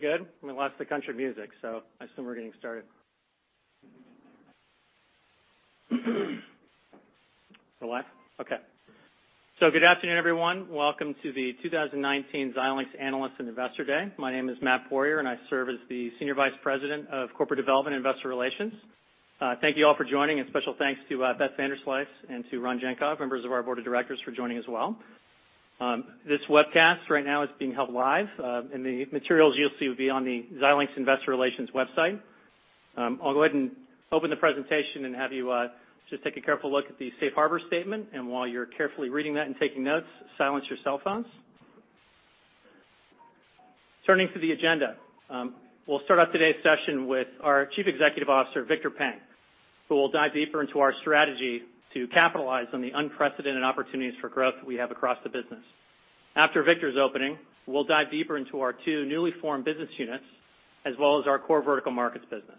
We good? We lost the country music, I assume we're getting started. Still live? Okay. Good afternoon, everyone. Welcome to the 2019 Xilinx Analyst and Investor Day. My name is Matt Poirier, and I serve as the Senior Vice President of Corporate Development Investor Relations. Thank you all for joining, and special thanks to Elizabeth Vanderslice and to Ron Jankov, members of our board of directors, for joining as well. This webcast right now is being held live. The materials you'll see will be on the Xilinx Investor Relations website. I'll go ahead and open the presentation and have you just take a careful look at the safe harbor statement. While you're carefully reading that and taking notes, silence your cell phones. Turning to the agenda. We'll start off today's session with our Chief Executive Officer, Victor Peng, who will dive deeper into our strategy to capitalize on the unprecedented opportunities for growth we have across the business. After Victor's opening, we'll dive deeper into our two newly formed business units, as well as our core vertical markets business.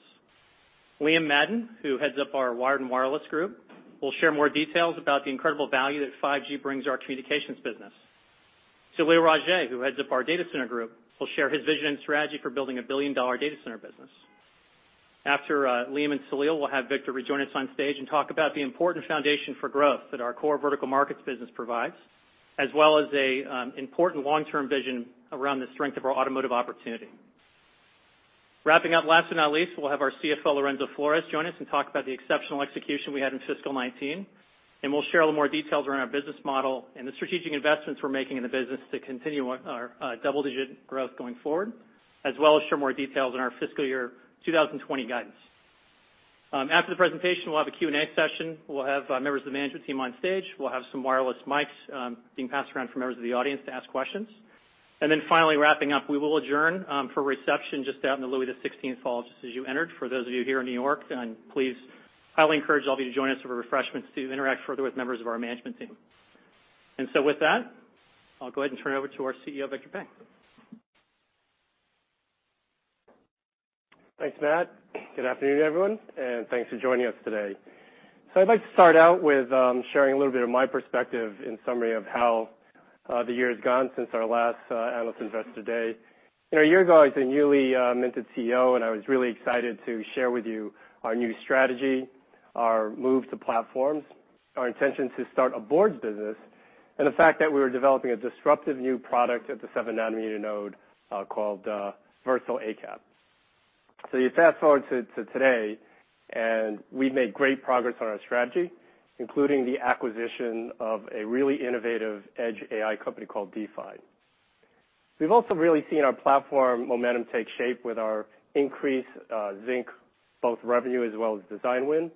Liam Madden, who heads up our Wired and Wireless Group, will share more details about the incredible value that 5G brings our communications business. Salil Raje, who heads up our Data Center Group, will share his vision and strategy for building a billion-dollar data center business. After Liam and Salil, we'll have Victor rejoin us on stage and talk about the important foundation for growth that our core vertical markets business provides, as well as a important long-term vision around the strength of our automotive opportunity. Wrapping up last but not least, we'll have our CFO, Lorenzo Flores, join us and talk about the exceptional execution we had in fiscal 2019. We'll share a little more details around our business model and the strategic investments we're making in the business to continue our double-digit growth going forward, as well as share more details on our fiscal year 2020 guidance. After the presentation, we'll have a Q&A session. We'll have members of the management team on stage. We'll have some wireless mics being passed around for members of the audience to ask questions. Finally wrapping up, we will adjourn for reception just out in the Louis XVI hall just as you entered. For those of you here in New York, please, highly encourage all of you to join us for refreshments to interact further with members of our management team. With that, I'll go ahead and turn it over to our CEO, Victor Peng. Thanks, Matt. Good afternoon, everyone, and thanks for joining us today. I'd like to start out with sharing a little bit of my perspective in summary of how the year has gone since our last Analyst Investor Day. A year ago, I was a newly minted CEO, and I was really excited to share with you our new strategy, our move to platforms, our intention to start a boards business, and the fact that we were developing a disruptive new product at the 7 nanometer node called Versal ACAP. You fast-forward to today, and we've made great progress on our strategy, including the acquisition of a really innovative edge AI company called DeePhi. We've also really seen our platform momentum take shape with our increased Zynq, both revenue as well as design win.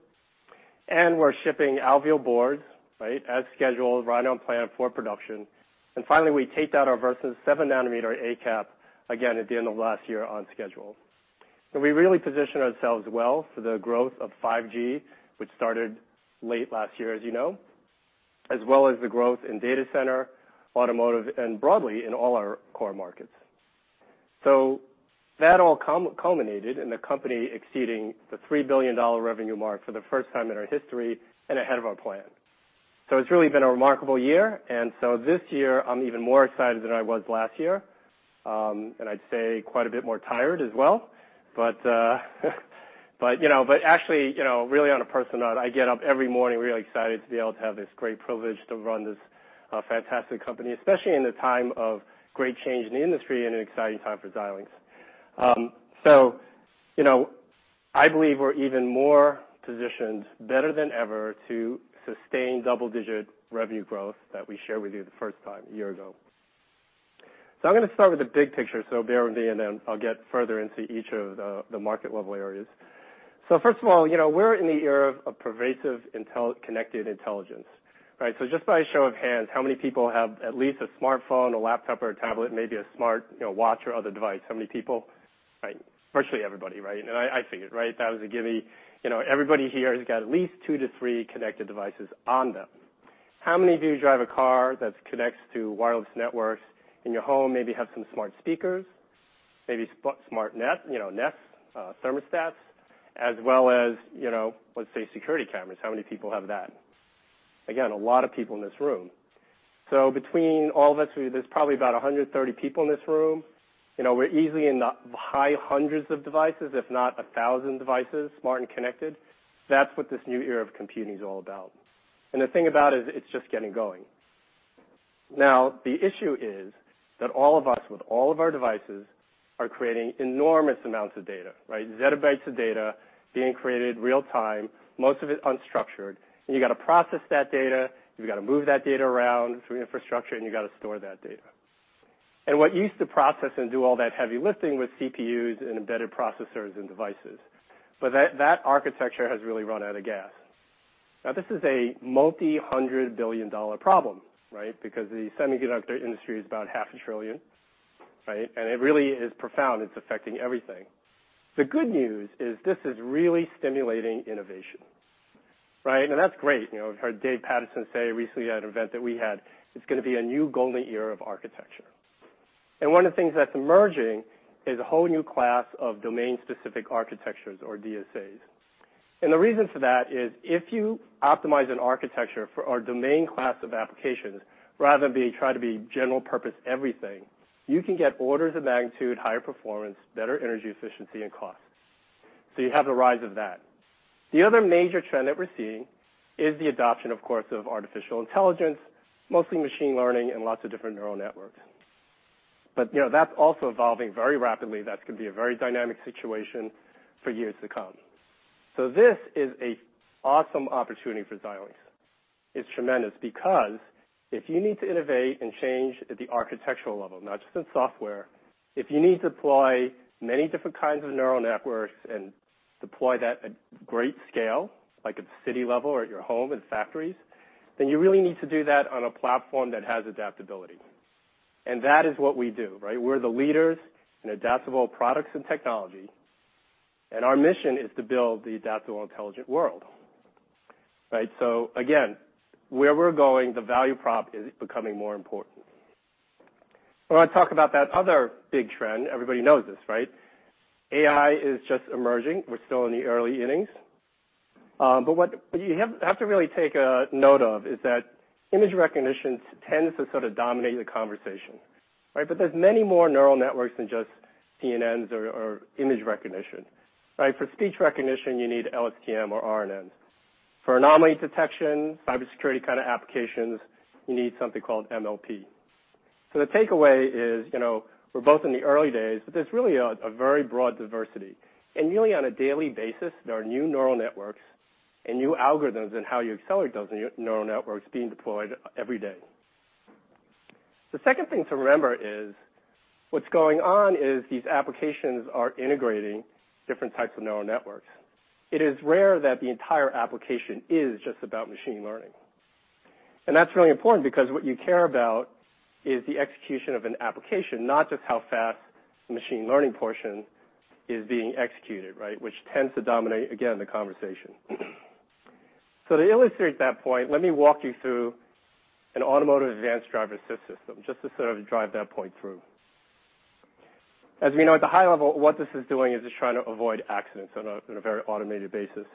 We're shipping Alveo boards, as scheduled, right on plan for production. Finally, we taped out our Versal 7 nanometer ACAP again at the end of last year on schedule. We really positioned ourselves well for the growth of 5G, which started late last year, as you know, as well as the growth in data center, automotive, and broadly in all our core markets. That all culminated in the company exceeding the $3 billion revenue mark for the first time in our history and ahead of our plan. It's really been a remarkable year. This year, I'm even more excited than I was last year. I'd say quite a bit more tired as well. Actually, really on a personal note, I get up every morning really excited to be able to have this great privilege to run this fantastic company, especially in a time of great change in the industry and an exciting time for Xilinx. I believe we're even more positioned better than ever to sustain double-digit revenue growth that we shared with you the first time a year ago. I'm going to start with the big picture, so bear with me, and then I'll get further into each of the market level areas. First of all, we're in the era of pervasive connected intelligence. Just by a show of hands, how many people have at least a smartphone, a laptop, or a tablet, maybe a smart watch or other device? How many people? Right. Virtually everybody, right? I figured. That was a gimme. Everybody here has got at least two to three connected devices on them. How many of you drive a car that connects to wireless networks in your home, maybe have some smart speakers, maybe smart Nest thermostats, as well as, let's say, security cameras? How many people have that? Again, a lot of people in this room. Between all of us, there's probably about 130 people in this room. We're easily in the high hundreds of devices, if not 1,000 devices, smart and connected. That's what this new era of computing is all about. The thing about it is it's just getting going. Now, the issue is that all of us with all of our devices are creating enormous amounts of data. Zettabytes of data being created real time, most of it unstructured. You got to process that data, you've got to move that data around through infrastructure, you got to store that data. What used to process and do all that heavy lifting was CPUs and embedded processors and devices. That architecture has really run out of gas. This is a multi-hundred billion dollar problem. The semiconductor industry is about half a trillion. It really is profound. It's affecting everything. The good news is this is really stimulating innovation. That's great. We've heard Dave Patterson say recently at an event that we had, it's going to be a new golden era of architecture. One of the things that's emerging is a whole new class of domain-specific architectures or DSAs. The reason for that is if you optimize an architecture for our domain class of applications, rather than try to be general purpose everything, you can get orders of magnitude, higher performance, better energy efficiency, and cost. You have the rise of that. The other major trend that we're seeing is the adoption, of course, of artificial intelligence, mostly machine learning and lots of different neural networks. That's also evolving very rapidly. That could be a very dynamic situation for years to come. This is an awesome opportunity for Xilinx. It's tremendous because if you need to innovate and change at the architectural level, not just in software, if you need to deploy many different kinds of neural networks and deploy that at great scale, like at the city level or at your home, at factories, then you really need to do that on a platform that has adaptability. That is what we do. We're the leaders in adaptable products and technology, and our mission is to build the adaptable intelligent world. Again, where we're going, the value prop is becoming more important. I want to talk about that other big trend. Everybody knows this. AI is just emerging. We're still in the early innings. What you have to really take note of is that image recognition tends to sort of dominate the conversation. There's many more neural networks than just CNNs or image recognition. For speech recognition, you need LSTM or RNNs. For anomaly detection, cybersecurity kind of applications, you need something called MLP. The takeaway is, we're both in the early days, but there's really a very broad diversity. Nearly on a daily basis, there are new neural networks and new algorithms in how you accelerate those neural networks being deployed every day. The second thing to remember is, what's going on is these applications are integrating different types of neural networks. It is rare that the entire application is just about machine learning. That's really important because what you care about is the execution of an application, not just how fast the machine learning portion is being executed, which tends to dominate, again, the conversation. To illustrate that point, let me walk you through an automotive advanced driver-assist system, just to sort of drive that point through. As we know, at the high level, what this is doing is just trying to avoid accidents in a very automated basis.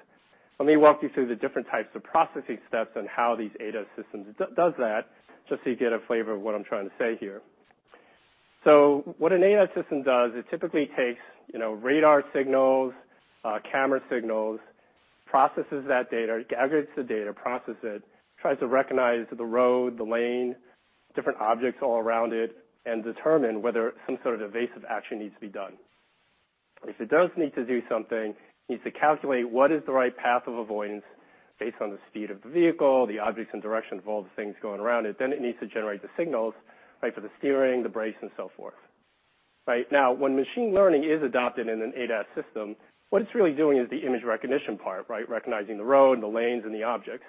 Let me walk you through the different types of processing steps and how these ADAS systems does that, just so you get a flavor of what I'm trying to say here. What an ADAS system does, it typically takes radar signals, camera signals, processes that data, aggregates the data, process it, tries to recognize the road, the lane, different objects all around it, and determine whether some sort of evasive action needs to be done. If it does need to do something, it needs to calculate what is the right path of avoidance based on the speed of the vehicle, the objects and direction of all the things going around it. It needs to generate the signals for the steering, the brakes, and so forth. When machine learning is adopted in an ADAS system, what it's really doing is the image recognition part. Recognizing the road, the lanes, and the objects.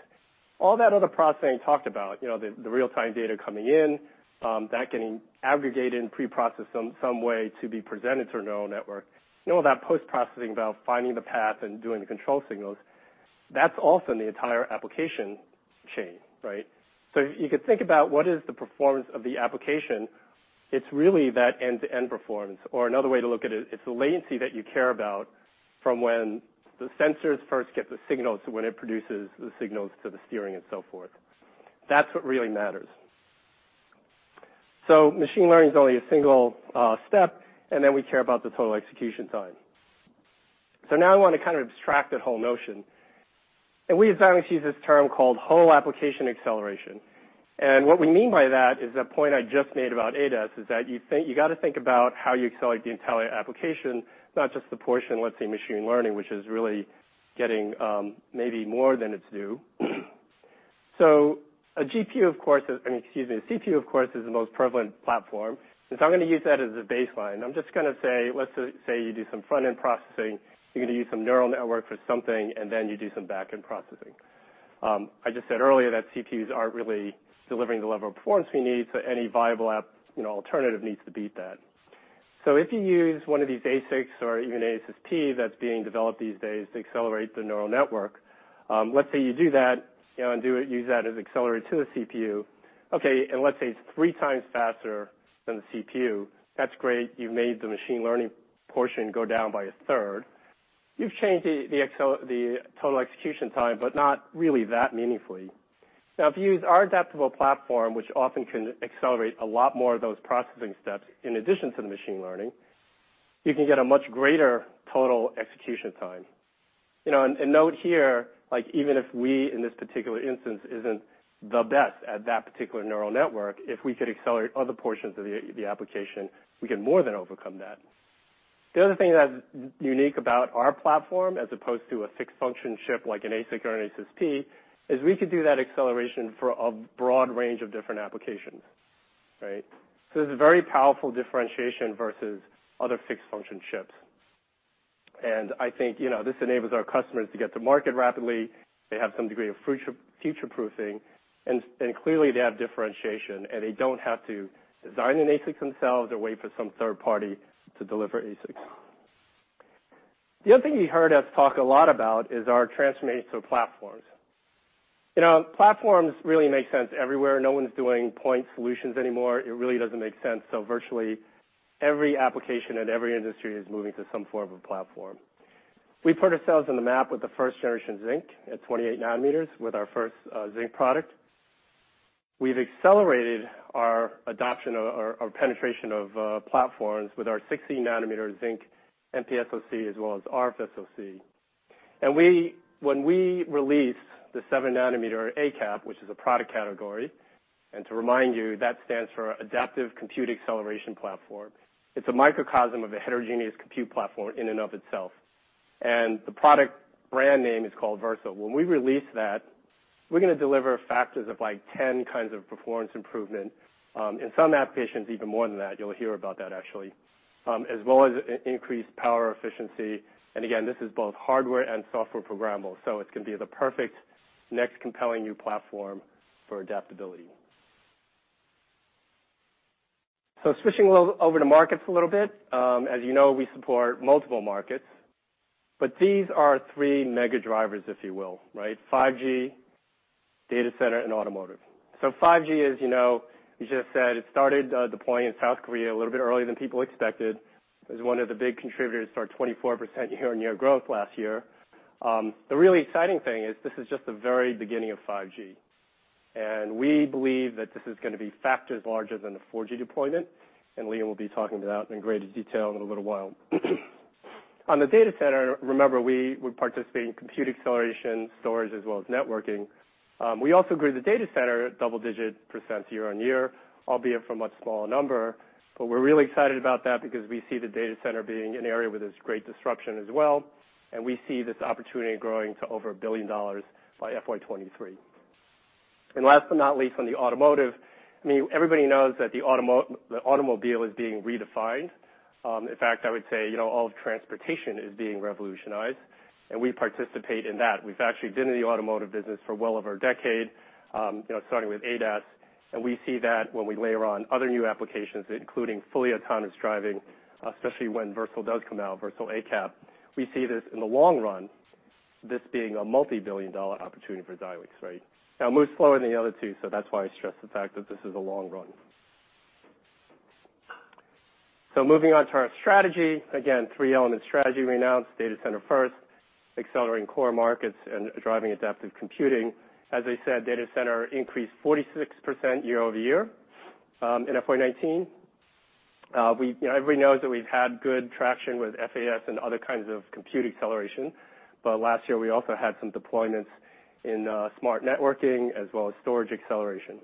All that other processing I talked about, the real-time data coming in, that getting aggregated and pre-processed some way to be presented to a neural network. All that post-processing about finding the path and doing the control signals, that's also in the entire application chain. You could think about what is the performance of the application. It's really that end-to-end performance or another way to look at it's the latency that you care about from when the sensors first get the signal to when it produces the signals to the steering and so forth. That's what really matters. Machine learning is only a single step, and then we care about the total execution time. Now I want to abstract that whole notion, and we at Xilinx use this term called whole application acceleration, and what we mean by that is that point I just made about ADAS, is that you got to think about how you accelerate the entire application, not just the portion, let's say, machine learning, which is really getting maybe more than it's due. A CPU, of course, is the most prevalent platform, and so I'm going to use that as a baseline. I'm just going to say, let's say you do some front-end processing, you're going to use some neural network for something, and then you do some back-end processing. I just said earlier that CPUs aren't really delivering the level of performance we need. Any viable app alternative needs to beat that. If you use one of these ASICs or even ASSP that's being developed these days to accelerate the neural network, let's say you do that, and use that as accelerator to the CPU, okay, and let's say it's three times faster than the CPU. That's great. You've made the machine learning portion go down by a third. You've changed the total execution time, but not really that meaningfully. If you use our adaptable platform, which often can accelerate a lot more of those processing steps, in addition to the machine learning, you can get a much greater total execution time. Note here, even if we, in this particular instance, isn't the best at that particular neural network, if we could accelerate other portions of the application, we can more than overcome that. The other thing that's unique about our platform as opposed to a fixed function chip, like an ASIC or an ASSP, is we could do that acceleration for a broad range of different applications. It's a very powerful differentiation versus other fixed function chips. I think this enables our customers to get to market rapidly. They have some degree of future-proofing, and clearly, they have differentiation, and they don't have to design an ASIC themselves or wait for some third party to deliver ASIC. The other thing you heard us talk a lot about is our transformation platforms. Platforms really make sense everywhere. No one's doing point solutions anymore. It really doesn't make sense. Virtually every application in every industry is moving to some form of a platform. We put ourselves on the map with the first generation Zynq at 28 nanometers with our first Zynq product. We've accelerated our adoption or penetration of platforms with our 16 nanometer Zynq MPSoC as well as RFSoC. When we release the 7 nanometer ACAP, which is a product category, and to remind you, that stands for Adaptive Compute Acceleration Platform, it's a microcosm of a heterogeneous compute platform in and of itself. The product brand name is called Versal. When we release that, we're going to deliver factors of 10 kinds of performance improvement. In some applications, even more than that. You'll hear about that actually. As well as increased power efficiency. Again, this is both hardware and software programmable, it's going to be the perfect next compelling new platform for adaptability. Switching over to markets a little bit. As you know, we support multiple markets, but these are three mega drivers, if you will. 5G, data center, and automotive. 5G, as you just said, it started deploying in South Korea a little bit earlier than people expected. It was one of the big contributors to our 24% year-on-year growth last year. The really exciting thing is this is just the very beginning of 5G, and we believe that this is going to be factors larger than the 4G deployment. Liam will be talking to that in greater detail in a little while. On the data center, remember, we would participate in compute acceleration, storage, as well as networking. We also grew the data center double-digit percent year-on-year, albeit from a much smaller number. We're really excited about that because we see the data center being an area where there's great disruption as well, and we see this opportunity growing to over $1 billion by FY 2023. Last but not least, on the automotive, everybody knows that the automobile is being redefined. In fact, I would say all of transportation is being revolutionized, and we participate in that. We've actually been in the automotive business for well over a decade, starting with ADAS. We see that when we layer on other new applications, including fully autonomous driving, especially when Versal does come out, Versal ACAP. We see this in the long run, this being a multi-billion dollar opportunity for Xilinx. Now it moves slower than the other two, that's why I stress the fact that this is the long run. Moving on to our strategy, again, three-element strategy we announced. Data Center First, Accelerating Core Markets, and Driving Adaptive Computing. As I said, data center increased 46% year-over-year in FY 2019. Everybody knows that we've had good traction with FaaS and other kinds of compute acceleration. Last year, we also had some deployments in smart networking as well as storage acceleration.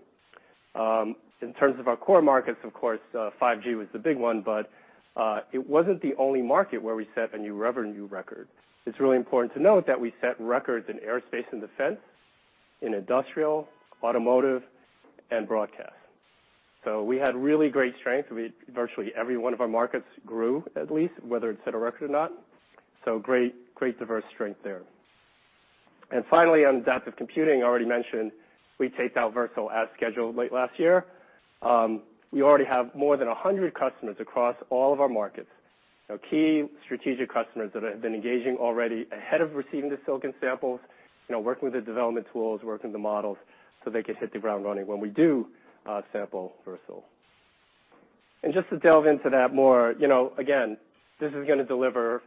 In terms of our core markets, of course, 5G was the big one, but it wasn't the only market where we set a new revenue record. It's really important to note that we set records in aerospace and defense, in industrial, automotive, and broadcast. We had really great strength. Virtually every one of our markets grew at least, whether it set a record or not. Great diverse strength there. Finally, on adaptive computing, I already mentioned we taped out Versal as scheduled late last year. We already have more than 100 customers across all of our markets. Key strategic customers that have been engaging already ahead of receiving the silicon samples, working with the development tools, working with the models, so they can hit the ground running when we do sample Versal. Just to delve into that more, again, this is going to deliver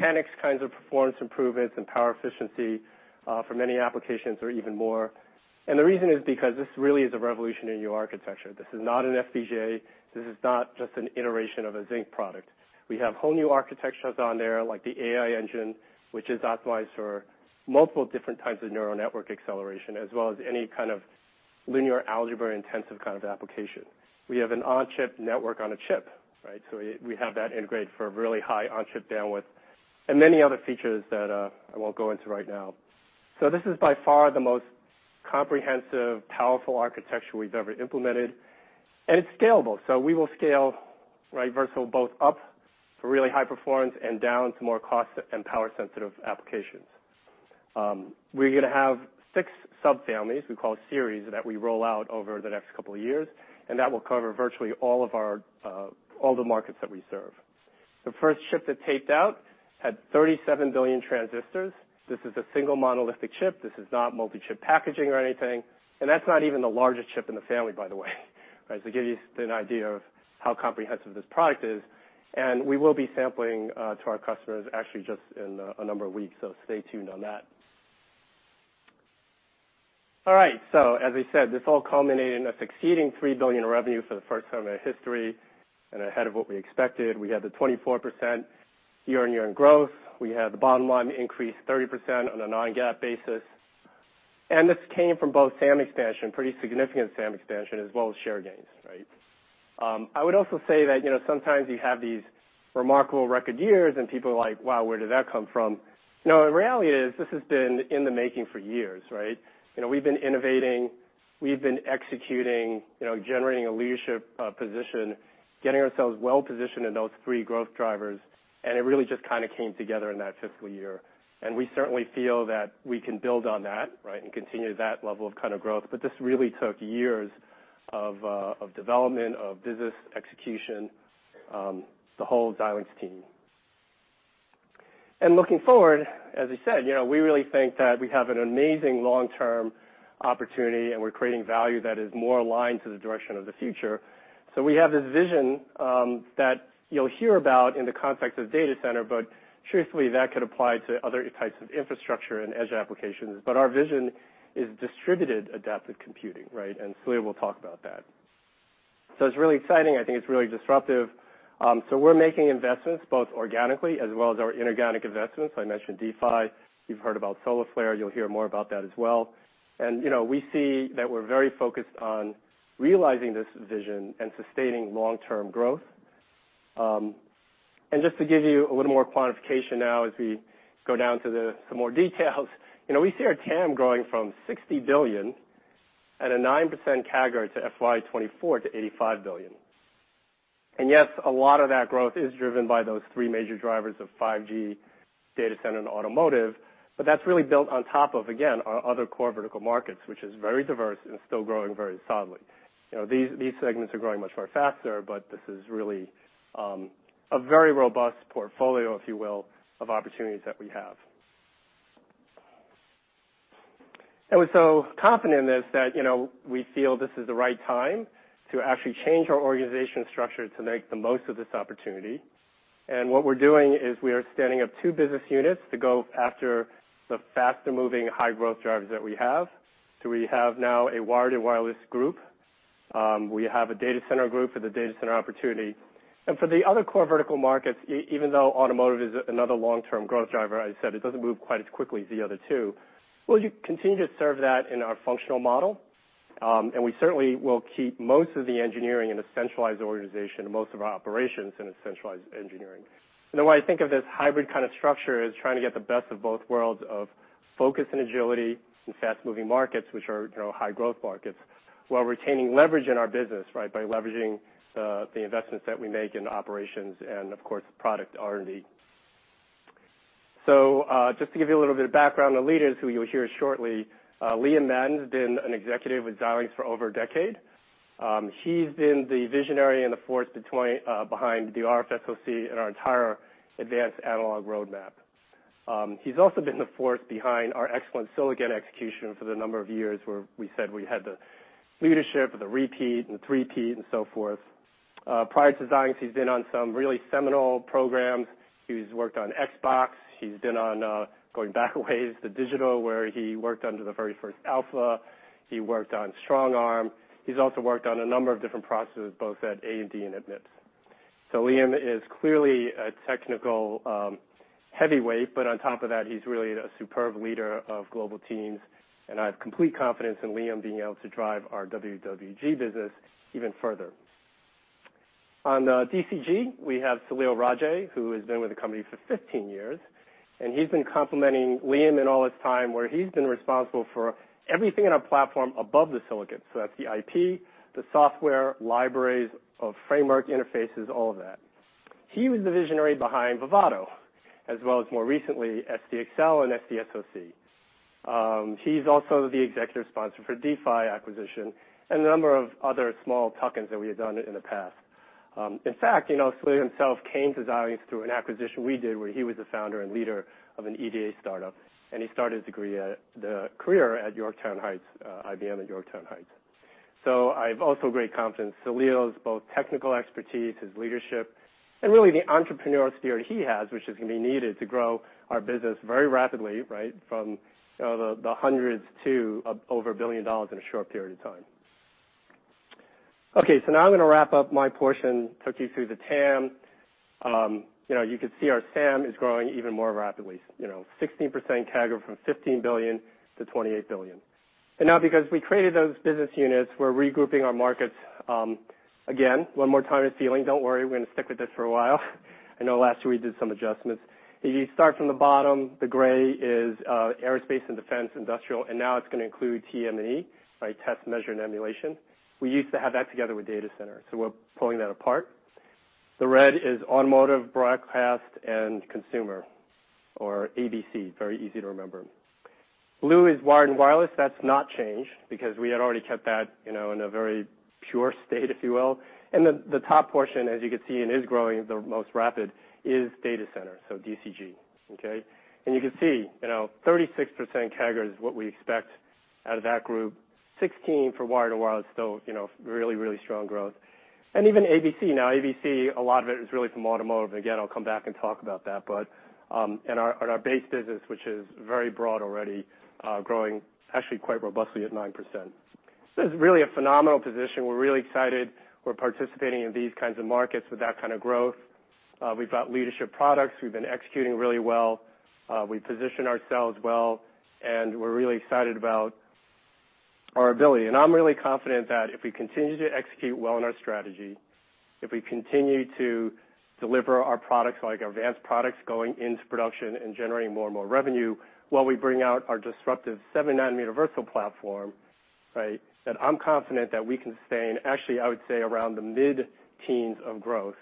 10x kinds of performance improvements and power efficiency for many applications or even more. The reason is because this really is a revolution in new architecture. This is not an FPGA. This is not just an iteration of a Zynq product. We have whole new architectures on there, like the AI Engine, which is optimized for multiple different types of neural network acceleration, as well as any kind of linear algebra intensive kind of application. We have an on-chip network on a chip. We have that integrated for really high on-chip bandwidth and many other features that I won't go into right now. This is by far the most comprehensive, powerful architecture we've ever implemented, and it's scalable. We will scale Versal both up for really high performance and down to more cost and power-sensitive applications. We're going to have six subfamilies we call series that we roll out over the next couple of years, and that will cover virtually all the markets that we serve. The first chip that taped out had 37 billion transistors. This is a single monolithic chip. This is not multi-chip packaging or anything, and that's not even the largest chip in the family, by the way. To give you an idea of how comprehensive this product is. We will be sampling to our customers actually just in a number of weeks, so stay tuned on that. All right. As I said, this all culminated in us exceeding $3 billion in revenue for the first time in our history and ahead of what we expected. We had the 24% year-over-year in growth. We had the bottom line increase 30% on a non-GAAP basis. This came from both SAM expansion, pretty significant SAM expansion, as well as share gains. I would also say that sometimes you have these remarkable record years and people are like, "Wow, where did that come from?" The reality is this has been in the making for years. We've been innovating, we've been executing, generating a leadership position, getting ourselves well-positioned in those three growth drivers, and it really just kind of came together in that fiscal year. We certainly feel that we can build on that and continue that level of growth. This really took years of development, of business execution, the whole Xilinx team. Looking forward, as I said, we really think that we have an amazing long-term opportunity, and we're creating value that is more aligned to the direction of the future. We have this vision that you'll hear about in the context of data center, but truthfully, that could apply to other types of infrastructure and edge applications. Our vision is distributed adaptive computing, right? Salil will talk about that. It's really exciting. I think it's really disruptive. We're making investments both organically as well as our inorganic investments. I mentioned DeePhi, you've heard about Solarflare, you'll hear more about that as well. We see that we're very focused on realizing this vision and sustaining long-term growth. Just to give you a little more quantification now as we go down to some more details. We see our TAM growing from $60 billion at a 9% CAGR to FY 2024 to $85 billion. Yes, a lot of that growth is driven by those three major drivers of 5G, data center, and automotive. That's really built on top of, again, our other core vertical markets, which is very diverse and still growing very solidly. These segments are growing much more faster, but this is really a very robust portfolio, if you will, of opportunities that we have. We're so confident in this that we feel this is the right time to actually change our organizational structure to make the most of this opportunity. What we're doing is we are standing up two business units to go after the faster-moving high-growth drivers that we have. We have now a Wired and Wireless Group. We have a Data Center Group for the data center opportunity. For the other core vertical markets, even though automotive is another long-term growth driver, as I said, it doesn't move quite as quickly as the other two. We'll continue to serve that in our functional model. We certainly will keep most of the engineering in a centralized organization and most of our operations in a centralized engineering. The way I think of this hybrid kind of structure is trying to get the best of both worlds of focus and agility in fast-moving markets, which are high growth markets, while retaining leverage in our business, by leveraging the investments that we make in operations and, of course, product R&D. Just to give you a little bit of background on leaders who you'll hear shortly. Liam Madden's been an executive with Xilinx for over a decade. He's been the visionary and the force behind the RFSoC and our entire advanced analog roadmap. He's also been the force behind our excellent silicon execution for the number of years where we said we had the leadership with the repeat and three-peat and so forth. Prior to Xilinx, he's been on some really seminal programs. He's worked on Xbox. He's been on, going back a ways, to Digital, where he worked on the very first Alpha. He worked on StrongARM. He's also worked on a number of different processors, both at AMD and at MIPS. Liam is clearly a technical heavyweight, but on top of that, he's really a superb leader of global teams, and I have complete confidence in Liam being able to drive our WWG business even further. On DCG, we have Salil Raje, who has been with the company for 15 years, and he's been complementing Liam in all his time, where he's been responsible for everything in our platform above the silicon. That's the IP, the software, libraries of framework interfaces, all of that. He was the visionary behind Vivado, as well as more recently, SDAccel and SDSoC. He's also the executive sponsor for DeePhi acquisition and a number of other small tuck-ins that we had done in the past. In fact, Salil himself came to Xilinx through an acquisition we did where he was the founder and leader of an EDA startup, and he started the career at IBM at Yorktown Heights. I have also great confidence. Salil's both technical expertise, his leadership, and really the entrepreneurial spirit he has, which is going to be needed to grow our business very rapidly from the hundreds to over $1 billion in a short period of time. Now I'm going to wrap up my portion, took you through the TAM. You could see our SAM is growing even more rapidly, 16% CAGR from $15 billion-$28 billion. Now because we created those business units, we're regrouping our markets. Again, one more time with feeling. Don't worry, we're going to stick with this for a while. I know last year we did some adjustments. If you start from the bottom, the gray is aerospace and defense, industrial, and now it's going to include TME, test, measure, and emulation. We used to have that together with data center, so we're pulling that apart. The red is automotive, broadcast, and consumer, or ABC. Very easy to remember. Blue is wired and wireless. That's not changed because we had already kept that in a very pure state, if you will. The top portion, as you can see, and is growing the most rapid, is data center, so DCG. Okay. You can see 36% CAGR is what we expect out of that group, 16% for wired and wireless, still really, really strong growth. Even ABC. Now, ABC, a lot of it is really from automotive, and again, I'll come back and talk about that. Our base business, which is very broad already, growing actually quite robustly at 9%. It's really a phenomenal position. We're really excited we're participating in these kinds of markets with that kind of growth. We've got leadership products. We've been executing really well. We position ourselves well, and we're really excited about our ability. I'm really confident that if we continue to execute well in our strategy, if we continue to deliver our products like advanced products going into production and generating more and more revenue, while we bring out our disruptive 7 nanometer Versal platform, then I'm confident that we can stay in, actually, I would say around the mid-teens of growth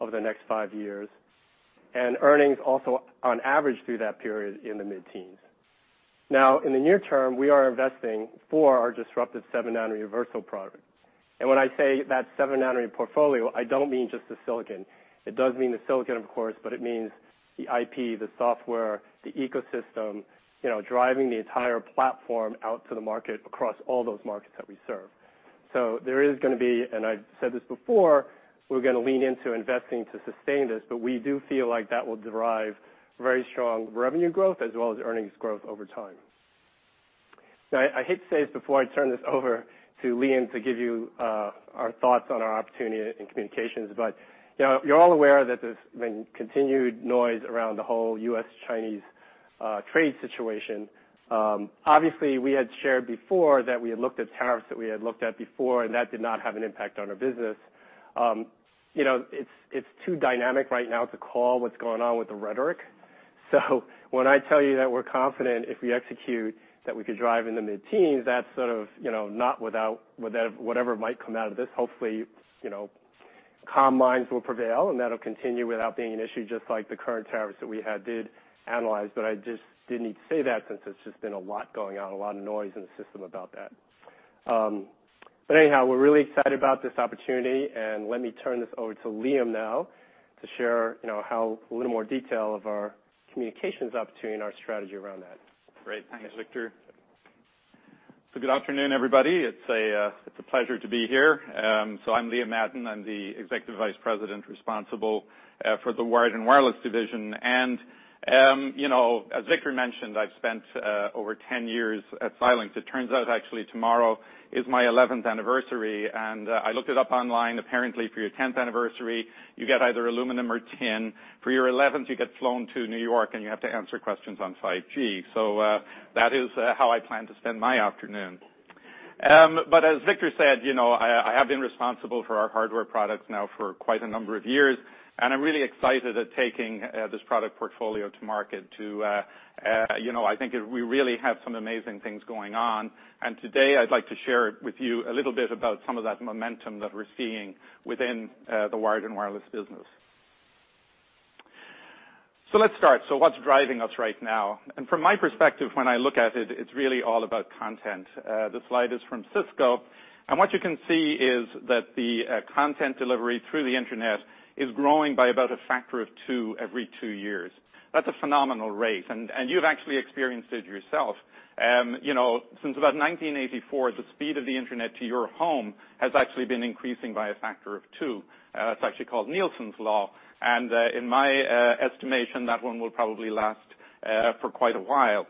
over the next five years. Earnings also on average through that period in the mid-teens. In the near term, we are investing for our disruptive 7 nanometer Versal product. When I say that 7 nanometer portfolio, I don't mean just the silicon. It does mean the silicon, of course, but it means the IP, the software, the ecosystem, driving the entire platform out to the market across all those markets that we serve. There is going to be, and I've said this before, we're going to lean into investing to sustain this, but we do feel like that will derive very strong revenue growth as well as earnings growth over time. I hate to say this before I turn this over to Liam to give you our thoughts on our opportunity in communications, but you're all aware that there's been continued noise around the whole U.S., Chinese trade situation. Obviously, we had shared before that we had looked at tariffs that we had looked at before, that did not have an impact on our business. It's too dynamic right now to call what's going on with the rhetoric. When I tell you that we're confident if we execute, that we could drive in the mid-teens, that's sort of not without whatever might come out of this. Hopefully, calm minds will prevail and that'll continue without being an issue, just like the current tariffs that we had did analyze. I just didn't need to say that since it's just been a lot going on, a lot of noise in the system about that. Anyhow, we're really excited about this opportunity, and let me turn this over to Liam now to share a little more detail of our communications opportunity and our strategy around that. Great. Thanks, Victor. Good afternoon, everybody. It's a pleasure to be here. I'm Liam Madden. I'm the Executive Vice President responsible for the Wired and Wireless division. As Victor mentioned, I've spent over 10 years at Xilinx. It turns out actually tomorrow is my 11th anniversary, and I looked it up online. Apparently, for your 10th anniversary, you get either aluminum or tin. For your 11th, you get flown to New York, and you have to answer questions on 5G. That is how I plan to spend my afternoon. As Victor said, I have been responsible for our hardware products now for quite a number of years, and I'm really excited at taking this product portfolio to market. I think we really have some amazing things going on. Today, I'd like to share with you a little bit about some of that momentum that we're seeing within the wired and wireless business. Let's start. What's driving us right now? From my perspective, when I look at it's really all about content. The slide is from Cisco. What you can see is that the content delivery through the internet is growing by about a factor of 2 every 2 years. That's a phenomenal rate, and you've actually experienced it yourself. Since about 1984, the speed of the internet to your home has actually been increasing by a factor of 2. It's actually called Nielsen's Law. In my estimation, that one will probably last for quite a while.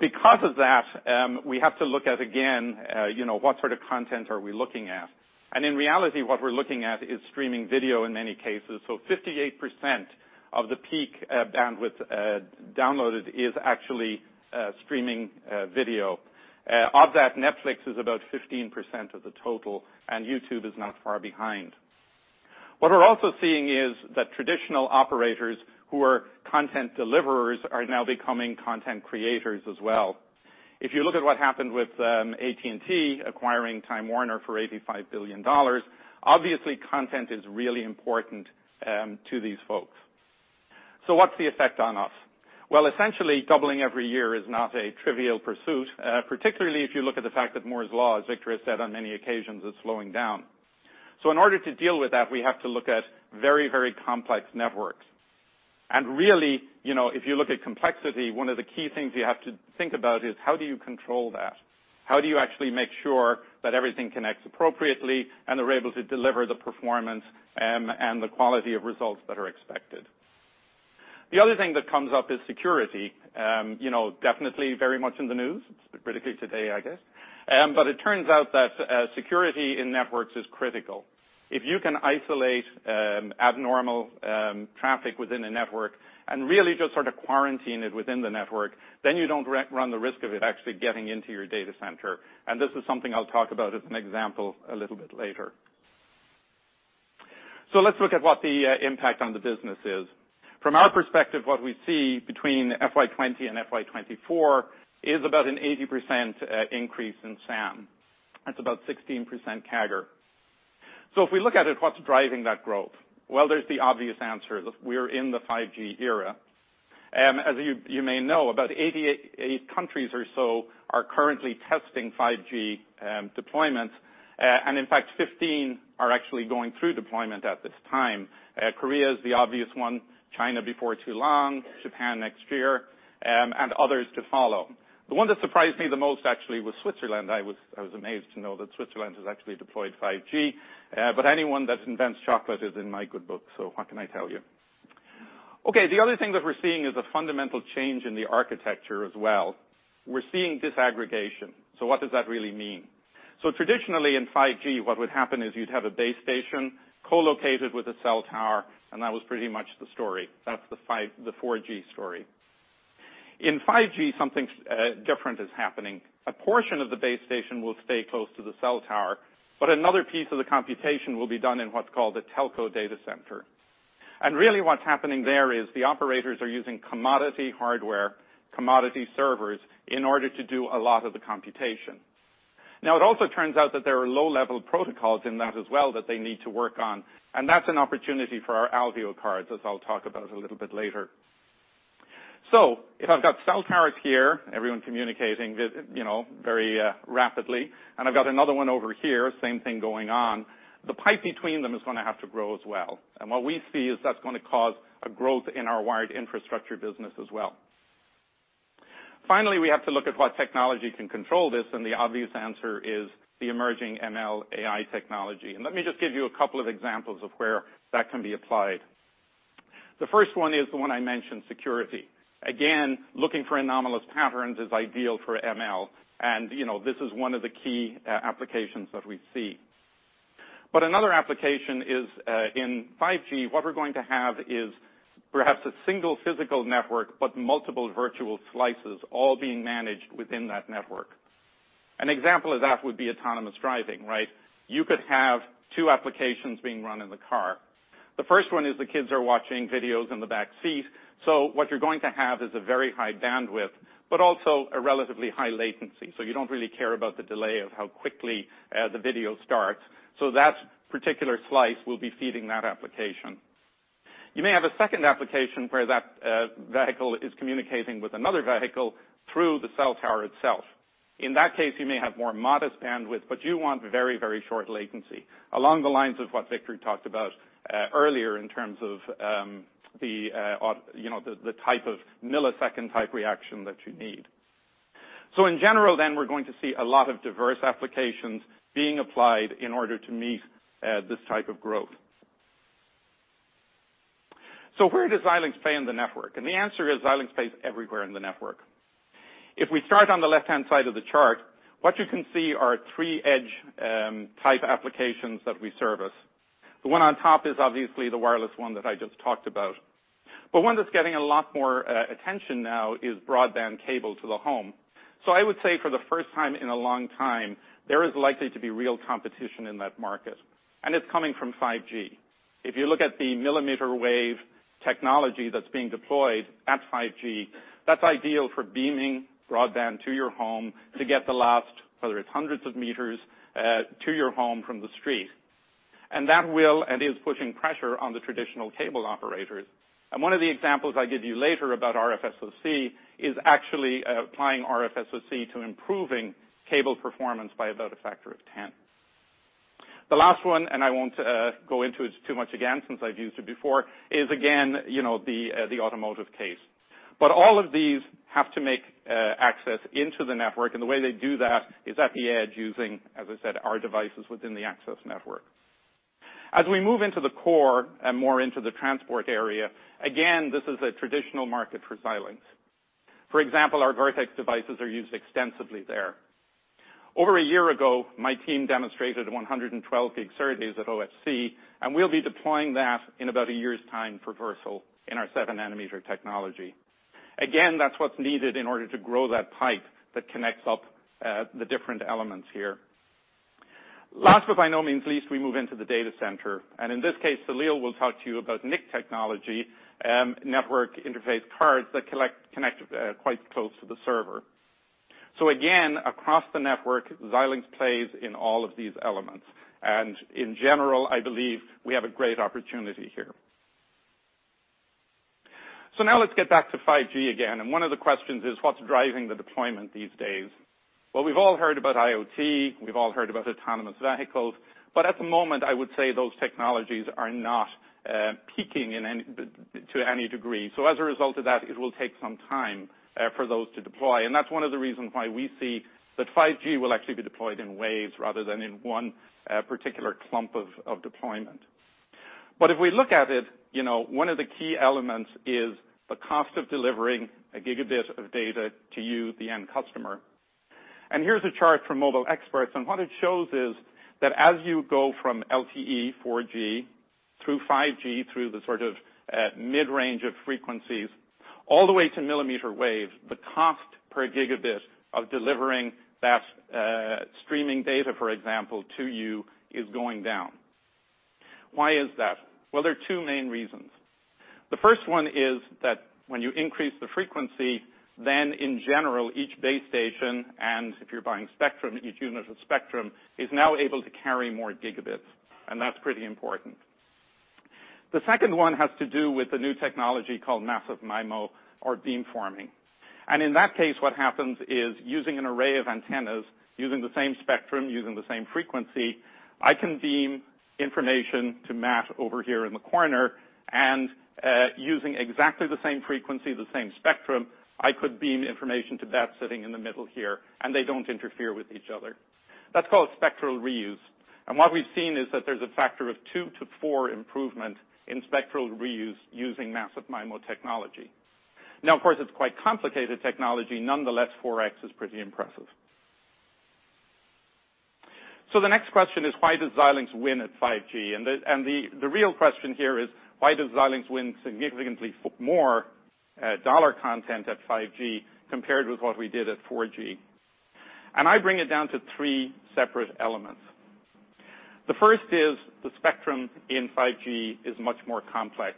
Because of that, we have to look at again, what sort of content are we looking at? In reality, what we're looking at is streaming video in many cases. 58% of the peak bandwidth downloaded is actually streaming video. Of that, Netflix is about 15% of the total, and YouTube is not far behind. We're also seeing that traditional operators who are content deliverers are now becoming content creators as well. If you look at what happened with AT&T acquiring Time Warner for $85 billion, obviously content is really important to these folks. What's the effect on us? Well, essentially doubling every year is not a trivial pursuit, particularly if you look at the fact that Moore's Law, as Victor has said on many occasions, is slowing down. In order to deal with that, we have to look at very complex networks. Really, if you look at complexity, one of the key things you have to think about is how do you control that? How do you actually make sure that everything connects appropriately and they're able to deliver the performance and the quality of results that are expected? The other thing that comes up is security. Definitely very much in the news, particularly today, I guess. It turns out that security in networks is critical. If you can isolate abnormal traffic within a network and really just sort of quarantine it within the network, then you don't run the risk of it actually getting into your data center. This is something I'll talk about as an example a little bit later. Let's look at what the impact on the business is. From our perspective, what we see between FY 2020 and FY 2024 is about an 80% increase in SAM. That's about 16% CAGR. If we look at it, what's driving that growth? Well, there's the obvious answer. Look, we're in the 5G era. As you may know, about 88 countries or so are currently testing 5G deployments. In fact, 15 are actually going through deployment at this time. Korea is the obvious one, China before too long, Japan next year, and others to follow. The one that surprised me the most actually was Switzerland. I was amazed to know that Switzerland has actually deployed 5G. Anyone that invents chocolate is in my good books, so what can I tell you? Okay, the other thing that we're seeing is a fundamental change in the architecture as well. We're seeing disaggregation. What does that really mean? Traditionally in 5G, what would happen is you'd have a base station co-located with a cell tower, and that was pretty much the story. That's the 4G story. In 5G, something different is happening. A portion of the base station will stay close to the cell tower, but another piece of the computation will be done in what's called a telco data center. Really what's happening there is the operators are using commodity hardware, commodity servers in order to do a lot of the computation. Now, it also turns out that there are low-level protocols in that as well that they need to work on, and that's an opportunity for our Alveo cards, as I'll talk about a little bit later. If I've got cell towers here, everyone communicating very rapidly, and I've got another one over here, same thing going on, the pipe between them is going to have to grow as well. What we see is that's going to cause a growth in our wired infrastructure business as well. Finally, we have to look at what technology can control this, and the obvious answer is the emerging ML AI technology. Let me just give you a couple of examples of where that can be applied. The first one is the one I mentioned, security. Again, looking for anomalous patterns is ideal for ML, and this is one of the key applications that we see. Another application is in 5G, what we're going to have is perhaps a single physical network, but multiple virtual slices all being managed within that network. An example of that would be autonomous driving, right? You could have two applications being run in the car. The first one is the kids are watching videos in the back seat. What you're going to have is a very high bandwidth, but also a relatively high latency. You don't really care about the delay of how quickly the video starts. That particular slice will be feeding that application. You may have a second application where that vehicle is communicating with another vehicle through the cell tower itself. In that case, you may have more modest bandwidth, but you want very short latency. Along the lines of what Victor talked about earlier in terms of the type of millisecond-type reaction that you need. In general, we're going to see a lot of diverse applications being applied in order to meet this type of growth. Where does Xilinx play in the network? The answer is Xilinx plays everywhere in the network. If we start on the left-hand side of the chart, what you can see are 3 edge type applications that we service. The one on top is obviously the wireless one that I just talked about. One that's getting a lot more attention now is broadband cable to the home. I would say for the first time in a long time, there is likely to be real competition in that market, and it's coming from 5G. If you look at the millimeter wave technology that's being deployed at 5G, that's ideal for beaming broadband to your home to get the last, whether it's hundreds of meters to your home from the street. That will and is pushing pressure on the traditional cable operators. One of the examples I give you later about RFSoC is actually applying RFSoC to improving cable performance by about a factor of 10. The last one, I won't go into it too much again, since I've used it before, is again, the automotive case. All of these have to make access into the network, and the way they do that is at the edge using, as I said, our devices within the access network. As we move into the core and more into the transport area, again, this is a traditional market for Xilinx. For example, our Virtex devices are used extensively there. Over a year ago, my team demonstrated a 112 gig SerDes at OFC, and we'll be deploying that in about a year's time for Versal in our 7-nanometer technology. That's what's needed in order to grow that pipe that connects up the different elements here. Last, but by no means least, we move into the data center. In this case, Salil will talk to you about NIC technology, network interface cards that connect quite close to the server. Again, across the network, Xilinx plays in all of these elements. In general, I believe we have a great opportunity here. Now let's get back to 5G again. One of the questions is: What's driving the deployment these days? Well, we've all heard about IoT, we've all heard about autonomous vehicles, but at the moment, I would say those technologies are not peaking to any degree. As a result of that, it will take some time for those to deploy. That's one of the reasons why we see that 5G will actually be deployed in waves rather than in one particular clump of deployment. If we look at it, one of the key elements is the cost of delivering a gigabit of data to you, the end customer. Here's a chart from Mobile Experts, what it shows is that as you go from LTE 4G through 5G, through the sort of mid-range of frequencies, all the way to millimeter wave, the cost per gigabit of delivering that streaming data, for example, to you, is going down. Why is that? Well, there are two main reasons. The first one is that when you increase the frequency, in general, each base station, if you're buying spectrum, each unit of spectrum, is now able to carry more gigabits, that's pretty important. The second one has to do with a new technology called massive MIMO or beamforming. In that case, what happens is using an array of antennas, using the same spectrum, using the same frequency, I can beam information to Matt over here in the corner, using exactly the same frequency, the same spectrum, I could beam information to Beth sitting in the middle here, they don't interfere with each other. That's called spectral reuse. What we've seen is that there's a factor of two to four improvement in spectral reuse using massive MIMO technology. Of course, it's quite complicated technology, nonetheless, 4X is pretty impressive. The next question is: Why does Xilinx win at 5G? The real question here is: Why does Xilinx win significantly more dollar content at 5G compared with what we did at 4G? I bring it down to three separate elements. The first is the spectrum in 5G is much more complex.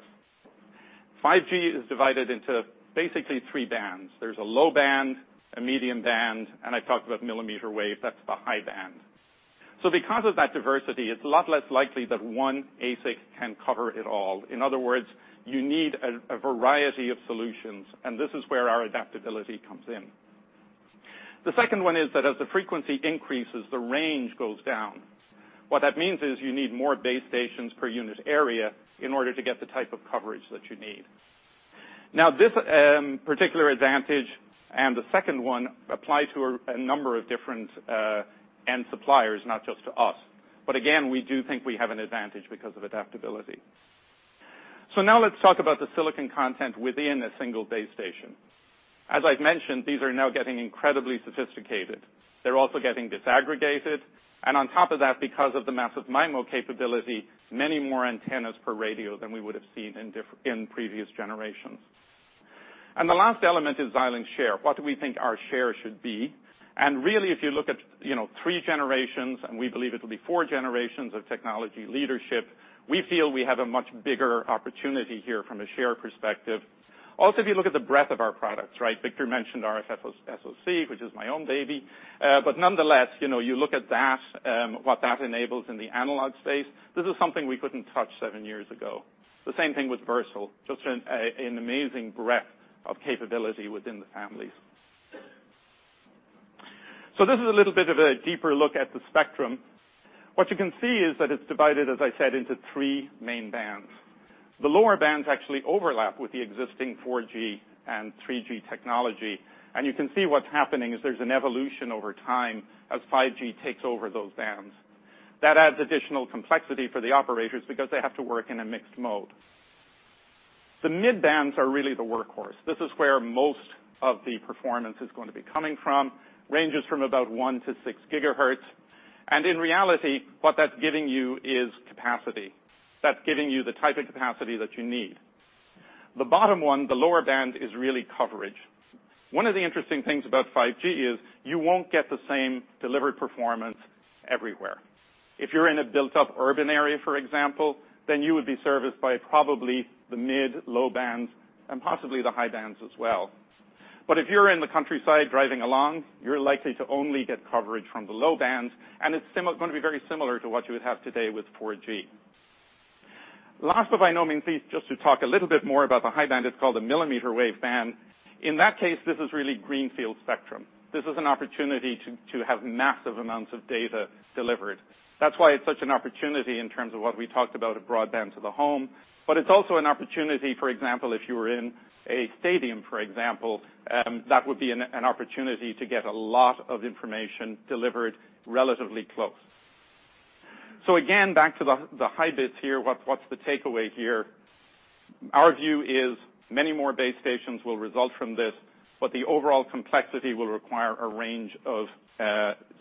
5G is divided into basically three bands. There's a low band, a medium band, I talked about millimeter wave, that's the high band. Because of that diversity, it's a lot less likely that one ASIC can cover it all. In other words, you need a variety of solutions, this is where our adaptability comes in. The second one is that as the frequency increases, the range goes down. What that means is you need more base stations per unit area in order to get the type of coverage that you need. This particular advantage and the second one apply to a number of different end suppliers, not just to us. Again, we do think we have an advantage because of adaptability. Now let's talk about the silicon content within a single base station. As I've mentioned, these are now getting incredibly sophisticated. They're also getting disaggregated, and on top of that, because of the Massive MIMO capability, many more antennas per radio than we would have seen in previous generations. The last element is Xilinx share. What do we think our share should be? Really, if you look at three generations, and we believe it'll be four generations of technology leadership, we feel we have a much bigger opportunity here from a share perspective. If you look at the breadth of our products, right? Victor mentioned our SoC, which is my own baby. Nonetheless, you look at that, what that enables in the analog space, this is something we couldn't touch seven years ago. The same thing with Versal, just an amazing breadth of capability within the families. This is a little bit of a deeper look at the spectrum. What you can see is that it's divided, as I said, into three main bands. The lower bands actually overlap with the existing 4G and 3G technology. You can see what's happening is there's an evolution over time as 5G takes over those bands. That adds additional complexity for the operators because they have to work in a mixed mode. The mid bands are really the workhorse. This is where most of the performance is going to be coming from, ranges from about one to six gigahertz. In reality, what that's giving you is capacity. That's giving you the type of capacity that you need. The bottom one, the lower band, is really coverage. One of the interesting things about 5G is you won't get the same delivered performance everywhere. If you're in a built-up urban area, for example, you would be serviced by probably the mid low bands and possibly the high bands as well. If you're in the countryside driving along, you're likely to only get coverage from the low bands, and it's going to be very similar to what you would have today with 4G. Last but by no means least, just to talk a little bit more about the high band, it's called a millimeter wave band. In that case, this is really greenfield spectrum. This is an opportunity to have massive amounts of data delivered. That's why it's such an opportunity in terms of what we talked about of broadband to the home. It's also an opportunity, for example, if you were in a stadium, for example, that would be an opportunity to get a lot of information delivered relatively close. Again, back to the high bits here. What's the takeaway here? Our view is many more base stations will result from this, the overall complexity will require a range of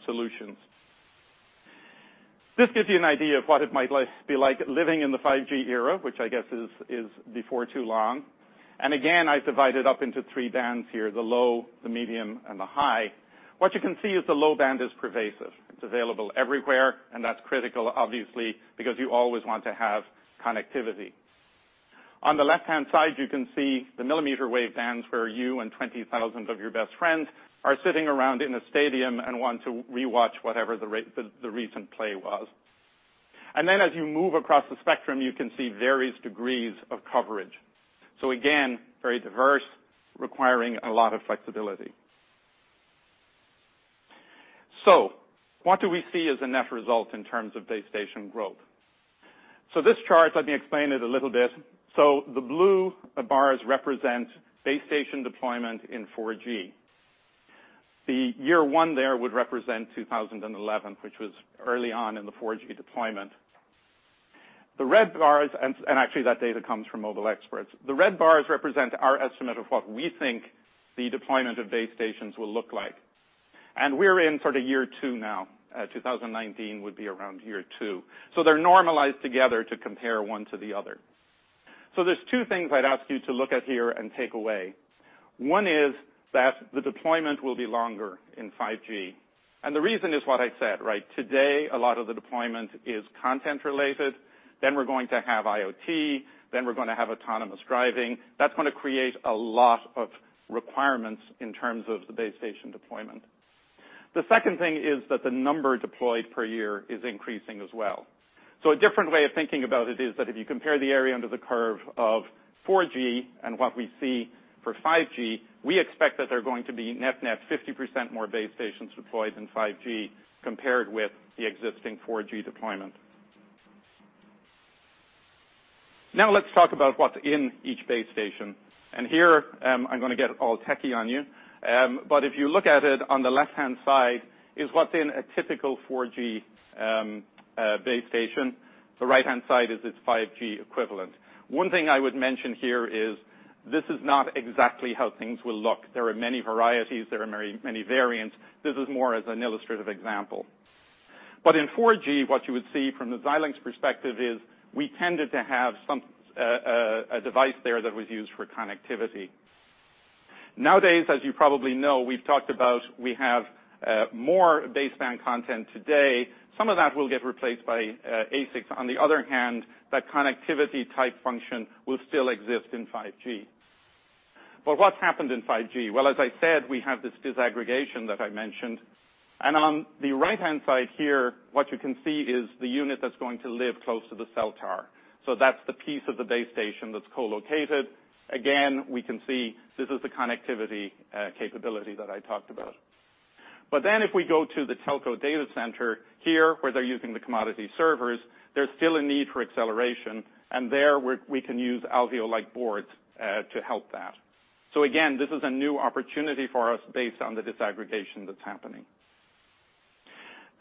solutions. This gives you an idea of what it might be like living in the 5G era, which I guess is before too long. Again, I divide it up into three bands here, the low, the medium, and the high. What you can see is the low band is pervasive. It's available everywhere, and that's critical, obviously, because you always want to have connectivity. On the left-hand side, you can see the millimeter wave bands where you and 20,000 of your best friends are sitting around in a stadium and want to re-watch whatever the recent play was. As you move across the spectrum, you can see various degrees of coverage. Again, very diverse, requiring a lot of flexibility. What do we see as a net result in terms of base station growth? This chart, let me explain it a little bit. The blue bars represent base station deployment in 4G. The year one there would represent 2011, which was early on in the 4G deployment. The red bars— and actually, that data comes from Mobile Experts. The red bars represent our estimate of what we think the deployment of base stations will look like. We're in sort of year two now. 2019 would be around year two. They're normalized together to compare one to the other. There's two things I'd ask you to look at here and take away. One is that the deployment will be longer in 5G. The reason is what I said, right? Today, a lot of the deployment is content related, then we're going to have IoT, then we're going to have autonomous driving. That's going to create a lot of requirements in terms of the base station deployment. The second thing is that the number deployed per year is increasing as well. A different way of thinking about it is that if you compare the area under the curve of 4G and what we see for 5G, we expect that there are going to be net/net 50% more base stations deployed in 5G compared with the existing 4G deployment. Now let's talk about what's in each base station. Here, I'm going to get all techie on you. If you look at it on the left-hand side is what's in a typical 4G base station. The right-hand side is its 5G equivalent. One thing I would mention here is this is not exactly how things will look. There are many varieties, there are many variants. This is more as an illustrative example. In 4G, what you would see from the Xilinx perspective is we tended to have a device there that was used for connectivity. Nowadays, as you probably know, we've talked about we have more baseband content today. Some of that will get replaced by ASICs. On the other hand, that connectivity type function will still exist in 5G. What's happened in 5G? Well, as I said, we have this disaggregation that I mentioned. On the right-hand side here, what you can see is the unit that's going to live close to the cell tower. That's the piece of the base station that's co-located. Again, we can see this is the connectivity capability that I talked about. If we go to the telco data center here, where they're using the commodity servers, there's still a need for acceleration, and there we can use Alveo-like boards to help that. Again, this is a new opportunity for us based on the disaggregation that's happening.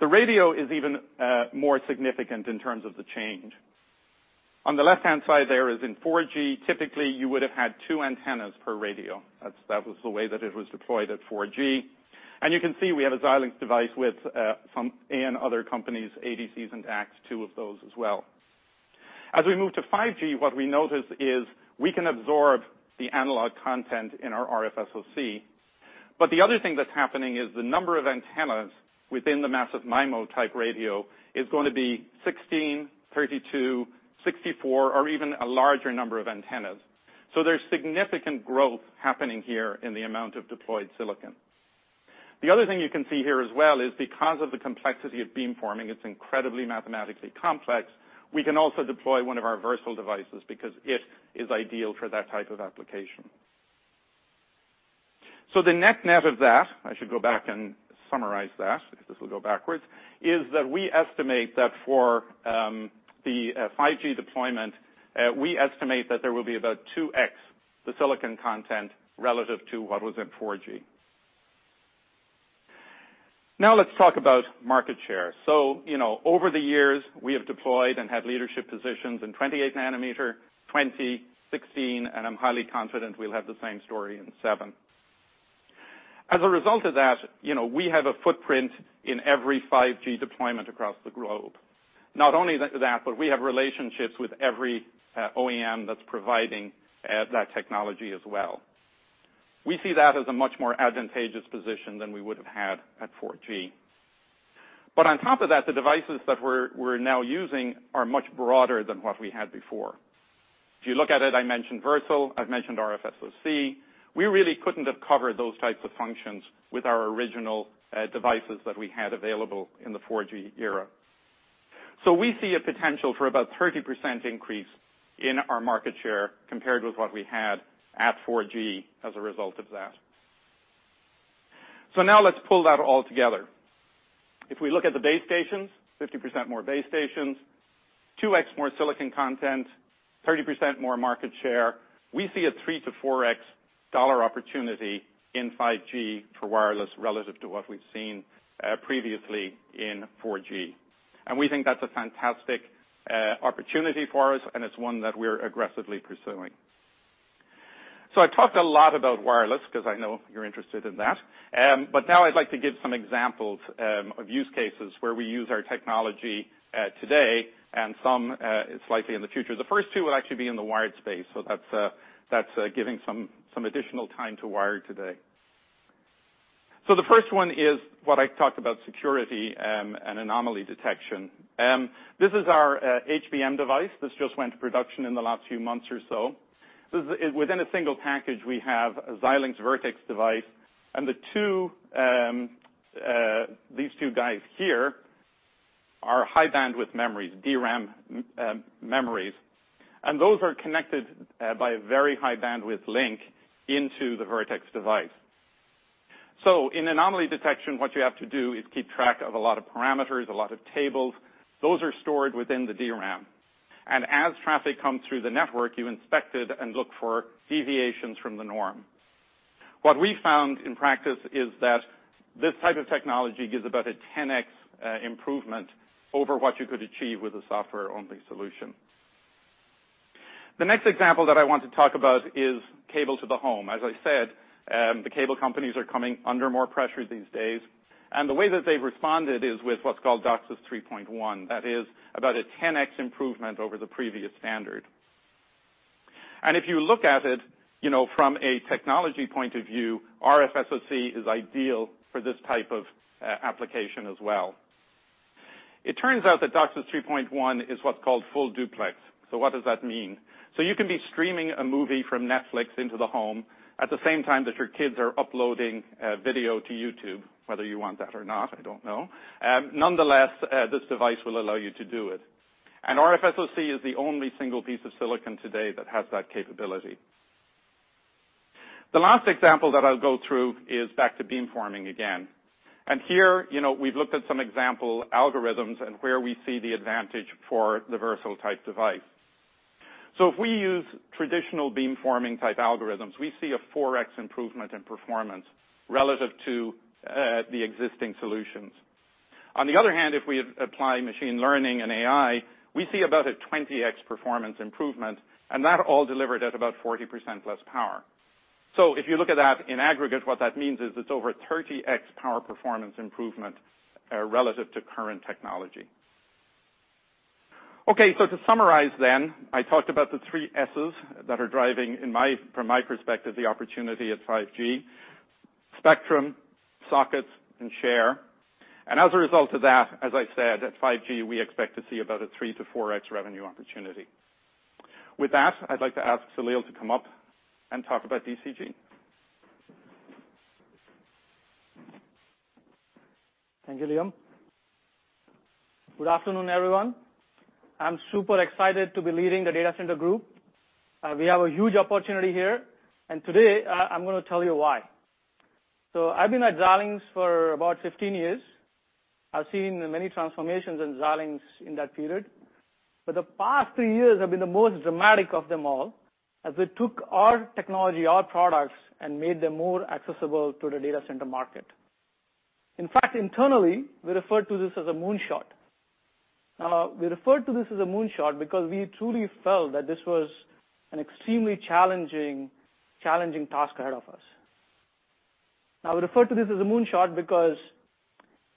The radio is even more significant in terms of the change. On the left-hand side there is in 4G, typically you would have had two antennas per radio. That was the way that it was deployed at 4G. You can see we have a Xilinx device with some and other companies' ADCs and DACs, two of those as well. As we move to 5G, what we notice is we can absorb the analog content in our RFSoC. The other thing that's happening is the number of antennas within the Massive MIMO-type radio is going to be 16, 32, 64, or even a larger number of antennas. There's significant growth happening here in the amount of deployed silicon. The other thing you can see here as well is because of the complexity of beamforming, it's incredibly mathematically complex, we can also deploy one of our Versal devices because it is ideal for that type of application. The net of that, I should go back and summarize that, because this will go backwards, is that we estimate that for the 5G deployment, we estimate that there will be about two x the silicon content relative to what was in 4G. Now let's talk about market share. Over the years, we have deployed and had leadership positions in 28 nanometer, 20, 16, and I'm highly confident we'll have the same story in seven. As a result of that, we have a footprint in every 5G deployment across the globe. Not only that, but we have relationships with every OEM that's providing that technology as well. We see that as a much more advantageous position than we would have had at 4G. On top of that, the devices that we're now using are much broader than what we had before. If you look at it, I mentioned Versal, I've mentioned RFSoC. We really couldn't have covered those types of functions with our original devices that we had available in the 4G era. We see a potential for about 30% increase in our market share compared with what we had at 4G as a result of that. Now let's pull that all together. If we look at the base stations, 50% more base stations, two x more silicon content, 30% more market share. We see a three to four x dollar opportunity in 5G for wireless relative to what we've seen previously in 4G. We think that's a fantastic opportunity for us and it's one that we're aggressively pursuing. I talked a lot about wireless because I know you're interested in that. Now I'd like to give some examples of use cases where we use our technology today and some slightly in the future. The first two will actually be in the wired space. That's giving some additional time to wired today. The first one is what I talked about security and anomaly detection. This is our HBM device. This just went to production in the last few months or so. Within a single package, we have a Xilinx Virtex device, and these two guys here are high bandwidth memories, DRAM memories. Those are connected by a very high bandwidth link into the Virtex device. In anomaly detection, what you have to do is keep track of a lot of parameters, a lot of tables. Those are stored within the DRAM. As traffic comes through the network, you inspect it and look for deviations from the norm. What we found in practice is that this type of technology gives about a 10x improvement over what you could achieve with a software-only solution. The next example that I want to talk about is cable to the home. As I said, the cable companies are coming under more pressure these days. The way that they've responded is with what's called DOCSIS 3.1. That is about a 10x improvement over the previous standard. If you look at it from a technology point of view, RFSoC is ideal for this type of application as well. It turns out that DOCSIS 3.1 is what's called full duplex. What does that mean? You can be streaming a movie from Netflix into the home at the same time that your kids are uploading video to YouTube, whether you want that or not, I don't know. Nonetheless, this device will allow you to do it. RFSoC is the only single piece of silicon today that has that capability. The last example that I'll go through is back to beamforming again. Here, we've looked at some example algorithms and where we see the advantage for the Versal-type device. If we use traditional beamforming type algorithms, we see a 4x improvement in performance relative to the existing solutions. On the other hand, if we apply machine learning and AI, we see about a 20x performance improvement, and that all delivered at about 40% less power. If you look at that in aggregate, what that means is it's over 30x power performance improvement relative to current technology. Okay. To summarize, I talked about the three S's that are driving, from my perspective, the opportunity at 5G: spectrum, sockets, and share. As a result of that, as I said, at 5G, we expect to see about a three to four x revenue opportunity. With that, I'd like to ask Salil to come up and talk about DCG. Thank you, Liam. Good afternoon, everyone. I'm super excited to be leading the Data Center Group. We have a huge opportunity here, and today, I'm going to tell you why. I've been at Xilinx for about 15 years. I've seen many transformations in Xilinx in that period. The past three years have been the most dramatic of them all, as we took our technology, our products, and made them more accessible to the data center market. In fact, internally, we referred to this as a moonshot. We referred to this as a moonshot because we truly felt that this was an extremely challenging task ahead of us. We refer to this as a moonshot because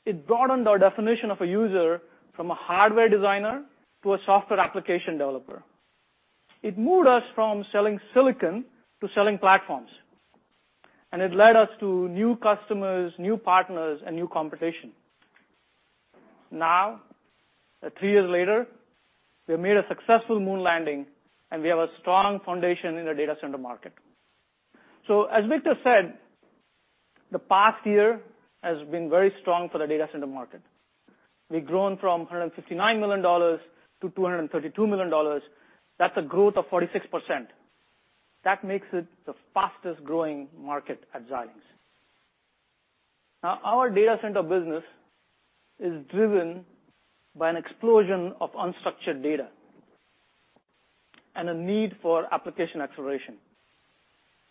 it broadened our definition of a user from a hardware designer to a software application developer. It moved us from selling silicon to selling platforms. It led us to new customers, new partners, and new competition. Three years later, we have made a successful moon landing, and we have a strong foundation in the data center market. As Victor said, the past year has been very strong for the data center market. We've grown from $159 million to $232 million. That's a growth of 46%. That makes it the fastest-growing market at Xilinx. Our data center business is driven by an explosion of unstructured data and a need for application acceleration.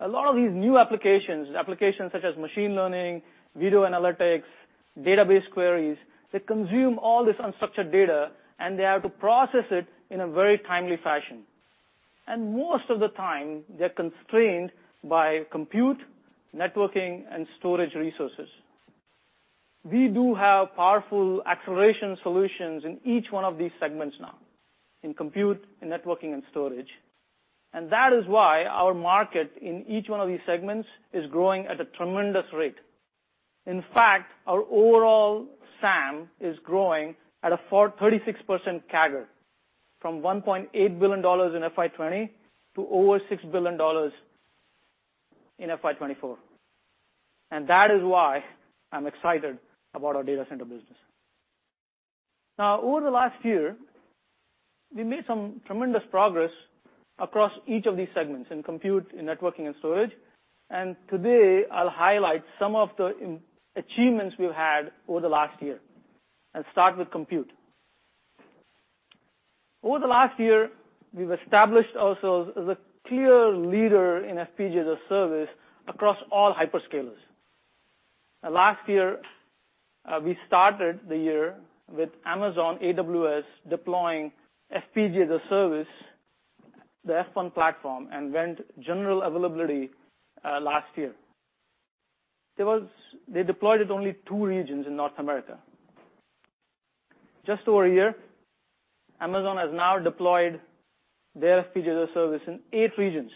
A lot of these new applications such as machine learning, video analytics, database queries, they consume all this unstructured data, and they have to process it in a very timely fashion. Most of the time, they're constrained by compute, networking, and storage resources. We do have powerful acceleration solutions in each one of these segments now, in compute, in networking, and storage. That is why our market in each one of these segments is growing at a tremendous rate. In fact, our overall SAM is growing at a 36% CAGR, from $1.8 billion in FY 2020 to over $6 billion in FY 2024. That is why I'm excited about our data center business. Over the last year, we made some tremendous progress across each of these segments, in compute, in networking, and storage. Today, I'll highlight some of the achievements we've had over the last year and start with compute. Over the last year, we've established ourselves as a clear leader in FPGA-as-a-service across all hyperscalers. Last year, we started the year with Amazon AWS deploying FPGA-as-a-service, the F1 platform, and went general availability last year. They deployed at only two regions in North America. Just over a year, Amazon has now deployed their FPGA-as-a-service in eight regions,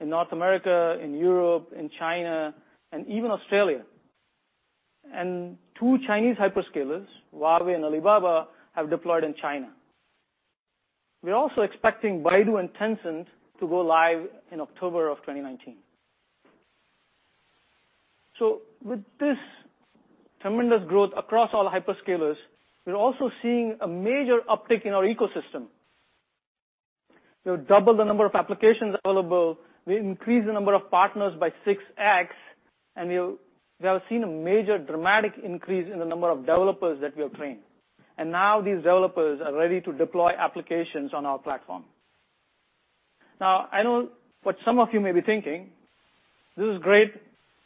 in North America, in Europe, in China, and even Australia. Two Chinese hyperscalers, Huawei and Alibaba, have deployed in China. We're also expecting Baidu and Tencent to go live in October of 2019. With this tremendous growth across all hyperscalers, we're also seeing a major uptick in our ecosystem. We have doubled the number of applications available. We increased the number of partners by 6x, and we have seen a major dramatic increase in the number of developers that we have trained. Now these developers are ready to deploy applications on our platform. I know what some of you may be thinking. This is great,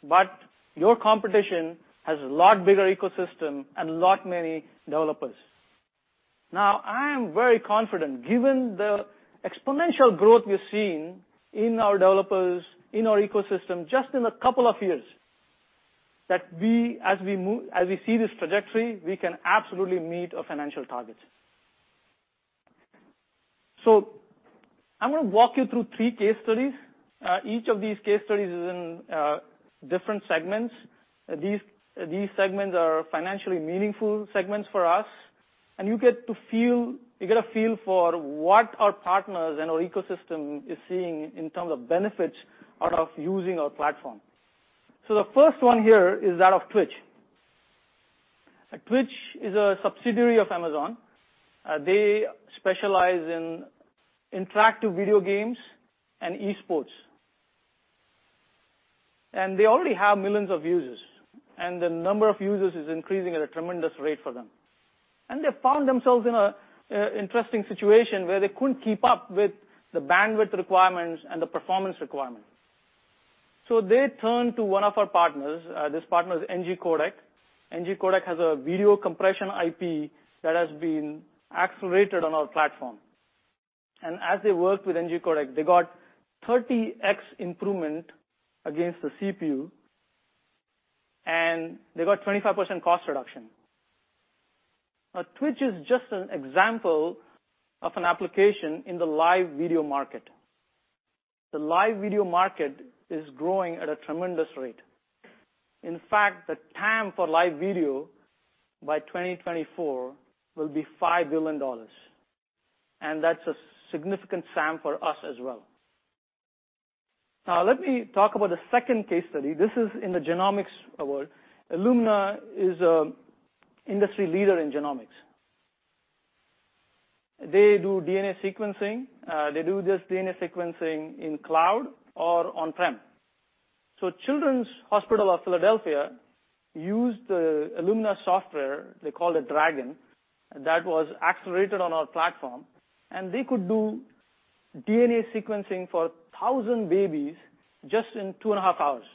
but your competition has a lot bigger ecosystem and lot many developers. I am very confident given the exponential growth we've seen in our developers, in our ecosystem, just in a couple of years, that as we see this trajectory, we can absolutely meet our financial targets. I'm going to walk you through three case studies. Each of these case studies is in different segments. These segments are financially meaningful segments for us. You get a feel for what our partners and our ecosystem is seeing in terms of benefits out of using our platform. The first one here is that of Twitch. Twitch is a subsidiary of Amazon. They specialize in interactive video games and esports. They already have millions of users, and the number of users is increasing at a tremendous rate for them. They found themselves in an interesting situation where they couldn't keep up with the bandwidth requirements and the performance requirements. They turned to one of our partners. This partner is NGCodec. NGCodec has a video compression IP that has been accelerated on our platform. As they worked with NGCodec, they got 30x improvement against the CPU. They got 25% cost reduction. Twitch is just an example of an application in the live video market. The live video market is growing at a tremendous rate. In fact, the TAM for live video by 2024 will be $5 billion. That's a significant SAM for us as well. Let me talk about the second case study. This is in the genomics world. Illumina is an industry leader in genomics. They do DNA sequencing. They do this DNA sequencing in cloud or on-prem. Children's Hospital of Philadelphia used the Illumina software, they call it DRAGEN, that was accelerated on our platform, and they could do DNA sequencing for 1,000 babies just in 2 and a half hours.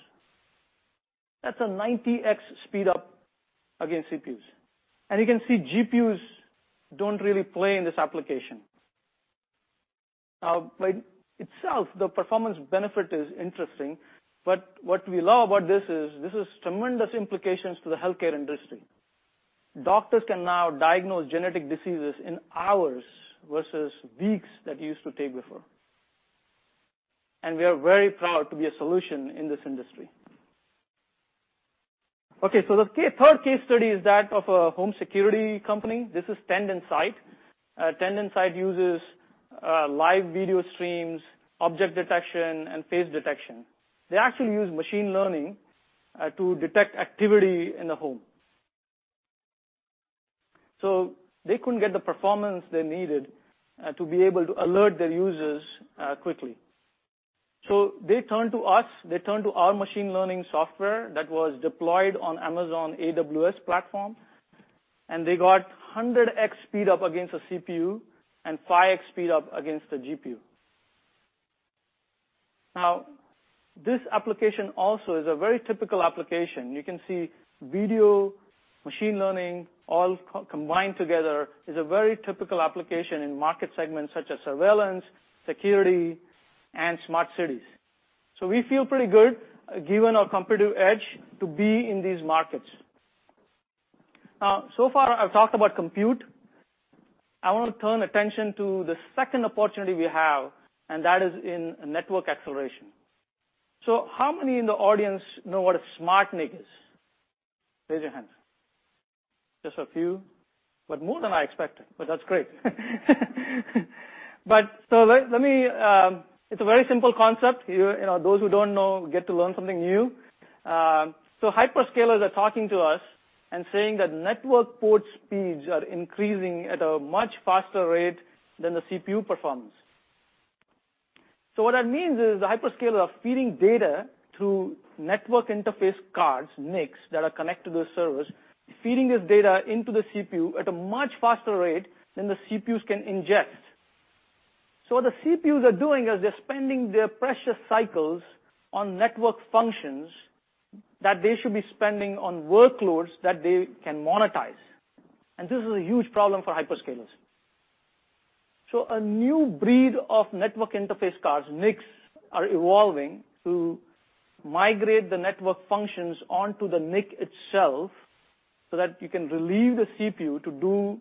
That's a 90x speed up against CPUs. You can see GPUs don't really play in this application. By itself, the performance benefit is interesting, but what we love about this is, this has tremendous implications to the healthcare industry. Doctors can now diagnose genetic diseases in hours versus weeks that it used to take before. We are very proud to be a solution in this industry. The third case study is that of a home security company. This is Tend Insights. Tend Insights uses live video streams, object detection, and face detection. They actually use machine learning to detect activity in the home. They couldn't get the performance they needed to be able to alert their users quickly. They turned to us, they turned to our machine learning software that was deployed on Amazon AWS platform, and they got 100x speed up against a CPU and 5x speed up against a GPU. This application also is a very typical application. You can see video machine learning all combined together is a very typical application in market segments such as surveillance, security, and smart cities. We feel pretty good, given our competitive edge to be in these markets. So far I've talked about compute. I want to turn attention to the second opportunity we have, and that is in network acceleration. How many in the audience know what a SmartNIC is? Raise your hands. Just a few, but more than I expected, but that's great. It's a very simple concept. Those who don't know get to learn something new. Hyperscalers are talking to us saying that network port speeds are increasing at a much faster rate than the CPU performance. What that means is the hyperscalers are feeding data through network interface cards, NICs, that are connected to the servers, feeding this data into the CPU at a much faster rate than the CPUs can ingest. What the CPUs are doing is they're spending their precious cycles on network functions that they should be spending on workloads that they can monetize. This is a huge problem for hyperscalers. A new breed of network interface cards, NICs, are evolving to migrate the network functions onto the NIC itself so that you can relieve the CPU to do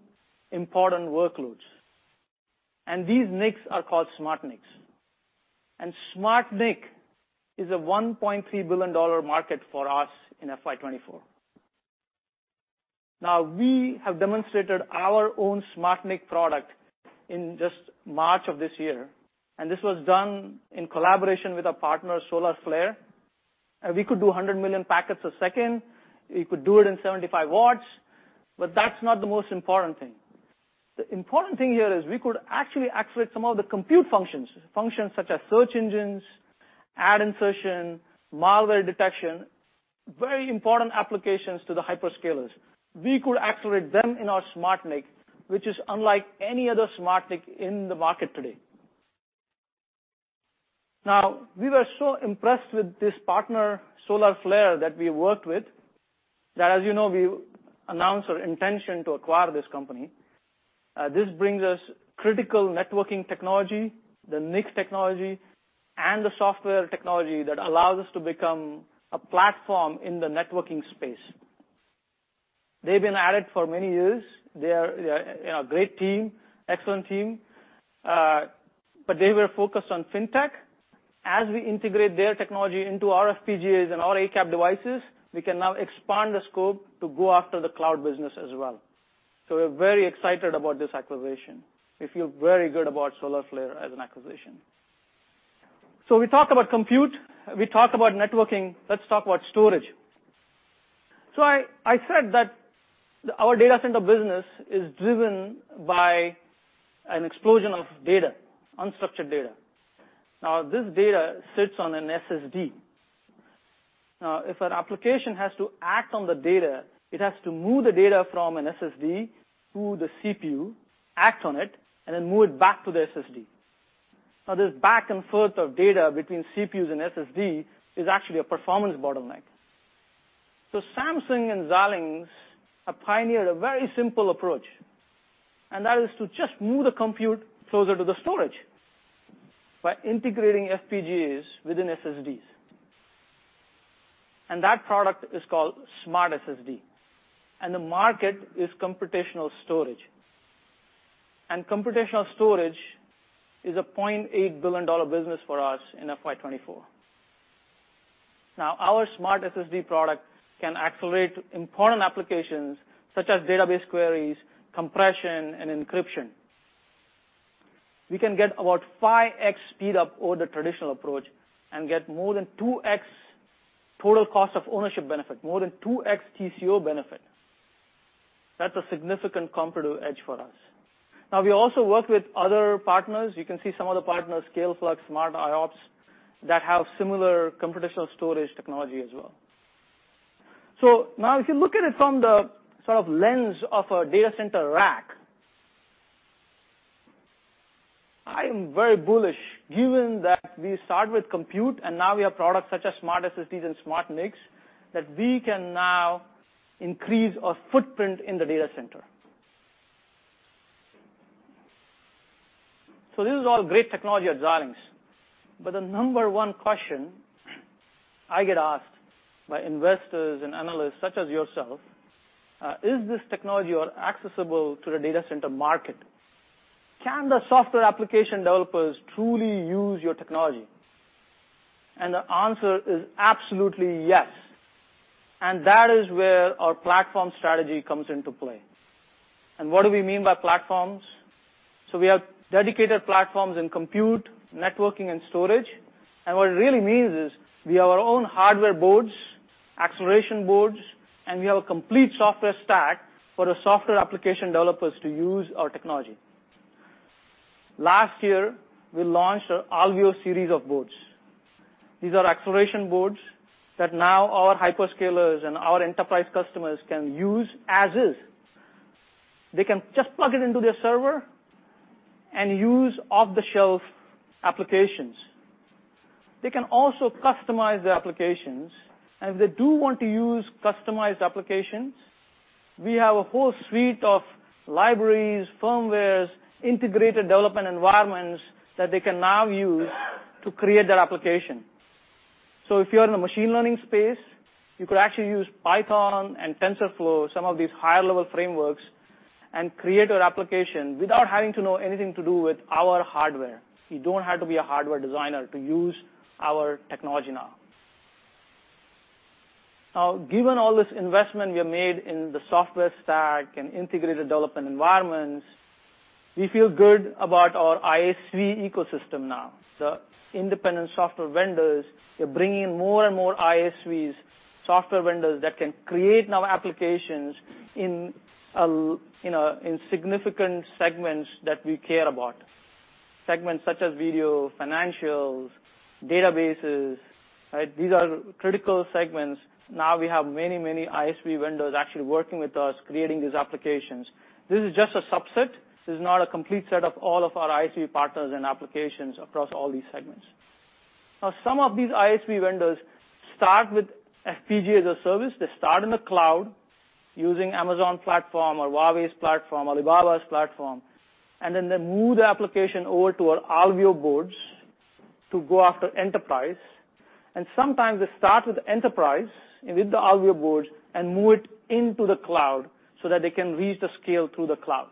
important workloads. These NICs are called SmartNICs. SmartNIC is a $1.3 billion market for us in FY 2024. We have demonstrated our own SmartNIC product in just March of this year, and this was done in collaboration with our partner, Solarflare. We could do 100 million packets a second. We could do it in 75 watts. That's not the most important thing. The important thing here is we could actually accelerate some of the compute functions such as search engines, ad insertion, malware detection, very important applications to the hyperscalers. We could accelerate them in our SmartNIC, which is unlike any other SmartNIC in the market today. We were so impressed with this partner, Solarflare, that we worked with, that, as you know, we announced our intention to acquire this company. This brings us critical networking technology, the NICs technology, and the software technology that allows us to become a platform in the networking space. They've been at it for many years. They are a great team, excellent team. They were focused on FinTech. As we integrate their technology into our FPGAs and our ACAP devices, we can now expand the scope to go after the cloud business as well. We're very excited about this acquisition. We feel very good about Solarflare as an acquisition. We talked about compute. We talked about networking. Let's talk about storage. I said that our data center business is driven by an explosion of data, unstructured data. This data sits on an SSD. If an application has to act on the data, it has to move the data from an SSD to the CPU, act on it, and then move it back to the SSD. This back and forth of data between CPUs and SSD is actually a performance bottleneck. Samsung and Xilinx have pioneered a very simple approach, and that is to just move the compute closer to the storage by integrating FPGAs within SSDs. That product is called SmartSSD. The market is computational storage. Computational storage is a $0.8 billion business for us in FY 2024. Our SmartSSD product can accelerate important applications such as database queries, compression, and encryption. We can get about 5x speed-up over the traditional approach and get more than 2x total cost of ownership benefit, more than 2x TCO benefit. That's a significant competitive edge for us. We also work with other partners. You can see some of the partners, ScaleFlux, Smart IOPS, that have similar computational storage technology as well. Now if you look at it from the sort of lens of a data center rack, I am very bullish given that we start with compute and now we have products such as SmartSSD and SmartNIC, that we can now increase our footprint in the data center. This is all great technology at Xilinx. The number one question I get asked by investors and analysts such as yourself, "Is this technology accessible to the data center market? Can the software application developers truly use your technology?" The answer is absolutely yes. That is where our platform strategy comes into play. What do we mean by platforms? We have dedicated platforms in compute, networking, and storage. What it really means is we have our own hardware boards, acceleration boards, and we have a complete software stack for the software application developers to use our technology. Last year, we launched our Alveo series of boards. These are acceleration boards that now our hyperscalers and our enterprise customers can use as is. They can just plug it into their server and use off-the-shelf applications. They can also customize their applications. If they do want to use customized applications, we have a whole suite of libraries, firmwares, integrated development environments that they can now use to create their application. If you're in the machine learning space, you could actually use Python and TensorFlow, some of these higher-level frameworks, and create your application without having to know anything to do with our hardware. You don't have to be a hardware designer to use our technology now. Given all this investment we have made in the software stack and integrated development environments, we feel good about our ISV ecosystem now. The independent software vendors, we're bringing in more and more ISVs, software vendors that can create now applications in significant segments that we care about, segments such as video, financials, databases. These are critical segments. We have many ISV vendors actually working with us, creating these applications. This is just a subset. This is not a complete set of all of our ISV partners and applications across all these segments. Some of these ISV vendors start with FPGA-as-a-Service. They start in the cloud using Amazon platform or Huawei's platform, Alibaba's platform, and then they move the application over to our Alveo boards to go after enterprise. Sometimes they start with enterprise and with the Alveo boards and move it into the cloud so that they can reach the scale through the cloud.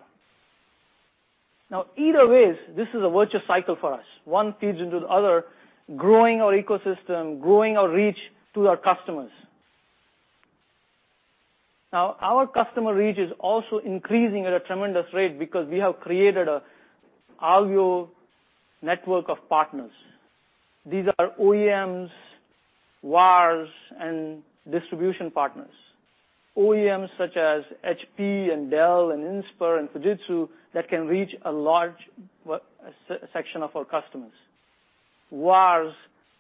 Either ways, this is a virtuous cycle for us. One feeds into the other, growing our ecosystem, growing our reach to our customers. Our customer reach is also increasing at a tremendous rate because we have created an Alveo network of partners. These are OEMs, VARs, and distribution partners. OEMs such as HP and Dell and Inspur and Fujitsu that can reach a large section of our customers. VARs,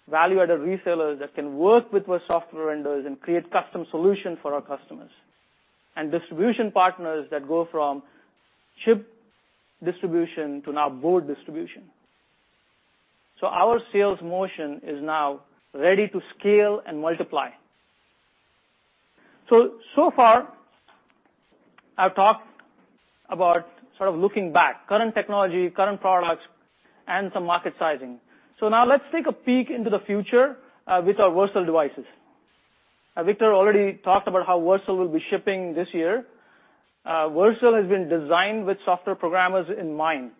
Value-Added Resellers that can work with our software vendors and create custom solutions for our customers. Distribution partners that go from chip distribution to now board distribution. Our sales motion is now ready to scale and multiply. So far I've talked about sort of looking back, current technology, current products, and some market sizing. Now let's take a peek into the future with our Versal devices. Victor already talked about how Versal will be shipping this year. Versal has been designed with software programmers in mind.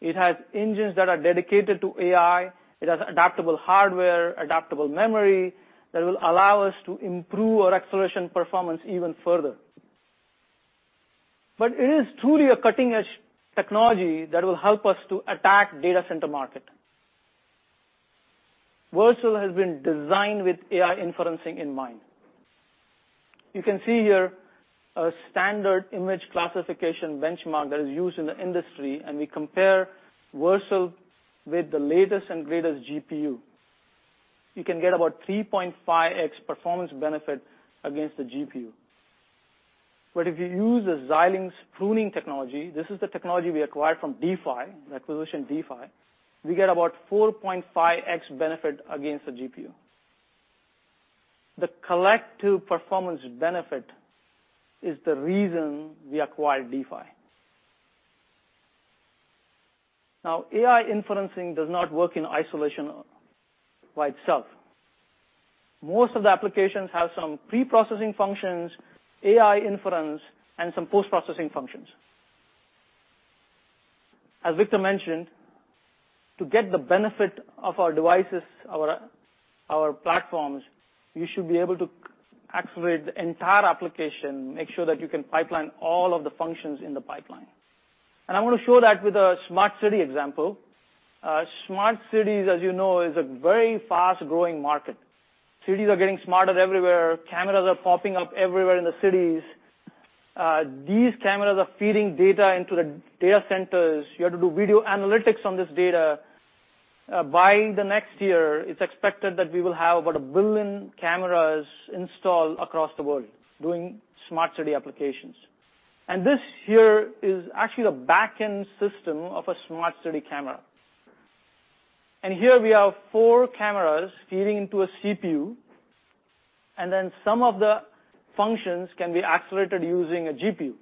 It has engines that are dedicated to AI. It has adaptable hardware, adaptable memory that will allow us to improve our acceleration performance even further. It is truly a cutting-edge technology that will help us to attack data center market. Versal has been designed with AI inferencing in mind. You can see here a standard image classification benchmark that is used in the industry and we compare Versal with the latest and greatest GPU. You can get about 3.5x performance benefit against the GPU. If you use the Xilinx pruning technology, this is the technology we acquired from DeePhi, the acquisition DeePhi, we get about 4.5x benefit against the GPU. The collective performance benefit is the reason we acquired DeePhi. AI inferencing does not work in isolation by itself. Most of the applications have some pre-processing functions, AI inference, and some post-processing functions. As Victor mentioned, to get the benefit of our devices, our platforms, you should be able to accelerate the entire application, make sure that you can pipeline all of the functions in the pipeline. I want to show that with a smart city example. Smart cities, as you know, is a very fast-growing market. Cities are getting smarter everywhere. Cameras are popping up everywhere in the cities. These cameras are feeding data into the data centers. You have to do video analytics on this data. By the next year, it's expected that we will have about 1 billion cameras installed across the world doing smart city applications. This here is actually the back-end system of a smart city camera. Here we have four cameras feeding into a CPU, then some of the functions can be accelerated using a GPU.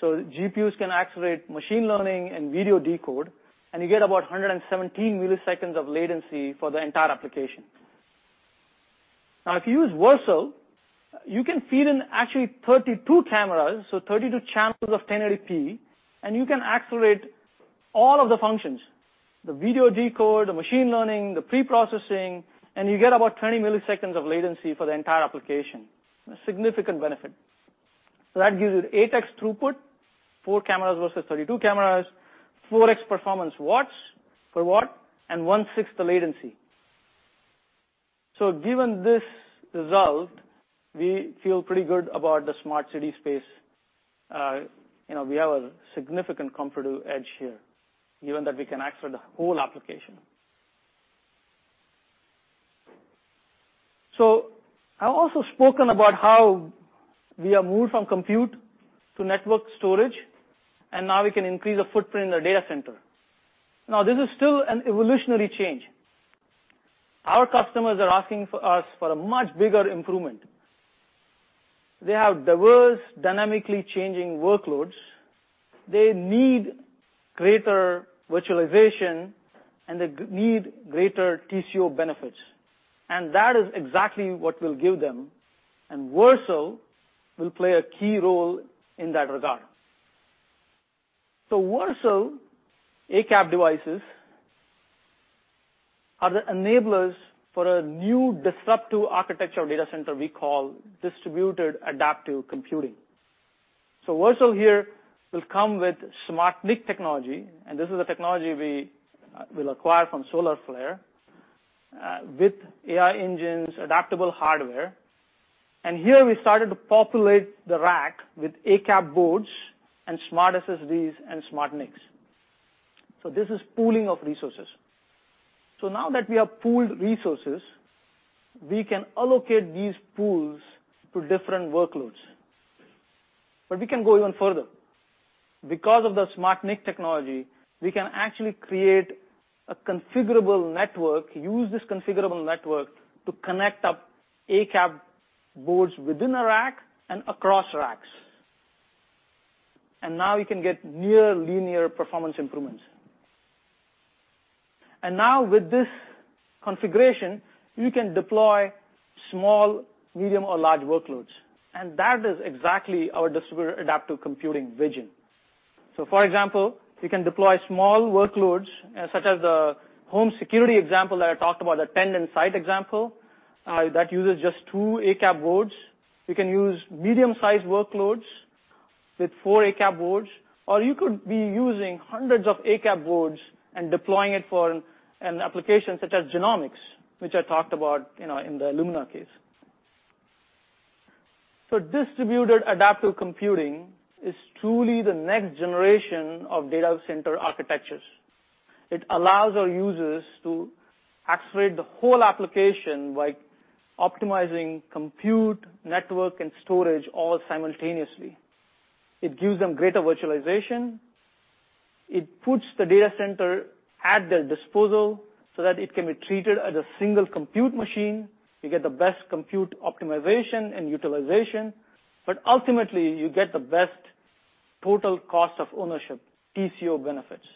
GPUs can accelerate machine learning and video decode, and you get about 117 milliseconds of latency for the entire application. If you use Versal, you can feed in actually 32 cameras, so 32 channels of 1080p, and you can accelerate all of the functions, the video decode, the machine learning, the pre-processing, and you get about 20 milliseconds of latency for the entire application. A significant benefit. That gives you 8x throughput, four cameras versus 32 cameras, 4x performance watts per watt, and one-sixth the latency. Given this result, we feel pretty good about the smart city space. We have a significant competitive edge here, given that we can accelerate the whole application. I've also spoken about how we have moved from compute to network storage, and now we can increase the footprint in the data center. This is still an evolutionary change. Our customers are asking us for a much bigger improvement. They have diverse, dynamically changing workloads. They need greater virtualization, and they need greater TCO benefits. That is exactly what we'll give them, and Versal will play a key role in that regard. Versal ACAP devices are the enablers for a new disruptive architecture data center we call distributed adaptive computing. Versal here will come with SmartNIC technology, and this is a technology we will acquire from Solarflare, with AI Engines, adaptable hardware. Here we started to populate the rack with ACAP boards and SmartSSDs and SmartNICs. This is pooling of resources. Now that we have pooled resources, we can allocate these pools to different workloads. We can go even further. Because of the SmartNIC technology, we can actually create a configurable network, use this configurable network to connect up ACAP boards within a rack and across racks. Now we can get near linear performance improvements. Now with this configuration, we can deploy small, medium, or large workloads, and that is exactly our distributed adaptive computing vision. For example, we can deploy small workloads, such as the home security example that I talked about, the Tend Insights example, that uses just two ACAP boards. We can use medium-sized workloads with four ACAP boards, or you could be using hundreds of ACAP boards and deploying it for an application such as genomics, which I talked about in the Illumina case. Distributed adaptive computing is truly the next generation of data center architectures. It allows our users to accelerate the whole application by optimizing compute, network, and storage all simultaneously. It gives them greater virtualization. It puts the data center at their disposal so that it can be treated as a single compute machine. We get the best compute optimization and utilization, but ultimately you get the best total cost of ownership, TCO benefits.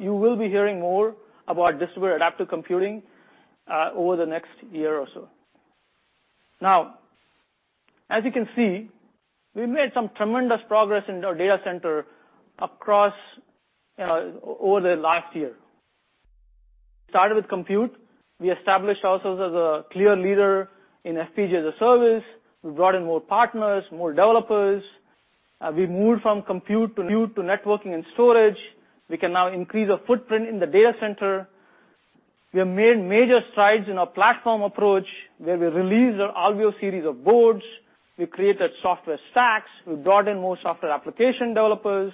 You will be hearing more about distributed adaptive computing over the next year or so. As you can see, we've made some tremendous progress in our data center over the last year. We started with compute. We established ourselves as a clear leader in FPGA-as-a-service. We brought in more partners, more developers. We moved from compute to networking and storage. We can now increase our footprint in the data center. We have made major strides in our platform approach, where we released our Alveo series of boards. We created software stacks. We brought in more software application developers.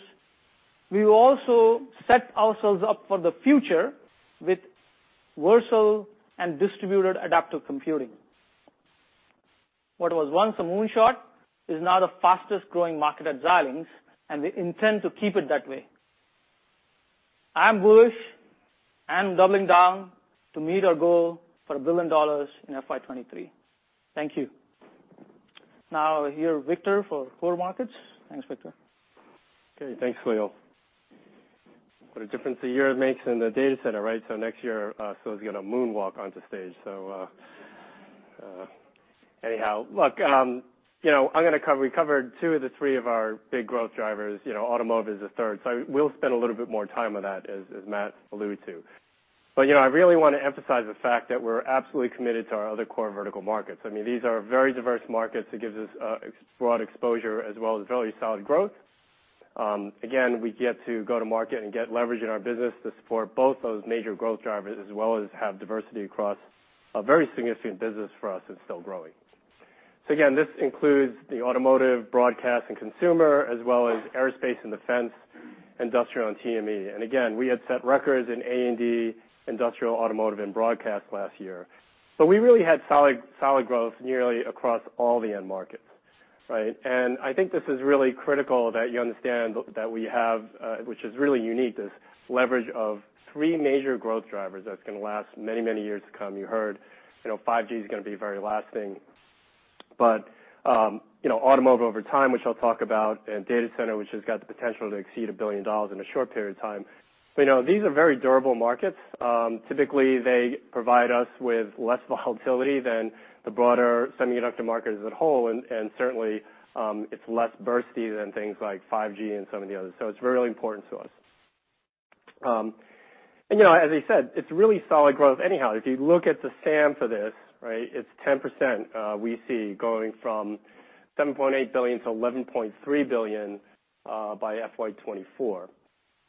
We also set ourselves up for the future with Versal and distributed adaptive computing. What was once a moonshot is now the fastest-growing market at Xilinx, and we intend to keep it that way. I am bullish and doubling down to meet our goal for $1 billion in FY 2023. Thank you. I'll hear Victor for core markets. Thanks, Victor. Okay, thanks, Salil. What a difference a year makes in the data center, right? Next year, Salil is going to moonwalk onto stage. Look, we covered two of the three of our big growth drivers. Automotive is the third. We'll spend a little bit more time on that, as Matt alluded to. I really want to emphasize the fact that we're absolutely committed to our other core vertical markets. These are very diverse markets that gives us broad exposure as well as really solid growth. Again, we get to go to market and get leverage in our business to support both those major growth drivers as well as have diversity across a very significant business for us that's still growing. This includes the automotive, broadcast, and consumer, as well as aerospace and defense, industrial and TME. We had set records in A&D, industrial, automotive, and broadcast last year. We really had solid growth nearly across all the end markets. Right? I think this is really critical that you understand that we have, which is really unique, this leverage of three major growth drivers that's going to last many, many years to come. You heard 5G is going to be very lasting, but automotive over time, which I'll talk about, and data center, which has got the potential to exceed $1 billion in a short period of time. These are very durable markets. Typically, they provide us with less volatility than the broader semiconductor markets as a whole, and certainly, it's less bursty than things like 5G and some of the others. It's really important to us. As I said, it's really solid growth anyhow. If you look at the SAM for this, it's 10% we see going from $7.8 billion to $11.3 billion by FY 2024.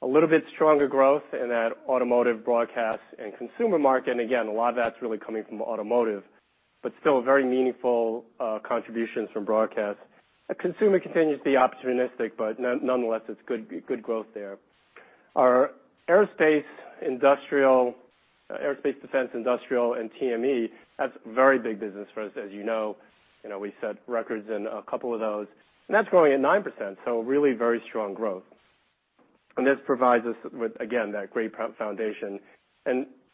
A little bit stronger growth in that automotive, broadcast, and consumer market. Again, a lot of that's really coming from automotive, but still very meaningful contributions from broadcast. Consumer continues to be opportunistic, but nonetheless, it's good growth there. Our aerospace, defense, industrial, and TME, that's very big business for us, as you know. We set records in a couple of those, and that's growing at 9%, so really very strong growth. This provides us with, again, that great foundation.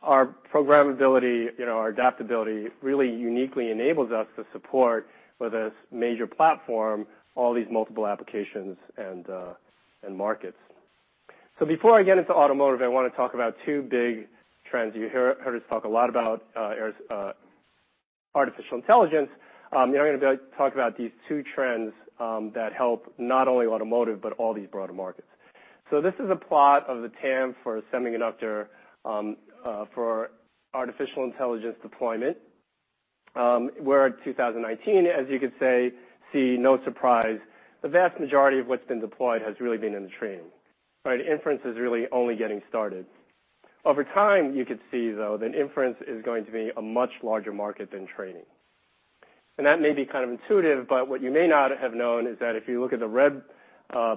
Our programmability, our adaptability really uniquely enables us to support with this major platform, all these multiple applications and markets. Before I get into automotive, I want to talk about two big trends. You heard us talk a lot about artificial intelligence. I'm going to talk about these two trends that help not only automotive, but all these broader markets. This is a plot of the TAM for semiconductor for artificial intelligence deployment, where 2019, as you could see, no surprise, the vast majority of what's been deployed has really been in the training. Inference is really only getting started. Over time, you could see, though, that inference is going to be a much larger market than training. That may be kind of intuitive, but what you may not have known is that if you look at the red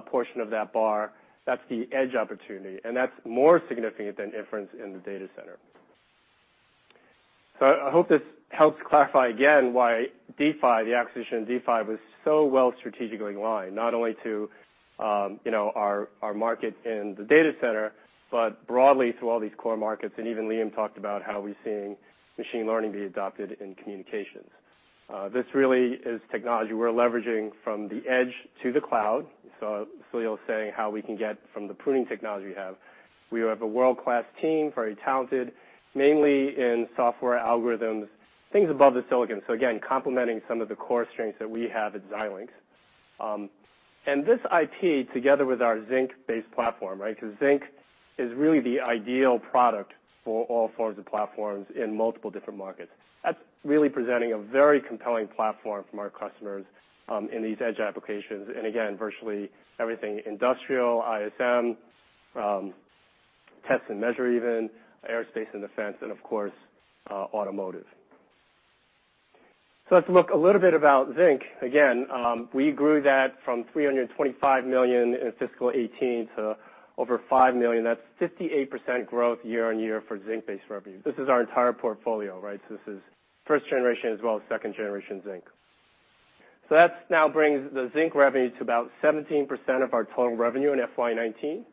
portion of that bar, that's the edge opportunity, and that's more significant than inference in the data center. I hope this helps clarify again why the acquisition of DeePhi was so well strategically in line, not only to our market in the data center, but broadly through all these core markets. Even Liam talked about how we're seeing machine learning be adopted in communications. This really is technology we're leveraging from the edge to the cloud. Salil's saying how we can get from the pruning technology we have. We have a world-class team, very talented, mainly in software algorithms, things above the silicon. Again, complementing some of the core strengths that we have at Xilinx. This IP, together with our Zynq-based platform, because Zynq is really the ideal product for all forms of platforms in multiple different markets. That's really presenting a very compelling platform from our customers in these edge applications. Again, virtually everything industrial, ISM, test and measure even, aerospace and defense, and of course, automotive. Let's look a little bit about Zynq. Again, we grew that from $325 million in fiscal 2018 to over $500 million. That's 58% growth year-over-year for Zynq-based revenue. This is our entire portfolio. This is first generation as well as second generation Zynq. That now brings the Zynq revenue to about 17% of our total revenue in FY 2019.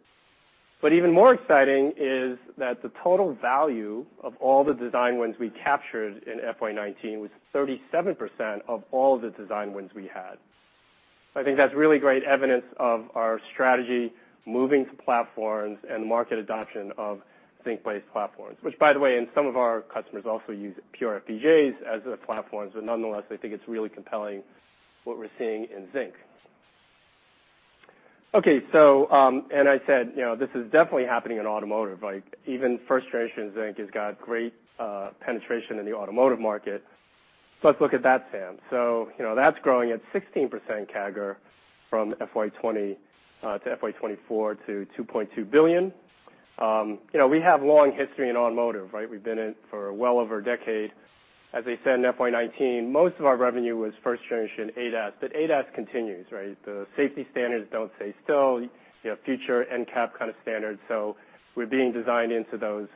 Even more exciting is that the total value of all the design wins we captured in FY 2019 was 37% of all the design wins we had. I think that's really great evidence of our strategy moving to platforms and market adoption of Zynq-based platforms, which, by the way, some of our customers also use pure FPGAs as their platforms. Nonetheless, I think it's really compelling what we're seeing in Zynq. I said this is definitely happening in automotive. Even first-generation Zynq has got great penetration in the automotive market. Let's look at that SAM. That's growing at 16% CAGR from FY 2020 to FY 2024 to $2.2 billion. We have long history in automotive. We've been in it for well over a decade. As I said, in FY 2019, most of our revenue was first generation ADAS, but ADAS continues. The safety standards don't stay still, future NCAP kind of standards. We're being designed into those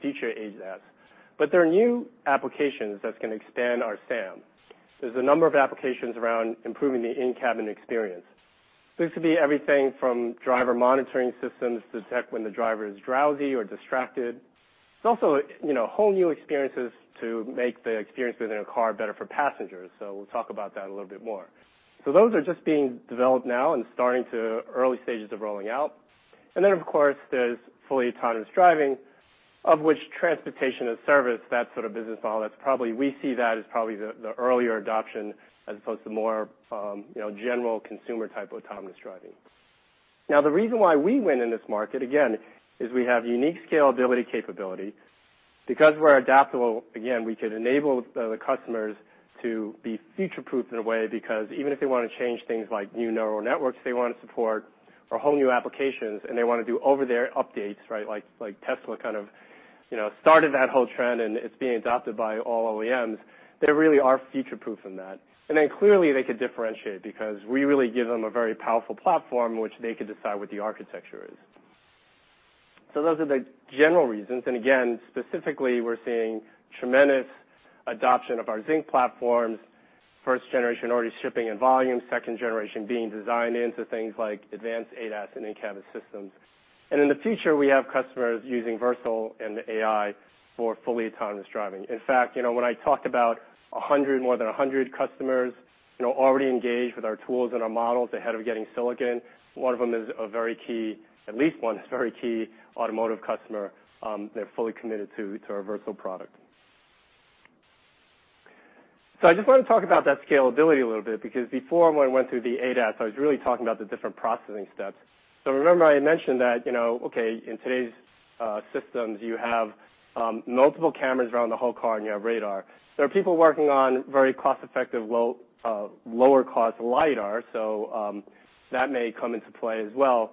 future ADAS. There are new applications that's going to expand our SAM. There's a number of applications around improving the in-cabin experience. This could be everything from driver monitoring systems to detect when the driver is drowsy or distracted. It's also whole new experiences to make the experience within a car better for passengers. We'll talk about that a little bit more. Those are just being developed now and starting to early stages of rolling out. Of course, there's fully autonomous driving, of which transportation as service, that sort of business model, we see that as probably the earlier adoption as opposed to more general consumer type autonomous driving. The reason why we win in this market, again, is we have unique scalability capability. We're adaptable, again, we could enable the customers to be future-proofed in a way because even if they want to change things like new neural networks they want to support or whole new applications, and they want to do over-the-air updates. Like Tesla kind of started that whole trend, and it's being adopted by all OEMs. They really are future-proofed from that. Clearly they could differentiate because we really give them a very powerful platform which they could decide what the architecture is. Those are the general reasons. Again, specifically, we're seeing tremendous adoption of our Zynq platforms, first generation already shipping in volume, second generation being designed into things like advanced ADAS and in-cabin systems. In the future, we have customers using Versal and AI for fully autonomous driving. In fact, when I talk about more than 100 customers already engaged with our tools and our models ahead of getting silicon, one of them is a very key, at least one very key automotive customer they're fully committed to our Versal product. I just want to talk about that scalability a little bit because before when I went through the ADAS, I was really talking about the different processing steps. Remember I had mentioned that, in today's systems, you have multiple cameras around the whole car and you have radar. There are people working on very cost-effective lower cost LIDAR, that may come into play as well.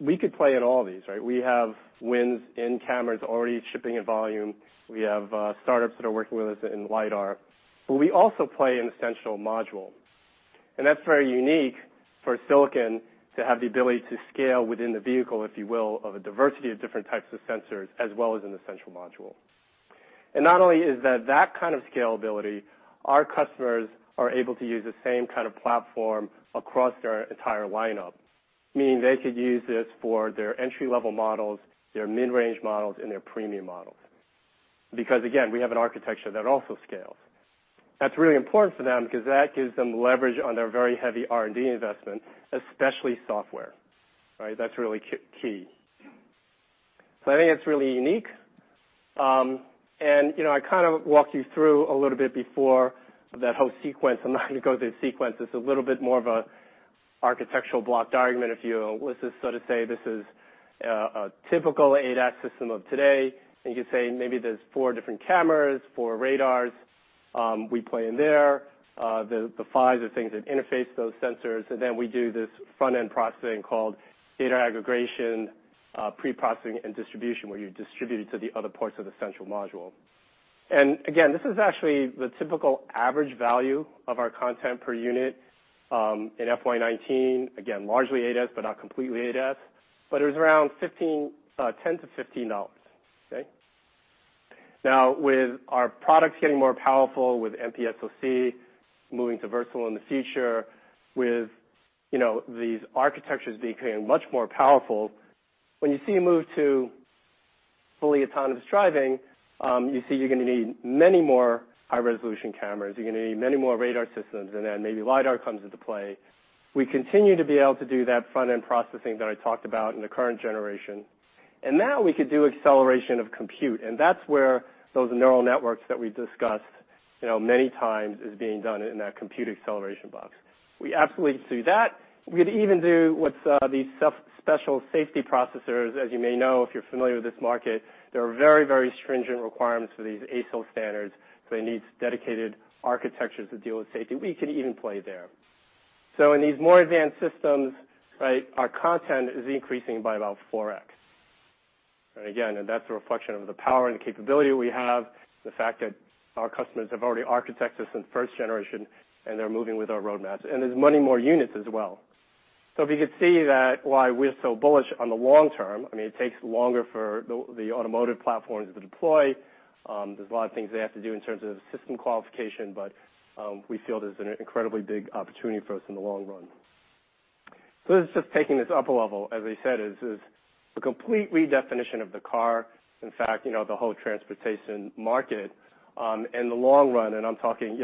We could play in all these, right? We have wins in cameras already shipping in volume. We have startups that are working with us in LIDAR, but we also play in the central module. That's very unique for Silicon to have the ability to scale within the vehicle, if you will, of a diversity of different types of sensors as well as in the central module. Not only is that that kind of scalability, our customers are able to use the same kind of platform across their entire lineup, meaning they could use this for their entry-level models, their mid-range models, and their premium models. Again, we have an architecture that also scales. That's really important for them because that gives them leverage on their very heavy R&D investment, especially software. That's really key. I think that's really unique. I kind of walked you through a little bit before that whole sequence. I'm not going to go through the sequence. It's a little bit more of an architectural blocked argument, if you will. Let's just sort of say this is a typical ADAS system of today, and you could say maybe there's four different cameras, four radars. We play in there. The FI is the things that interface those sensors, then we do this front-end processing called data aggregation, pre-processing, and distribution, where you distribute it to the other parts of the central module. Again, this is actually the typical average value of our content per unit in FY 2019. Again, largely ADAS, but not completely ADAS, but it was around $10-$15. Now, with our products getting more powerful with MPSoC, moving to Versal in the future, with these architectures becoming much more powerful, when you see a move to fully autonomous driving, you see you're going to need many more high-resolution cameras. You're going to need many more radar systems, and then maybe LIDAR comes into play. We continue to be able to do that front-end processing that I talked about in the current generation. Now we could do acceleration of compute, and that's where those neural networks that we discussed many times is being done in that compute acceleration box. We absolutely could do that. We could even do what's these special safety processors. As you may know, if you're familiar with this market, there are very stringent requirements for these ASIL standards, so it needs dedicated architectures to deal with safety. We could even play there. In these more advanced systems, our content is increasing by about 4x. Again, that's a reflection of the power and the capability we have, the fact that our customers have already architected since first generation and they're moving with our roadmaps. There's many more units as well. If you could see that why we're so bullish on the long term, I mean, it takes longer for the automotive platforms to deploy. There's a lot of things they have to do in terms of system qualification, but we feel there's an incredibly big opportunity for us in the long run. This is just taking this up a level. As I said, this is a complete redefinition of the car. In fact, the whole transportation market in the long run, I'm talking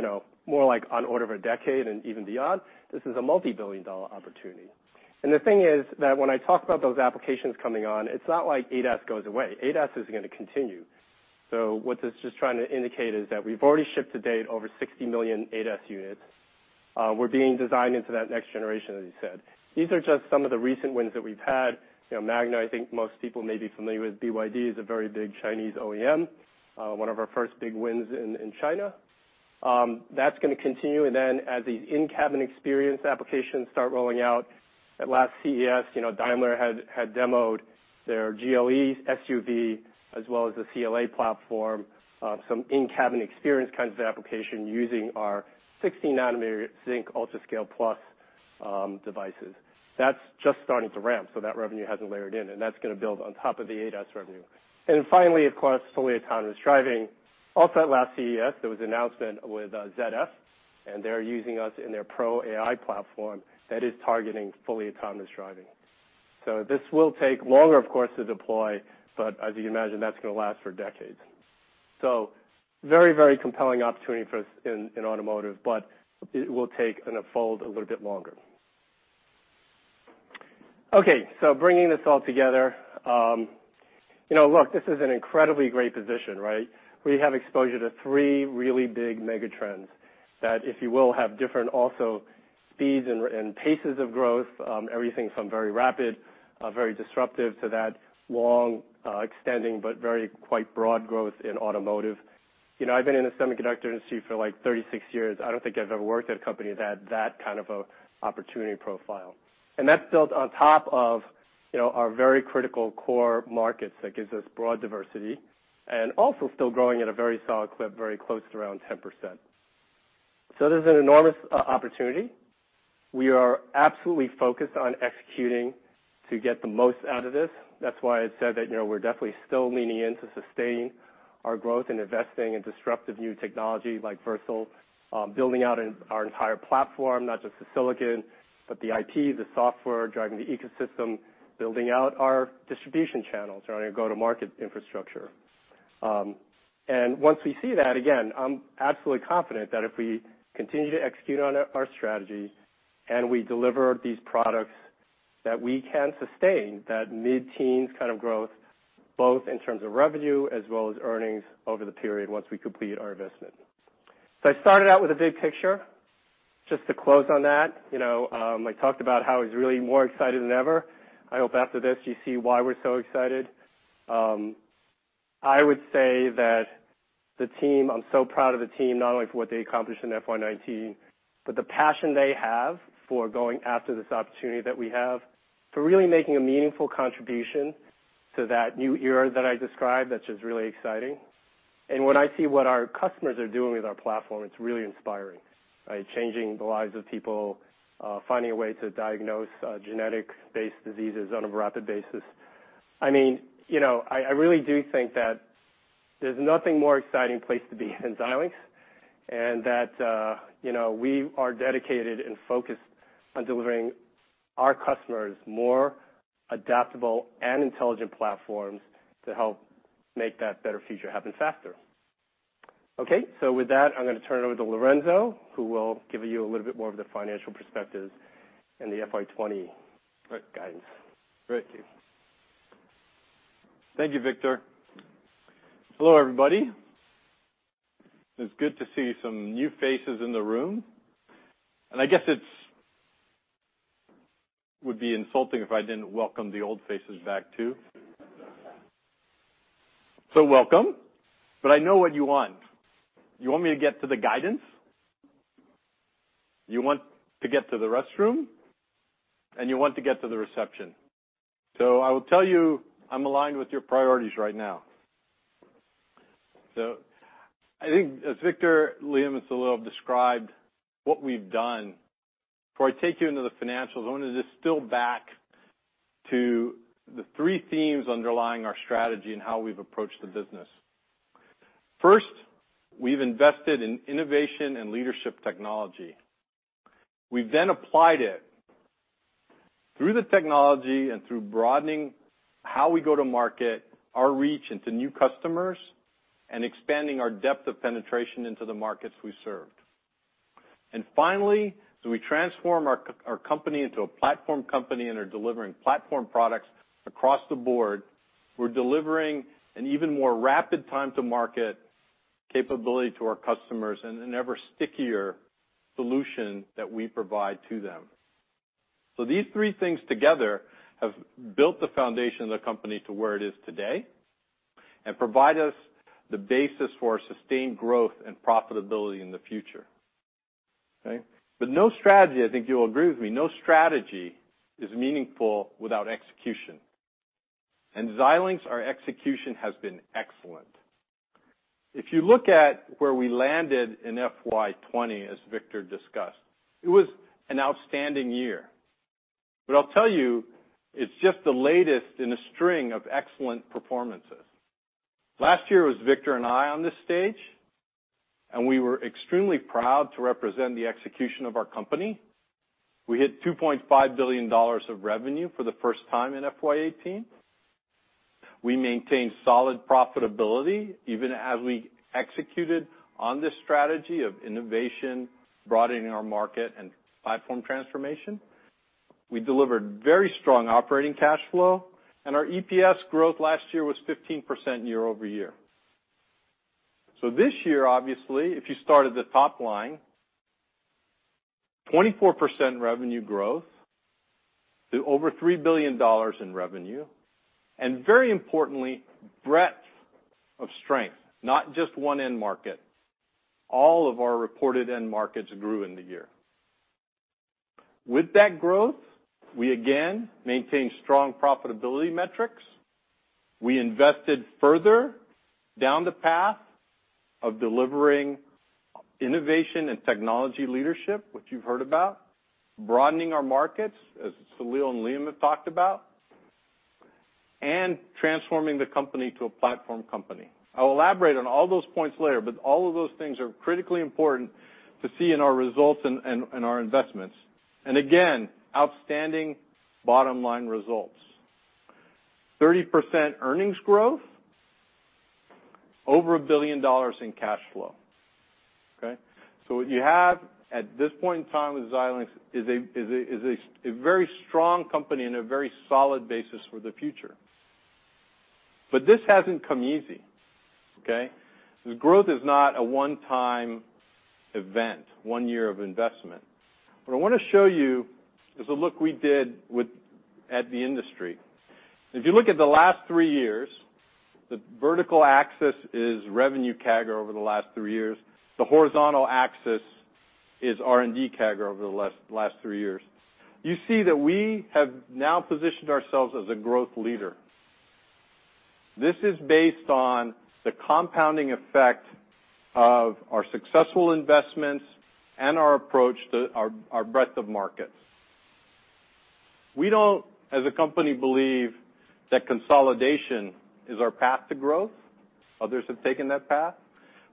more like on order of a decade and even beyond, this is a multi-billion dollar opportunity. The thing is that when I talk about those applications coming on, it's not like ADAS goes away. ADAS is going to continue. What this is just trying to indicate is that we've already shipped to date over 60 million ADAS units. We're being designed into that next generation, as I said. These are just some of the recent wins that we've had. Magna, I think most people may be familiar with. BYD is a very big Chinese OEM, one of our first big wins in China. That's going to continue. As the in-cabin experience applications start rolling out, at last CES, Daimler had demoed their GLE SUV as well as the CLA platform, some in-cabin experience kinds of application using our 16 nanometer Zynq UltraScale+ devices. That's just starting to ramp, so that revenue hasn't layered in, and that's going to build on top of the ADAS revenue. Finally, of course, fully autonomous driving. Also at last CES, there was an announcement with ZF, and they're using us in their ProAI platform that is targeting fully autonomous driving. This will take longer, of course, to deploy, but as you can imagine, that's going to last for decades. Very compelling opportunity for us in automotive, but it will take and unfold a little bit longer. Okay, bringing this all together. Look, this is an incredibly great position, right? We have exposure to three really big mega trends that if you will, have different also speeds and paces of growth, everything from very rapid, very disruptive to that long extending, but very quite broad growth in automotive. I've been in the semiconductor industry for 36 years. I don't think I've ever worked at a company that had that kind of an opportunity profile. That's built on top of our very critical core markets that gives us broad diversity, and also still growing at a very solid clip, very close to around 10%. This is an enormous opportunity. We are absolutely focused on executing to get the most out of this. That's why I said that we're definitely still leaning in to sustaining our growth and investing in disruptive new technology like Versal. Building out our entire platform, not just the silicon, but the IT, the software, driving the ecosystem, building out our distribution channels and our go-to-market infrastructure. Once we see that, again, I'm absolutely confident that if we continue to execute on our strategy and we deliver these products, that we can sustain that mid-teens kind of growth, both in terms of revenue as well as earnings over the period once we complete our investment. I started out with a big picture. Just to close on that, I talked about how I was really more excited than ever. I hope after this, you see why we're so excited. I would say that I'm so proud of the team, not only for what they accomplished in FY 2019, but the passion they have for going after this opportunity that we have, for really making a meaningful contribution to that new era that I described, that's just really exciting. When I see what our customers are doing with our platform, it's really inspiring. Changing the lives of people, finding a way to diagnose genetic-based diseases on a rapid basis. I really do think that there's nothing more exciting place to be than Xilinx, and that we are dedicated and focused on delivering our customers more adaptable and intelligent platforms to help make that better future happen faster. Okay, with that, I'm going to turn it over to Lorenzo, who will give you a little bit more of the financial perspective and the FY 2020 guidance. Thank you. Thank you, Victor. Hello, everybody. It's good to see some new faces in the room, and I guess it would be insulting if I didn't welcome the old faces back, too. Welcome. I know what you want. You want me to get to the guidance, you want to get to the restroom, and you want to get to the reception. I will tell you, I'm aligned with your priorities right now. I think as Victor Liam has described what we've done, before I take you into the financials, I want to just peel back to the three themes underlying our strategy and how we've approached the business. First, we've invested in innovation and leadership technology. We've then applied it through the technology and through broadening how we go to market, our reach into new customers, and expanding our depth of penetration into the markets we serve. Finally, as we transform our company into a platform company and are delivering platform products across the board, we're delivering an even more rapid time to market capability to our customers and an ever stickier solution that we provide to them. These three things together have built the foundation of the company to where it is today and provide us the basis for sustained growth and profitability in the future. Okay? No strategy, I think you'll agree with me, no strategy is meaningful without execution. Xilinx, our execution has been excellent. If you look at where we landed in FY 2020, as Victor discussed, it was an outstanding year. I'll tell you, it's just the latest in a string of excellent performances. Last year, it was Victor and I on this stage, and we were extremely proud to represent the execution of our company. We hit $2.5 billion of revenue for the first time in FY 2018. We maintained solid profitability even as we executed on this strategy of innovation, broadening our market and platform transformation. We delivered very strong operating cash flow, and our EPS growth last year was 15% year-over-year. This year, obviously, if you start at the top line, 24% revenue growth to over $3 billion in revenue. Very importantly, breadth of strength, not just one end market. All of our reported end markets grew in the year. With that growth, we again maintained strong profitability metrics. We invested further down the path of delivering innovation and technology leadership, which you've heard about, broadening our markets, as Salil and Liam have talked about, and transforming the company to a platform company. I'll elaborate on all those points later, all of those things are critically important to see in our results and our investments. Again, outstanding bottom-line results. 30% earnings growth, over $1 billion in cash flow. Okay? What you have at this point in time with Xilinx is a very strong company and a very solid basis for the future. This hasn't come easy. Okay? This growth is not a one-time event, one year of investment. What I want to show you is a look we did at the industry. If you look at the last three years, the vertical axis is revenue CAGR over the last three years, the horizontal axis is R&D CAGR over the last three years. You see that we have now positioned ourselves as a growth leader. This is based on the compounding effect of our successful investments and our approach to our breadth of markets. We don't, as a company, believe that consolidation is our path to growth. Others have taken that path.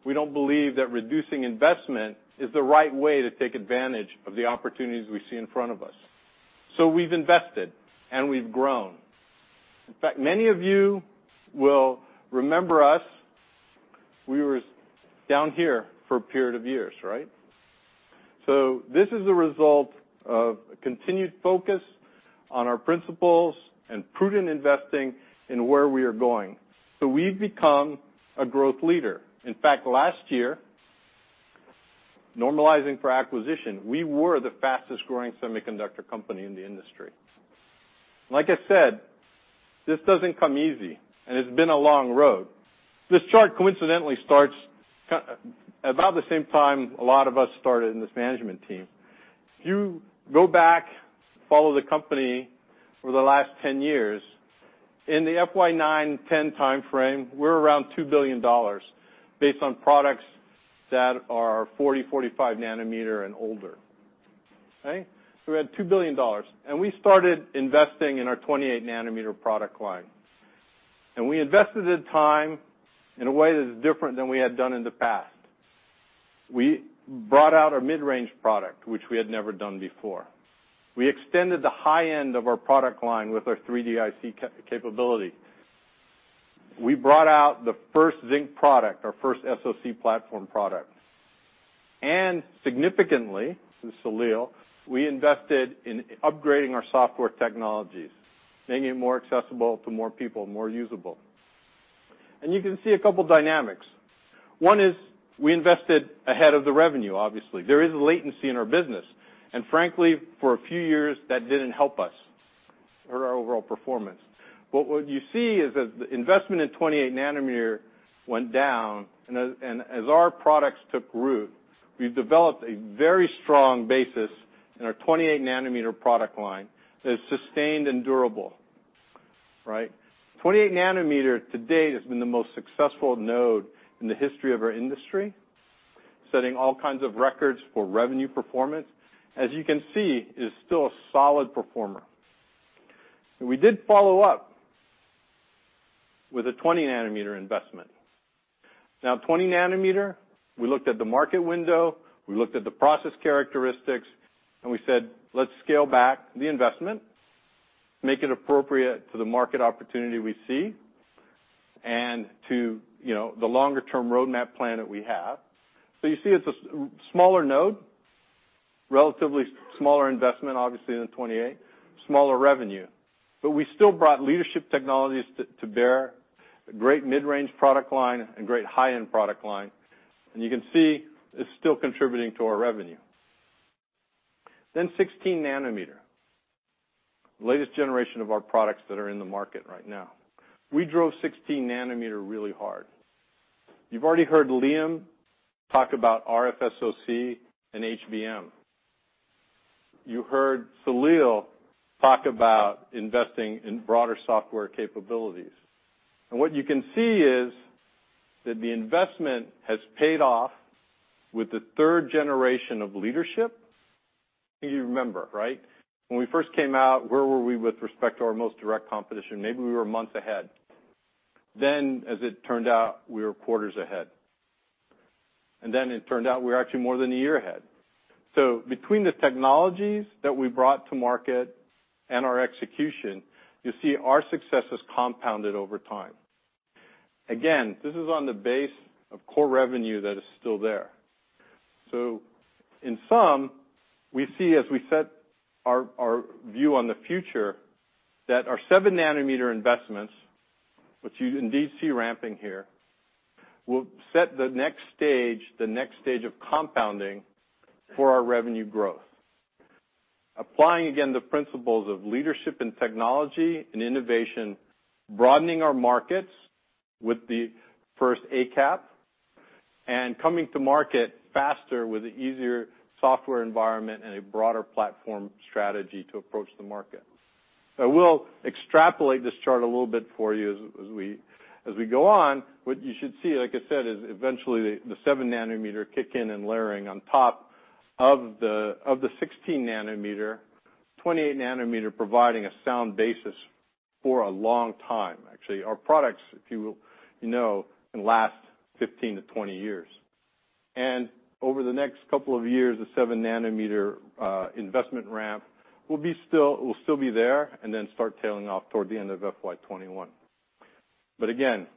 We don't believe that reducing investment is the right way to take advantage of the opportunities we see in front of us. We've invested, and we've grown. In fact, many of you will remember us, we were down here for a period of years, right? This is a result of a continued focus on our principles and prudent investing in where we are going. We've become a growth leader. In fact, last year, normalizing for acquisition, we were the fastest-growing semiconductor company in the industry. Like I said, this doesn't come easy, and it's been a long road. This chart coincidentally starts about the same time a lot of us started in this management team. If you go back, follow the company over the last 10 years, in the FY 2009-2010 timeframe, we're around $2 billion, based on products that are 40, 45 nanometer and older. Okay? We had $2 billion. We started investing in our 28 nanometer product line. We invested the time in a way that is different than we had done in the past. We brought out a mid-range product, which we had never done before. We extended the high end of our product line with our 3D IC capability. We brought out the first Zynq product, our first SoC platform product. Significantly, to Salil, we invested in upgrading our software technologies, making it more accessible to more people, more usable. You can see a couple of dynamics. One is we invested ahead of the revenue, obviously. There is a latency in our business, and frankly, for a few years, that didn't help us or our overall performance. What you see is that the investment in 28 nanometer went down, and as our products took root, we've developed a very strong basis in our 28 nanometer product line that is sustained and durable. Right? 28 nanometer to date has been the most successful node in the history of our industry, setting all kinds of records for revenue performance. As you can see, it is still a solid performer. We did follow up with a 20 nanometer investment. 20 nanometer, we looked at the market window, we looked at the process characteristics, and we said, "Let's scale back the investment, make it appropriate to the market opportunity we see, and to the longer-term roadmap plan that we have." You see it's a smaller node, relatively smaller investment, obviously, than 28, smaller revenue. We still brought leadership technologies to bear, a great mid-range product line and great high-end product line. You can see it's still contributing to our revenue. 16 nanometer, latest generation of our products that are in the market right now. We drove 16 nanometer really hard. You've already heard Liam talk about RFSoC and HBM. You heard Salil talk about investing in broader software capabilities. What you can see is that the investment has paid off with the third generation of leadership. You remember, right? When we first came out, where were we with respect to our most direct competition? Maybe we were a month ahead. As it turned out, we were quarters ahead. It turned out we were actually more than a year ahead. Between the technologies that we brought to market and our execution, you see our success has compounded over time. Again, this is on the base of core revenue that is still there. In sum, we see as we set our view on the future, that our seven nanometer investments, which you indeed see ramping here, will set the next stage of compounding for our revenue growth. Applying again the principles of leadership and technology and innovation, broadening our markets with the first ACAP, coming to market faster with the easier software environment and a broader platform strategy to approach the market. I will extrapolate this chart a little bit for you as we go on. What you should see, like I said, is eventually the seven nanometer kick in and layering on top of the 16 nanometer, 28 nanometer providing a sound basis for a long time, actually. Our products, if you know, can last 15 to 20 years. Over the next couple of years, the seven nanometer investment ramp will still be there, and then start tailing off toward the end of FY 2021. Again,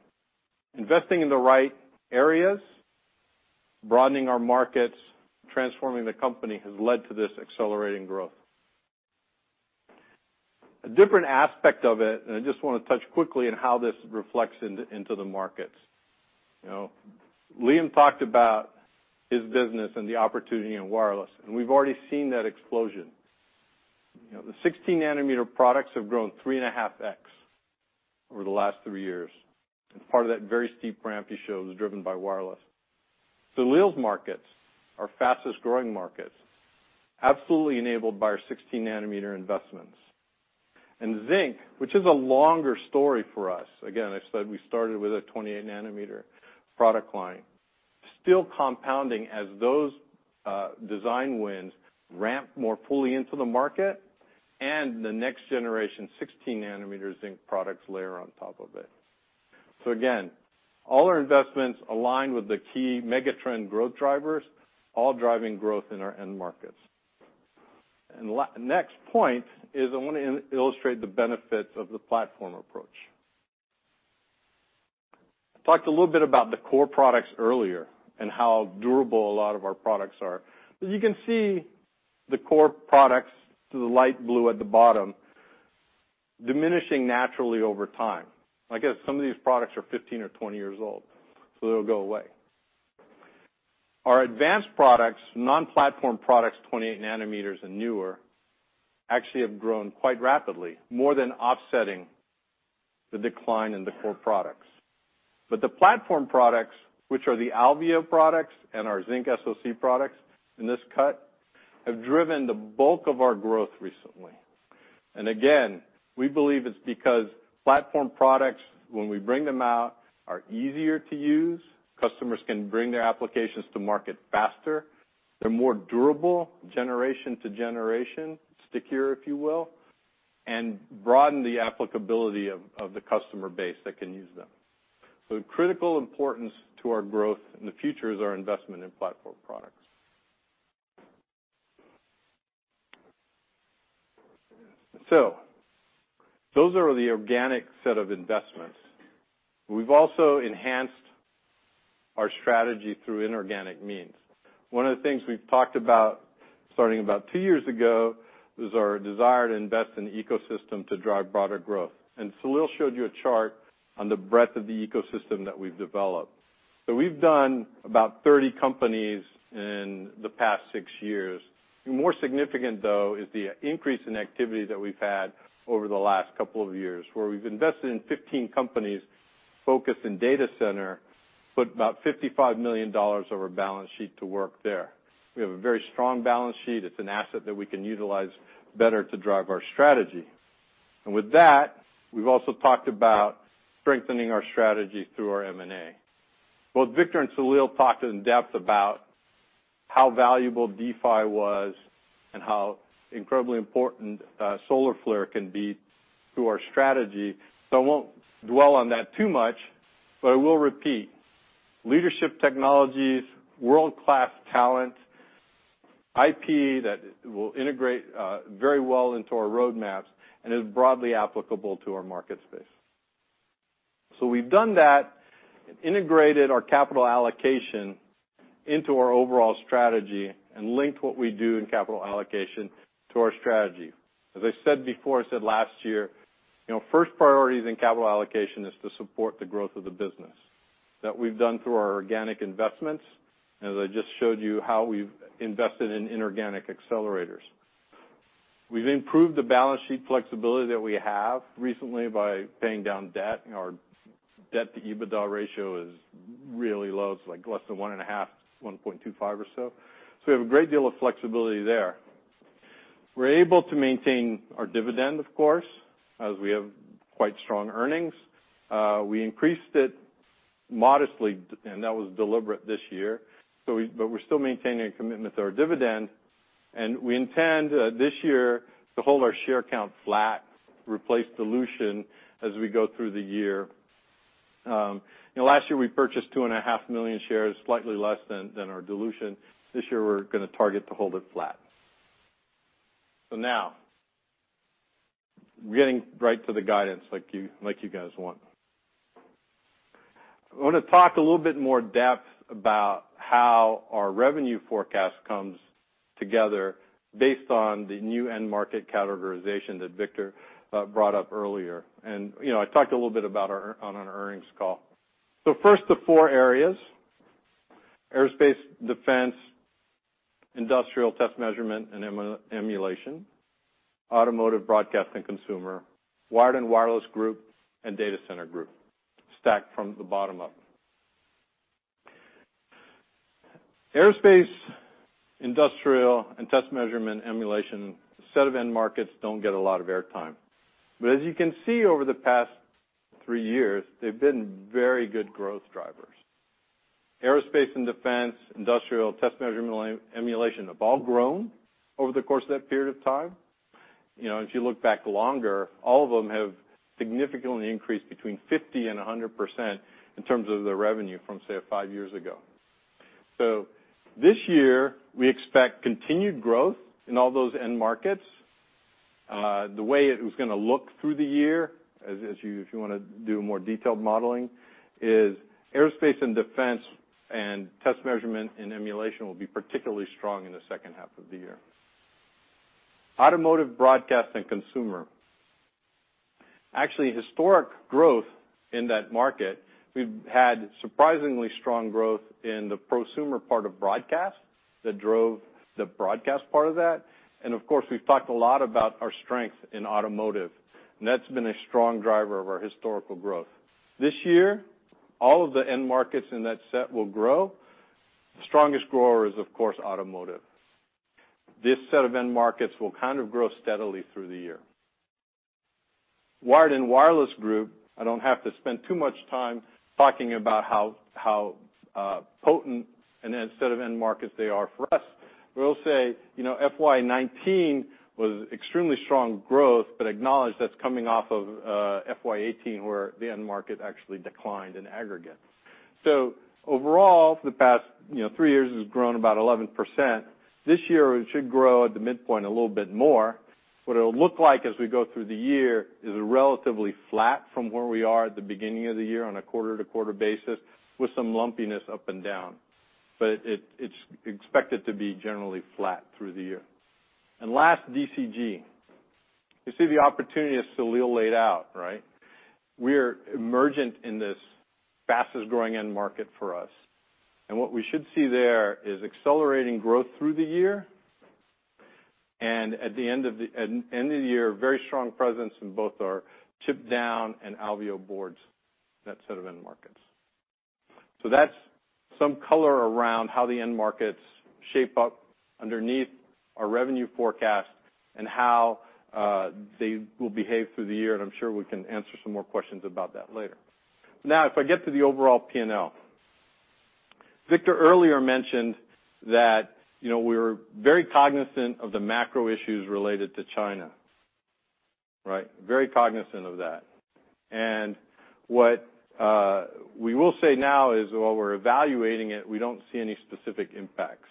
investing in the right areas, broadening our markets, transforming the company, has led to this accelerating growth. A different aspect of it, I just want to touch quickly on how this reflects into the markets. Liam talked about his business and the opportunity in wireless, and we've already seen that explosion. The 16 nanometer products have grown 3.5x over the last three years, part of that very steep ramp he showed was driven by wireless. Salil's markets, our fastest-growing markets, absolutely enabled by our 16 nanometer investments. Zynq, which is a longer story for us, again, I said we started with a 28 nanometer product line, still compounding as those design wins ramp more fully into the market and the next generation 16 nanometer Zynq products layer on top of it. Again, all our investments align with the key mega trend growth drivers, all driving growth in our end markets. Next point is I want to illustrate the benefits of the platform approach. I talked a little bit about the core products earlier and how durable a lot of our products are. You can see the core products, the light blue at the bottom, diminishing naturally over time. I guess some of these products are 15 or 20 years old, so they'll go away. Our advanced products, non-platform products, 28 nanometers and newer, actually have grown quite rapidly, more than offsetting the decline in the core products. The platform products, which are the Alveo products and our Zynq SoC products in this cut, have driven the bulk of our growth recently. Again, we believe it's because platform products, when we bring them out, are easier to use. Customers can bring their applications to market faster. They're more durable generation to generation, stickier, if you will, and broaden the applicability of the customer base that can use them. Critical importance to our growth in the future is our investment in platform products. Those are the organic set of investments. We've also enhanced our strategy through inorganic means. One of the things we've talked about starting about two years ago, was our desire to invest in ecosystem to drive broader growth. Salil showed you a chart on the breadth of the ecosystem that we've developed. We've done about 30 companies in the past six years. More significant, though, is the increase in activity that we've had over the last couple of years, where we've invested in 15 companies focused in data center, put about $55 million of our balance sheet to work there. We have a very strong balance sheet. It's an asset that we can utilize better to drive our strategy. With that, we've also talked about strengthening our strategy through our M&A. Both Victor and Salil talked in depth about how valuable DeePhi was and how incredibly important Solarflare can be to our strategy. I won't dwell on that too much, but I will repeat. Leadership technologies, world-class talent, IP that will integrate very well into our roadmaps and is broadly applicable to our market space. We've done that and integrated our capital allocation into our overall strategy and linked what we do in capital allocation to our strategy. As I said before, I said last year, first priorities in capital allocation is to support the growth of the business that we've done through our organic investments, as I just showed you how we've invested in inorganic accelerators. We've improved the balance sheet flexibility that we have recently by paying down debt. Our debt to EBITDA ratio is really low. It's like less than one and a half, 1.25 or so. We have a great deal of flexibility there. We're able to maintain our dividend, of course, as we have quite strong earnings. We increased it modestly, and that was deliberate this year, but we're still maintaining a commitment to our dividend, and we intend, this year, to hold our share count flat, replace dilution as we go through the year. Last year, we purchased two and a half million shares, slightly less than our dilution. This year, we're going to target to hold it flat. Now, getting right to the guidance like you guys want. I want to talk a little bit more in depth about how our revenue forecast comes together based on the new end market categorization that Victor brought up earlier. I talked a little bit about on our earnings call. First, the four areas. Aerospace, Defense Industrial Test Measurement and Emulation, Automotive Broadcast and Consumer, Wired and Wireless Group, and Data Center Group, stacked from the bottom up. Aerospace, Industrial, and Test Measurement Emulation set of end markets don't get a lot of air time. As you can see over the past three years, they've been very good growth drivers. Aerospace and Defense, Industrial Test Measurement Emulation have all grown over the course of that period of time. If you look back longer, all of them have significantly increased between 50% and 100% in terms of their revenue from, say, five years ago. This year, we expect continued growth in all those end markets. The way it was going to look through the year, if you want to do more detailed modeling, is aerospace and defense and test measurement and emulation will be particularly strong in the second half of the year. Automotive, broadcast, and consumer. Actually, historic growth in that market, we've had surprisingly strong growth in the prosumer part of broadcast that drove the broadcast part of that. Of course, we've talked a lot about our strength in automotive, and that's been a strong driver of our historical growth. This year, all of the end markets in that set will grow. The strongest grower is, of course, automotive. This set of end markets will kind of grow steadily through the year. Wired and wireless group, I don't have to spend too much time talking about how potent a set of end markets they are for us. We will say, FY 2019 was extremely strong growth, but acknowledge that's coming off of FY 2018, where the end market actually declined in aggregate. Overall, for the past three years, it has grown about 11%. This year, it should grow at the midpoint a little bit more. What it'll look like as we go through the year is relatively flat from where we are at the beginning of the year on a quarter-to-quarter basis with some lumpiness up and down. It's expected to be generally flat through the year. Last, DCG. You see the opportunity as Salil laid out. We're emergent in this fastest-growing end market for us. What we should see there is accelerating growth through the year, and at the end of the year, very strong presence in both our chip down and Alveo boards, that set of end markets. That's some color around how the end markets shape up underneath our revenue forecast and how they will behave through the year, and I'm sure we can answer some more questions about that later. Now, if I get to the overall P&L. Victor earlier mentioned that we're very cognizant of the macro issues related to China. Very cognizant of that. What we will say now is while we're evaluating it, we don't see any specific impacts.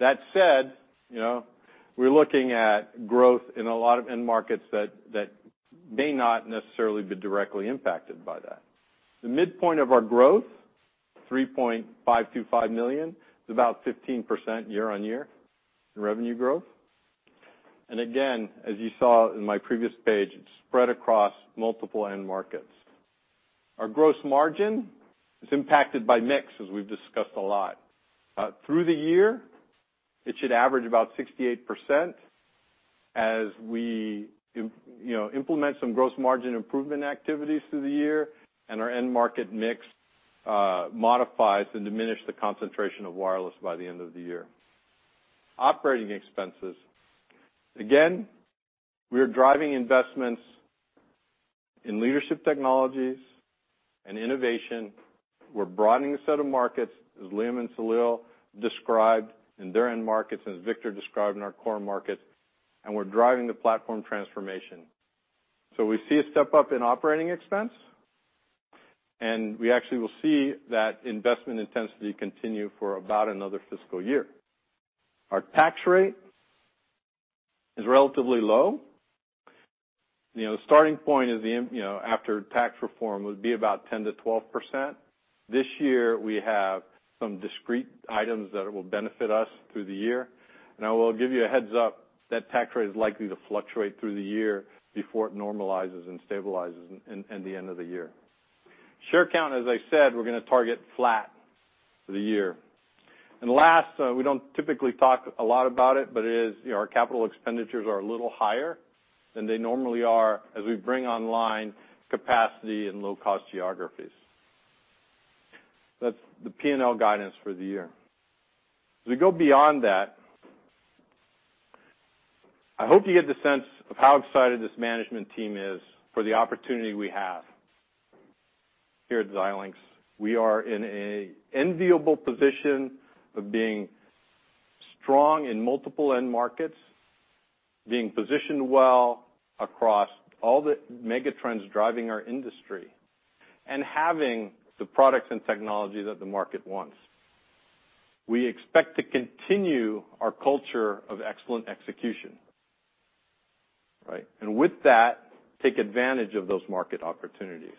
That said, we're looking at growth in a lot of end markets that may not necessarily be directly impacted by that. The midpoint of our growth, $3.525 million, is about 15% year-on-year in revenue growth. Again, as you saw in my previous page, it's spread across multiple end markets. Our gross margin is impacted by mix, as we've discussed a lot. Through the year, it should average about 68% as we implement some gross margin improvement activities through the year and our end market mix modifies to diminish the concentration of wireless by the end of the year. Operating expenses. Again, we are driving investments in leadership technologies and innovation. We're broadening the set of markets, as Liam and Salil described in their end markets and as Victor described in our core markets, and we're driving the platform transformation. We see a step-up in operating expense, and we actually will see that investment intensity continue for about another fiscal year. Our tax rate is relatively low. The starting point after tax reform would be about 10%-12%. This year, we have some discrete items that will benefit us through the year. I will give you a heads-up, that tax rate is likely to fluctuate through the year before it normalizes and stabilizes in the end of the year. Share count, as I said, we're going to target flat for the year. Last, we don't typically talk a lot about it, but it is our capital expenditures are a little higher than they normally are as we bring online capacity in low-cost geographies. That's the P&L guidance for the year. As we go beyond that, I hope you get the sense of how excited this management team is for the opportunity we have here at Xilinx. We are in an enviable position of being strong in multiple end markets, being positioned well across all the megatrends driving our industry, and having the products and technology that the market wants. We expect to continue our culture of excellent execution. With that, take advantage of those market opportunities.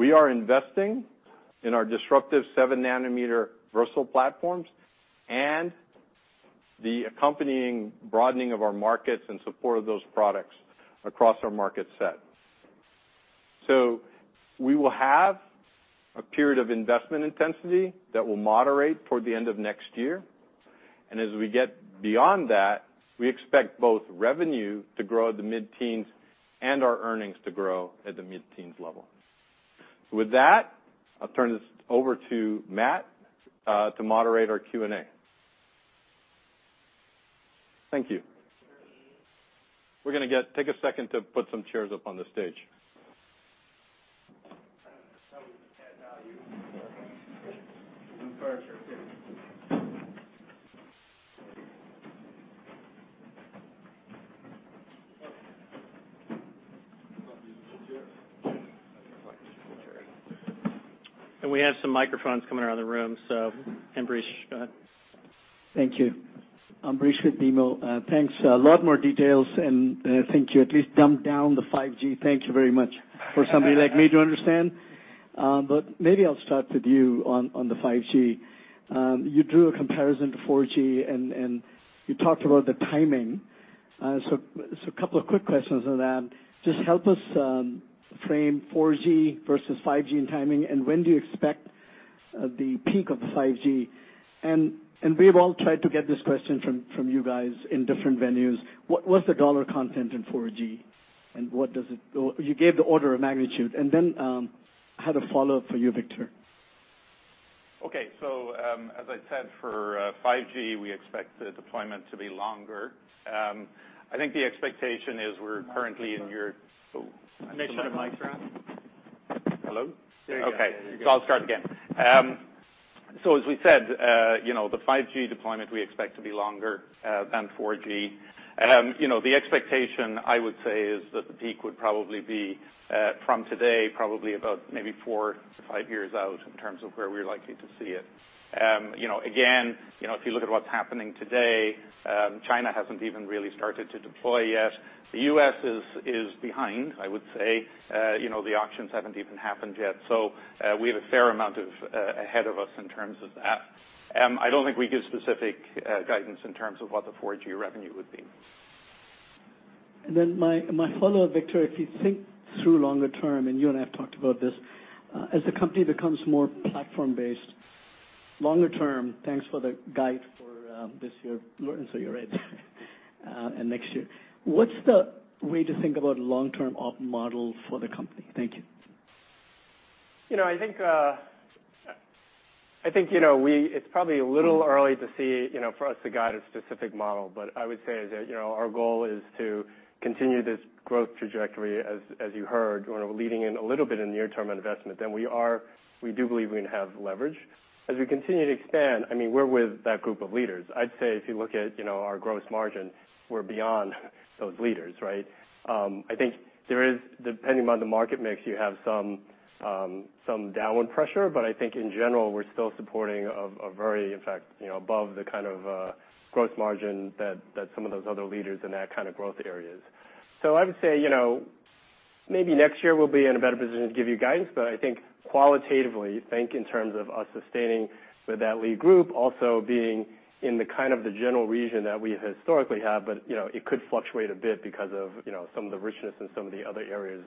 We are investing in our disruptive 7-nanometer Versal platforms and the accompanying broadening of our markets in support of those products across our market set. We will have a period of investment intensity that will moderate toward the end of next year. As we get beyond that, we expect both revenue to grow at the mid-teens and our earnings to grow at the mid-teens level. With that, I'll turn this over to Matt to moderate our Q&A. Thank you. We're going to take a second to put some chairs up on the stage. We have some microphones coming around the room. Ambrish, go ahead. Thank you. Ambrish with BMO. Thanks. I think you at least dumbed down the 5G. Thank you very much for somebody like me to understand. Maybe I'll start with you on the 5G. You drew a comparison to 4G, and you talked about the timing. A couple of quick questions on that. Just help us frame 4G versus 5G in timing, and when do you expect the peak of the 5G? We've all tried to get this question from you guys in different venues. What was the dollar content in 4G? You gave the order of magnitude. Then, I had a follow-up for you, Victor. Okay. As I said, for 5G, we expect the deployment to be longer. I think the expectation is we're currently in your. Make sure the mic's on. Hello? There you go. Okay. I'll start again. As we said, the 5G deployment we expect to be longer than 4G. The expectation, I would say, is that the peak would probably be, from today, probably about maybe four to five years out in terms of where we're likely to see it. Again, if you look at what's happening today, China hasn't even really started to deploy yet. The U.S. is behind, I would say. The auctions haven't even happened yet. We have a fair amount ahead of us in terms of that. I don't think we give specific guidance in terms of what the 4G revenue would be. My follow-up, Victor, if you think through longer term, you and I have talked about this, as the company becomes more platform-based longer term, thanks for the guide for this year, you're right, and next year, what's the way to think about long-term op model for the company? Thank you. I think it's probably a little early to see for us to guide a specific model. I would say is that our goal is to continue this growth trajectory, as you heard, leading in a little bit in near-term investment. We do believe we have leverage. As we continue to expand, we're with that group of leaders. I'd say if you look at our gross margin, we're beyond those leaders, right? I think there is, depending upon the market mix, you have some downward pressure, but I think in general, we're still supporting a very, in fact, above the kind of gross margin that some of those other leaders in that kind of growth areas. I would say maybe next year we'll be in a better position to give you guidance, but I think qualitatively, think in terms of us sustaining with that lead group, also being in the kind of the general region that we historically have, but it could fluctuate a bit because of some of the richness in some of the other areas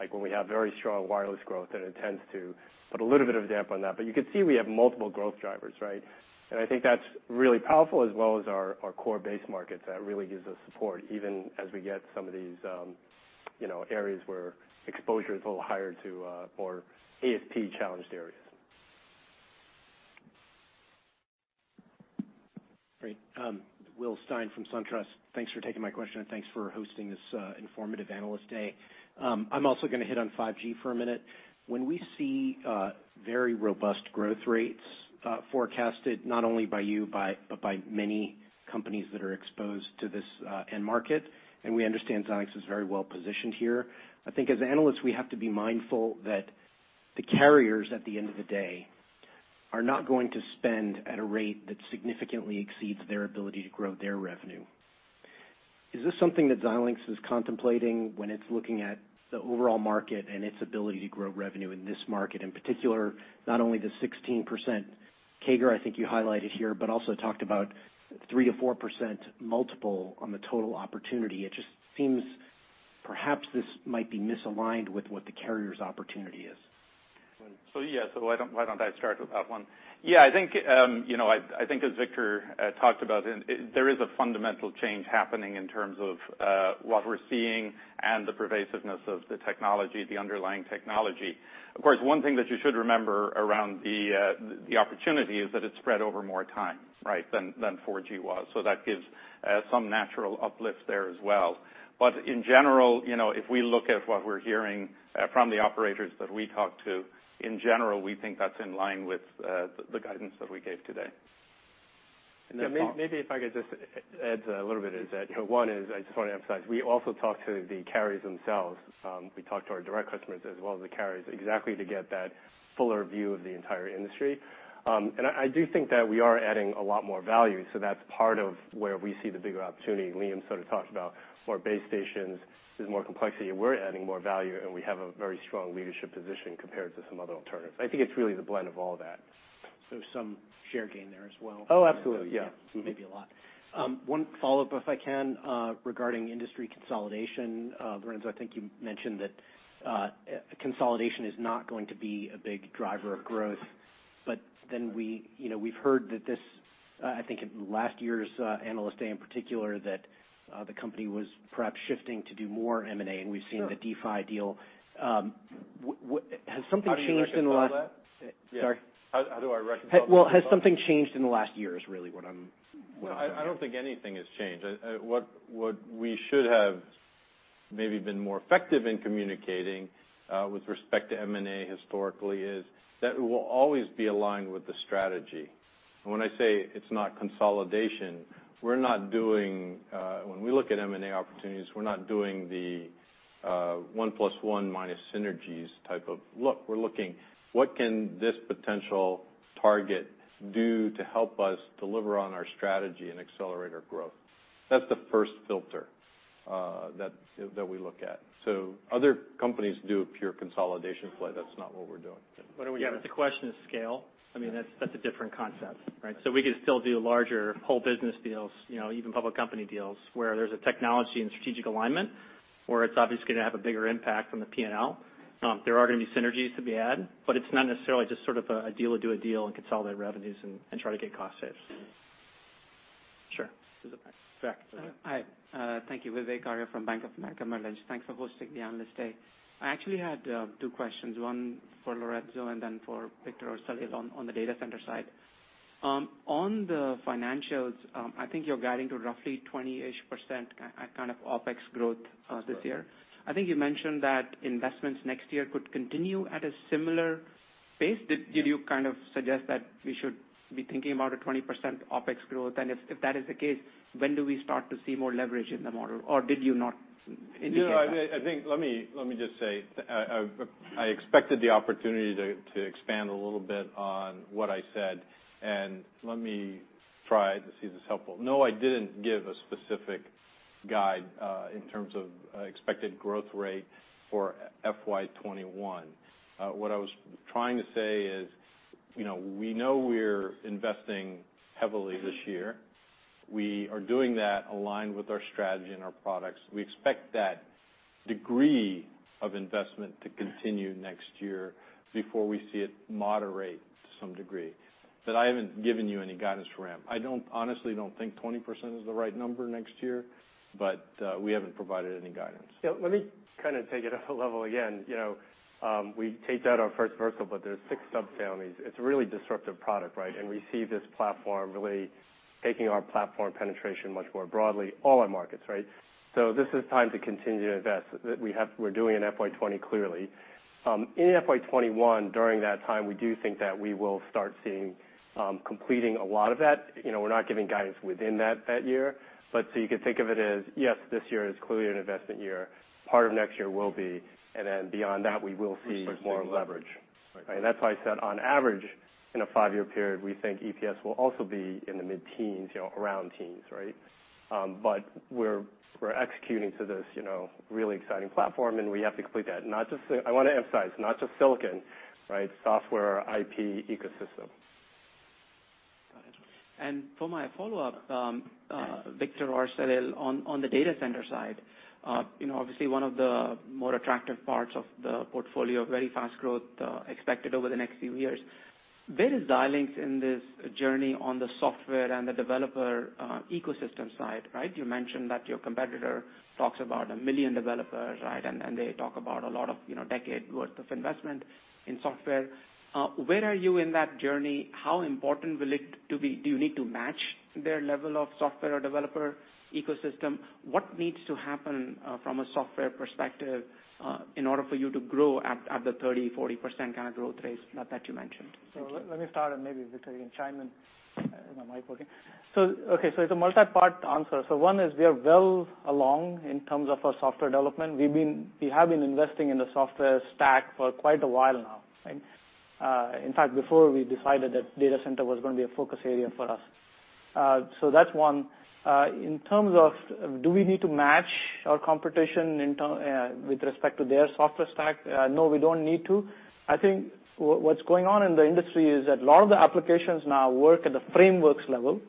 like when we have very strong wireless growth, and it tends to put a little bit of a dampener on that. You could see we have multiple growth drivers, right? I think that's really powerful as well as our core base markets. That really gives us support even as we get some of these areas where exposure is a little higher to more ASP-challenged areas. Great. Will Stein from SunTrust. Thanks for taking my question and thanks for hosting this informative Analyst Day. We see very robust growth rates forecasted, not only by you, but by many companies that are exposed to this end market. We understand Xilinx is very well positioned here. I think as analysts, we have to be mindful that the carriers, at the end of the day, are not going to spend at a rate that significantly exceeds their ability to grow their revenue. Is this something that Xilinx is contemplating when it's looking at the overall market and its ability to grow revenue in this market, in particular, not only the 16% CAGR, I think you highlighted here, also talked about 3%-4% multiple on the total opportunity. It just seems perhaps this might be misaligned with what the carrier's opportunity is. Yeah. Why don't I start with that one? Yeah, I think as Victor talked about, there is a fundamental change happening in terms of what we're seeing and the pervasiveness of the technology, the underlying technology. Of course, one thing that you should remember around the opportunity is that it's spread over more time, right? Than 4G was. That gives some natural uplift there as well. In general, if we look at what we're hearing from the operators that we talk to, in general, we think that's in line with the guidance that we gave today. Maybe if I could just add a little bit is that, one is I just want to emphasize, we also talk to the carriers themselves. We talk to our direct customers as well as the carriers exactly to get that fuller view of the entire industry. I do think that we are adding a lot more value. That's part of where we see the bigger opportunity. Liam sort of talked about more base stations. There's more complexity. We're adding more value. We have a very strong leadership position compared to some other alternatives. I think it's really the blend of all that. Some share gain there as well. Oh, absolutely, yeah. Maybe a lot. One follow-up, if I can, regarding industry consolidation. Lorenzo, I think you mentioned that consolidation is not going to be a big driver of growth, but then we've heard that this, I think in last year's Analyst Day in particular, that the company was perhaps shifting to do more M&A, and we've seen- Sure the DeePhi deal. Has something changed in the last- How do you reconcile that? Sorry? How do I reconcile those two thoughts? Well, has something changed in the last year, is really what I'm asking. No, I don't think anything has changed. What we should have maybe been more effective in communicating with respect to M&A historically is that it will always be aligned with the strategy. When I say it's not consolidation, when we look at M&A opportunities, we're not doing the one plus one minus synergies type of look. We're looking, what can this potential target do to help us deliver on our strategy and accelerate our growth? That's the first filter that we look at. Other companies do a pure consolidation play. That's not what we're doing. What are we doing? The question is scale. That's a different concept, right? We could still do larger whole business deals, even public company deals, where there's a technology and strategic alignment, where it's obviously going to have a bigger impact on the P&L. There are going to be synergies to be had, but it's not necessarily just sort of a deal to do a deal and consolidate revenues and try to get cost saves. Sure. Vivek. Hi, thank you. Vivek Arya from Bank of America Merrill Lynch. Thanks for hosting the Analyst Day. I actually had two questions, one for Lorenzo and then for Victor or Salil on the data center side. On the financials, I think you're guiding to roughly 20-ish% kind of OpEx growth this year. That's right. I think you mentioned that investments next year could continue at a similar pace. Did you kind of suggest that we should be thinking about a 20% OpEx growth? If that is the case, when do we start to see more leverage in the model? Did you not indicate that? I think, let me just say, I expected the opportunity to expand a little bit on what I said. Let me try to see if it's helpful. No, I didn't give a specific guide in terms of expected growth rate for FY 2021. What I was trying to say is, we know we're investing heavily this year. We are doing that aligned with our strategy and our products. We expect that degree of investment to continue next year before we see it moderate to some degree. I haven't given you any guidance for ramp. I honestly don't think 20% is the right number next year. We haven't provided any guidance. Let me take it up a level again. We taped out our first Versal. There's six sub families. It's a really disruptive product, right? We see this platform really taking our platform penetration much more broadly, all our markets, right? This is time to continue to invest. We're doing an FY 2020 clearly. In FY 2021, during that time, we do think that we will start seeing completing a lot of that. We're not giving guidance within that year. You could think of it as, yes, this year is clearly an investment year. Part of next year will be. Beyond that, we will see more leverage. Right. That's why I said on average, in a five-year period, we think EPS will also be in the mid-teens, around teens. We're executing to this really exciting platform, and we have to complete that. I want to emphasize not just silicon, Software IP ecosystem. Got it. For my follow-up, Victor or Salil, on the data center side, obviously one of the more attractive parts of the portfolio, very fast growth expected over the next few years. Where is Xilinx in this journey on the software and the developer ecosystem side? You mentioned that your competitor talks about 1 million developers. They talk about a lot of decade worth of investment in software. Where are you in that journey? How important do you need to match their level of software or developer ecosystem? What needs to happen from a software perspective in order for you to grow at the 30%-40% kind of growth rates that you mentioned? Let me start and maybe Victor, you can chime in. Is my mic working? Okay. It's a multi-part answer. One is we are well along in terms of our software development. We have been investing in the software stack for quite a while now. In fact, before we decided that data center was going to be a focus area for us. That's one. In terms of do we need to match our competition with respect to their software stack? No, we don't need to. I think what's going on in the industry is that a lot of the applications now work at the frameworks level.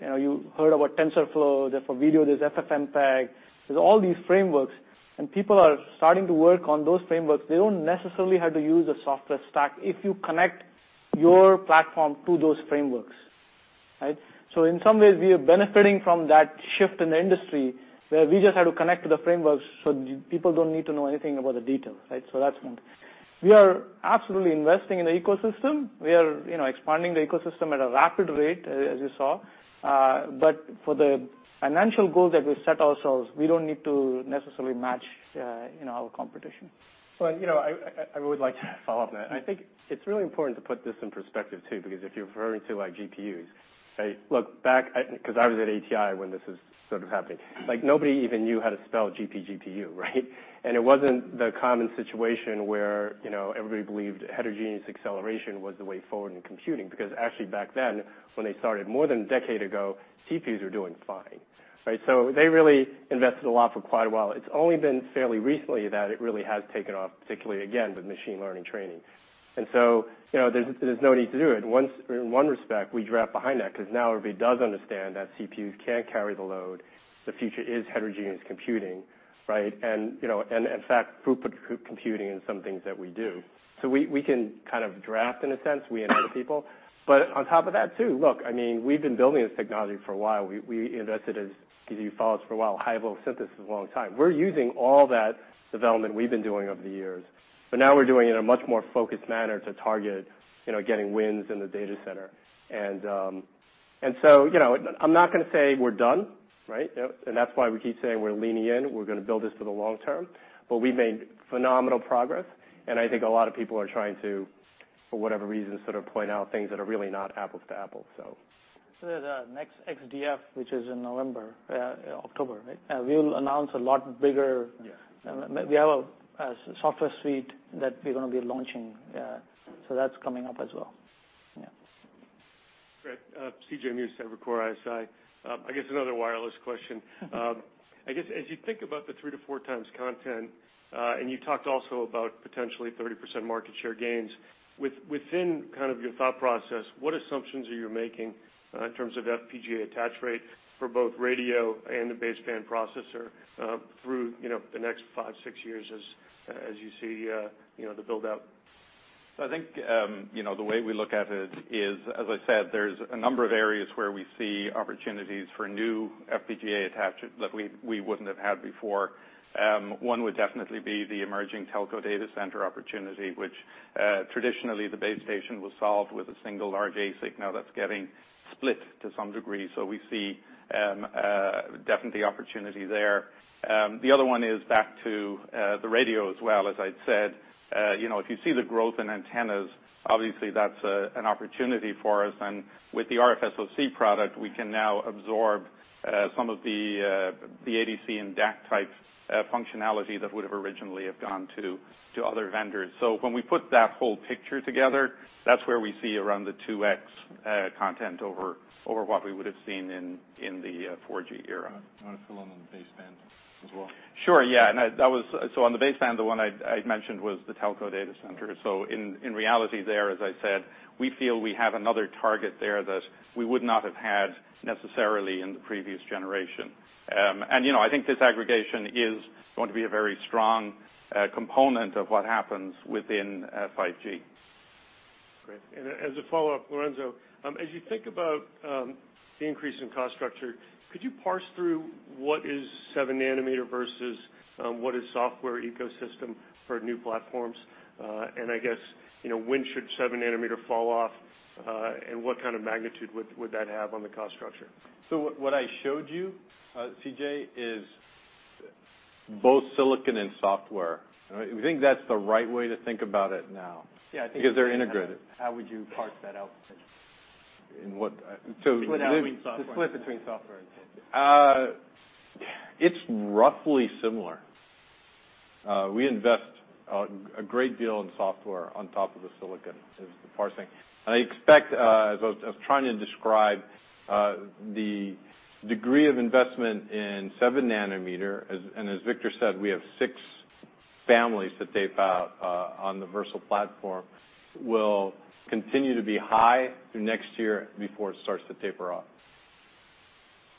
You heard about TensorFlow. For video, there's FFmpeg. There's all these frameworks, and people are starting to work on those frameworks. They don't necessarily have to use a software stack if you connect your platform to those frameworks. In some ways, we are benefiting from that shift in the industry, where we just had to connect to the frameworks so people don't need to know anything about the details. That's one. We are absolutely investing in the ecosystem. We are expanding the ecosystem at a rapid rate, as you saw. For the financial goals that we set ourselves, we don't need to necessarily match our competition. I would like to follow up on that. I think it's really important to put this in perspective, too, because if you're referring to GPUs, look, because I was at ATI when this was sort of happening. Nobody even knew how to spell GPGPU, right? It wasn't the common situation where everybody believed heterogeneous acceleration was the way forward in computing, because actually back then, when they started more than a decade ago, CPUs were doing fine, right? They really invested a lot for quite a while. It's only been fairly recently that it really has taken off, particularly again, with machine learning training. There's no need to do it. In one respect, we draft behind that, because now everybody does understand that CPUs can't carry the load. The future is heterogeneous computing, right? In fact, GPU computing is something that we do. We can kind of draft in a sense, we and other people. On top of that too, look, we've been building this technology for a while. We invested, as you followed us for a while, high level synthesis a long time. We're using all that development we've been doing over the years. Now we're doing it in a much more focused manner to target getting wins in the data center. I'm not going to say we're done, right? That's why we keep saying we're leaning in, we're going to build this for the long term. We've made phenomenal progress, and I think a lot of people are trying to, for whatever reason, sort of point out things that are really not apples to apples. The next XDF, which is in October, right? We'll announce a lot. Yeah, we have a software suite that we're going to be launching. That's coming up as well. Yeah. Great. C.J. Muse, Evercore ISI. I guess another wireless question. I guess, as you think about the 3 to 4 times content, and you talked also about potentially 30% market share gains. Within kind of your thought process, what assumptions are you making in terms of FPGA attach rate for both radio and the baseband processor through the next 5, 6 years as you see the build-out? I think the way we look at it is, as I said, there's a number of areas where we see opportunities for new FPGA attach that we wouldn't have had before. One would definitely be the emerging telco data center opportunity, which traditionally the base station was solved with a single large ASIC. Now that's getting split to some degree. We see definitely opportunity there. The other one is back to the radio as well, as I'd said. If you see the growth in antennas, obviously that's an opportunity for us. And with the RFSoC product, we can now absorb some of the ADC and DAC type functionality that would have originally have gone to other vendors. When we put that whole picture together, that's where we see around the 2x content over what we would have seen in the 4G era. I want to fill in on the baseband as well. Sure, yeah. On the baseband, the one I'd mentioned was the telco data center. In reality there, as I said, we feel we have another target there that we would not have had necessarily in the previous generation. I think disaggregation is going to be a very strong component of what happens within 5G. Great. As a follow-up, Lorenzo, as you think about the increase in cost structure, could you parse through what is 7 nanometer versus what is software ecosystem for new platforms? I guess, when should 7 nanometer fall off? And what kind of magnitude would that have on the cost structure? What I showed you, CJ, is both silicon and software. We think that's the right way to think about it now because they're integrated. How would you parse that out? In what? The split between software. It's roughly similar. We invest a great deal in software on top of the silicon is the parsing. I expect, as I was trying to describe the degree of investment in 7 nanometer, and as Victor said, we have 6 families to tape out on the Versal platform, will continue to be high through next year before it starts to taper off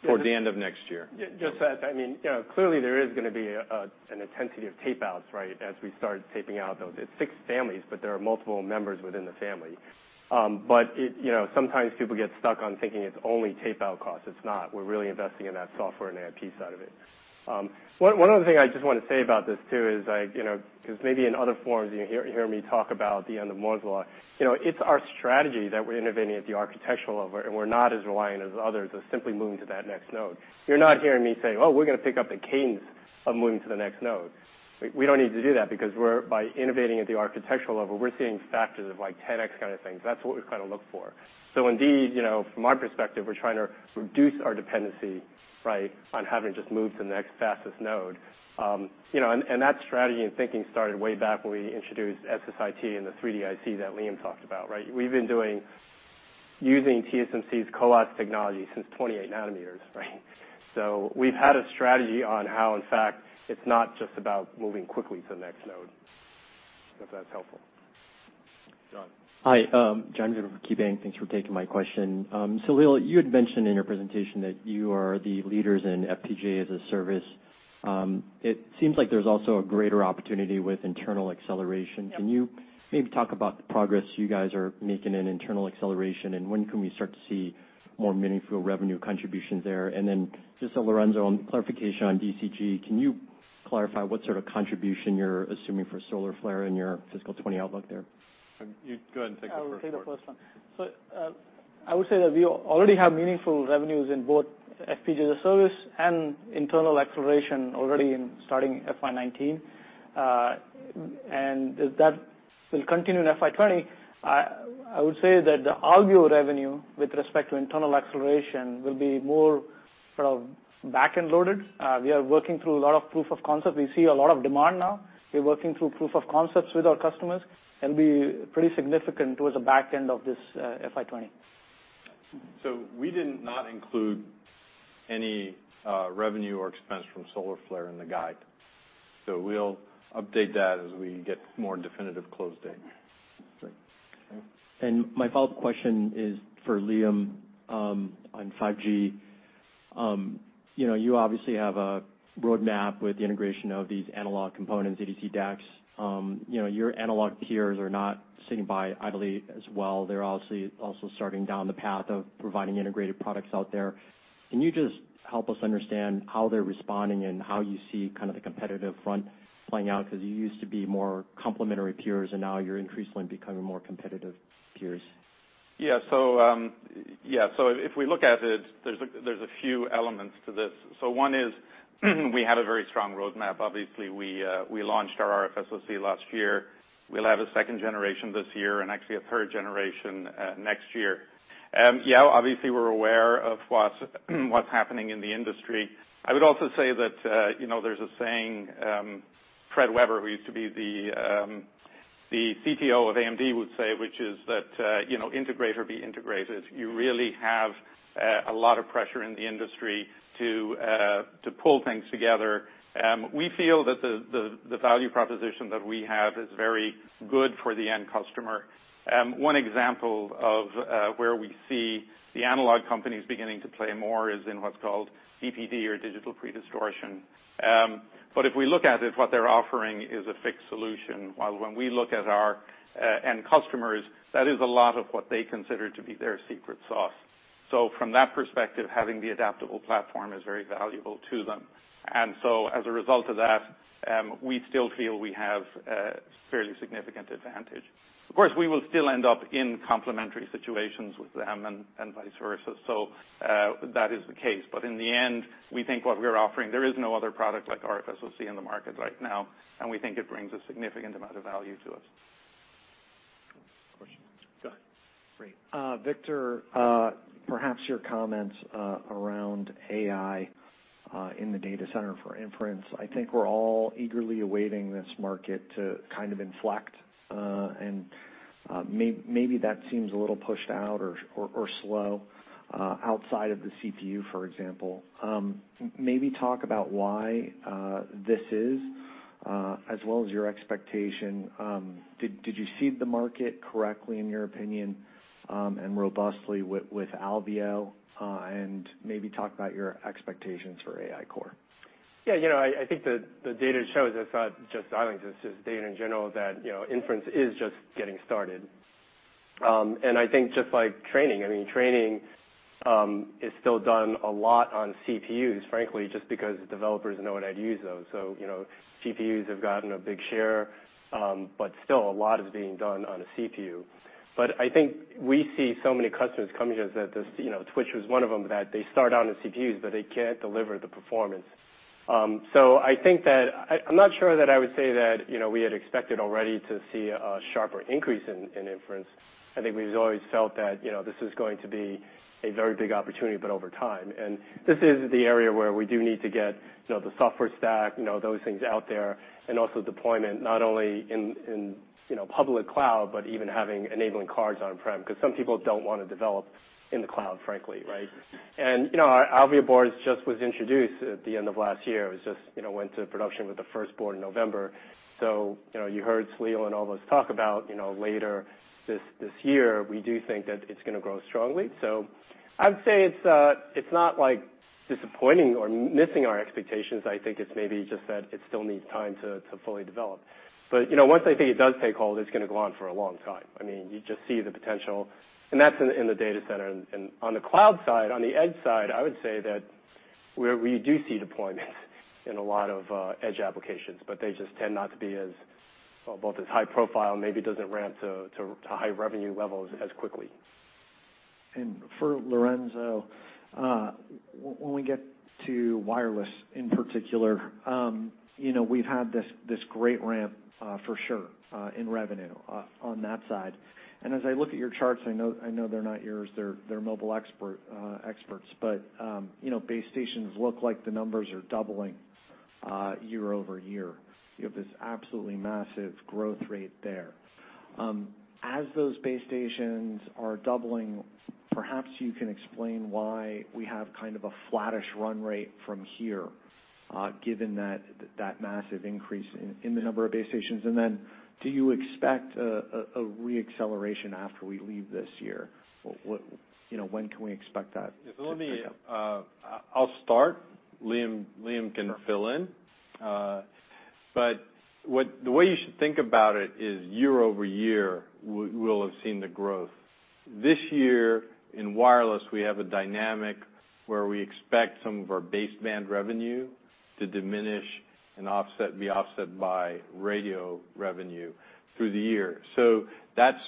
toward the end of next year. Clearly there is going to be an intensity of tape-outs, right, as we start taping out those. It's 6 families, but there are multiple members within the family. Sometimes people get stuck on thinking it's only tape-out cost. It's not. We're really investing in that software and IP side of it. One other thing I just want to say about this too is, because maybe in other forums you hear me talk about the end of Moore's Law. It's our strategy that we're innovating at the architectural level, we're not as reliant as others of simply moving to that next node. You're not hearing me say, "Oh, we're going to pick up the cadence of moving to the next node." We don't need to do that because by innovating at the architectural level, we're seeing factors of like 10x kind of things. That's what we kind of look for. Indeed, from our perspective, we're trying to reduce our dependency, right, on having to just move to the next fastest node. That strategy and thinking started way back when we introduced SSIT and the 3D IC that Liam talked about, right? We've been using TSMC's CoWoS technology since 28 nanometers, right? We've had a strategy on how, in fact, it's not just about moving quickly to the next node, if that's helpful. John. Hi, John Vinh from KeyBanc. Thanks for taking my question. Salil, you had mentioned in your presentation that you are the leaders in FPGA-as-a-service. It seems like there's also a greater opportunity with internal acceleration. Yep. Can you maybe talk about the progress you guys are making in internal acceleration, when can we start to see more meaningful revenue contributions there? Just to Lorenzo, on clarification on DCG, can you clarify what sort of contribution you're assuming for Solarflare in your fiscal 2020 outlook there? You go ahead and take the first part. I will take the first one. I would say that we already have meaningful revenues in both FPGA-as-a-service and internal acceleration already in starting FY 2019. That will continue in FY 2020. I would say that the ARPU revenue with respect to internal acceleration will be more sort of back-end loaded. We are working through a lot of proof of concept. We see a lot of demand now. We're working through proof of concepts with our customers. It'll be pretty significant towards the back end of this FY 2020. We did not include any revenue or expense from Solarflare in the guide. We'll update that as we get more definitive close date. Great. My follow-up question is for Liam on 5G. You obviously have a roadmap with the integration of these analog components, ADC DACs. Your analog peers are not sitting by idly as well. They're obviously also starting down the path of providing integrated products out there. Can you just help us understand how they're responding and how you see kind of the competitive front playing out? You used to be more complementary peers, and now you're increasingly becoming more competitive peers. Yeah. If we look at it, there's a few elements to this. One is, we have a very strong roadmap. Obviously, we launched our RFSoC last year. We'll have a 2nd generation this year and actually a 3rd generation next year. Obviously, we're aware of what's happening in the industry. I would also say that there's a saying, Fred Weber, who used to be the CTO of AMD, would say, which is that, "Integrator be integrated." You really have a lot of pressure in the industry to pull things together. We feel that the value proposition that we have is very good for the end customer. One example of where we see the analog companies beginning to play more is in what's called DPD or digital pre-distortion. If we look at it, what they're offering is a fixed solution. While when we look at our end customers, that is a lot of what they consider to be their secret sauce. From that perspective, having the adaptable platform is very valuable to them. As a result of that, we still feel we have a fairly significant advantage. Of course, we will still end up in complementary situations with them and vice versa. That is the case. In the end, we think what we're offering, there is no other product like RFSoC in the market right now, and we think it brings a significant amount of value to us. Question. Go ahead. Great. Victor, perhaps your comments around AI in the data center for inference. I think we're all eagerly awaiting this market to kind of inflect, and maybe that seems a little pushed out or slow, outside of the CPU, for example. Maybe talk about why this is, as well as your expectation. Did you seed the market correctly, in your opinion, and robustly with Alveo? Maybe talk about your expectations for AI core. Yeah. I think the data shows, it's not just Alveo, it's just data in general, that inference is just getting started. I think just like training is still done a lot on CPUs, frankly, just because developers know and how to use those. CPUs have gotten a big share, but still a lot is being done on a CPU. I think we see so many customers coming to us that, Twitch was one of them, that they start out on CPUs, but they can't deliver the performance. I'm not sure that I would say that we had expected already to see a sharper increase in inference. I think we've always felt that this is going to be a very big opportunity, but over time. This is the area where we do need to get the software stack, those things out there, and also deployment, not only in public cloud, but even having enabling cards on-prem, because some people don't want to develop in the cloud, frankly, right? Our Alveo board just was introduced at the end of last year. It just went to production with the first board in November. You heard Salil and Emre talk about later this year, we do think that it's going to grow strongly. I'd say it's not disappointing or missing our expectations. I think it's maybe just that it still needs time to fully develop. Once I think it does take hold, it's going to go on for a long time. You just see the potential, and that's in the data center. On the cloud side, on the edge side, I would say that we do see deployments in a lot of edge applications, but they just tend not to be as high profile, maybe doesn't ramp to high revenue levels as quickly. For Lorenzo, when we get to wireless in particular, we've had this great ramp, for sure, in revenue on that side. As I look at your charts, I know they're not yours, they're Mobile Experts'. Base stations look like the numbers are doubling year-over-year. You have this absolutely massive growth rate there. As those base stations are doubling, perhaps you can explain why we have kind of a flattish run rate from here, given that massive increase in the number of base stations. Then do you expect a re-acceleration after we leave this year? When can we expect that to pick up? Let me, I'll start. Liam can fill in. The way you should think about it is year-over-year, we'll have seen the growth. This year in wireless, we have a dynamic where we expect some of our baseband revenue to diminish and be offset by radio revenue through the year. That's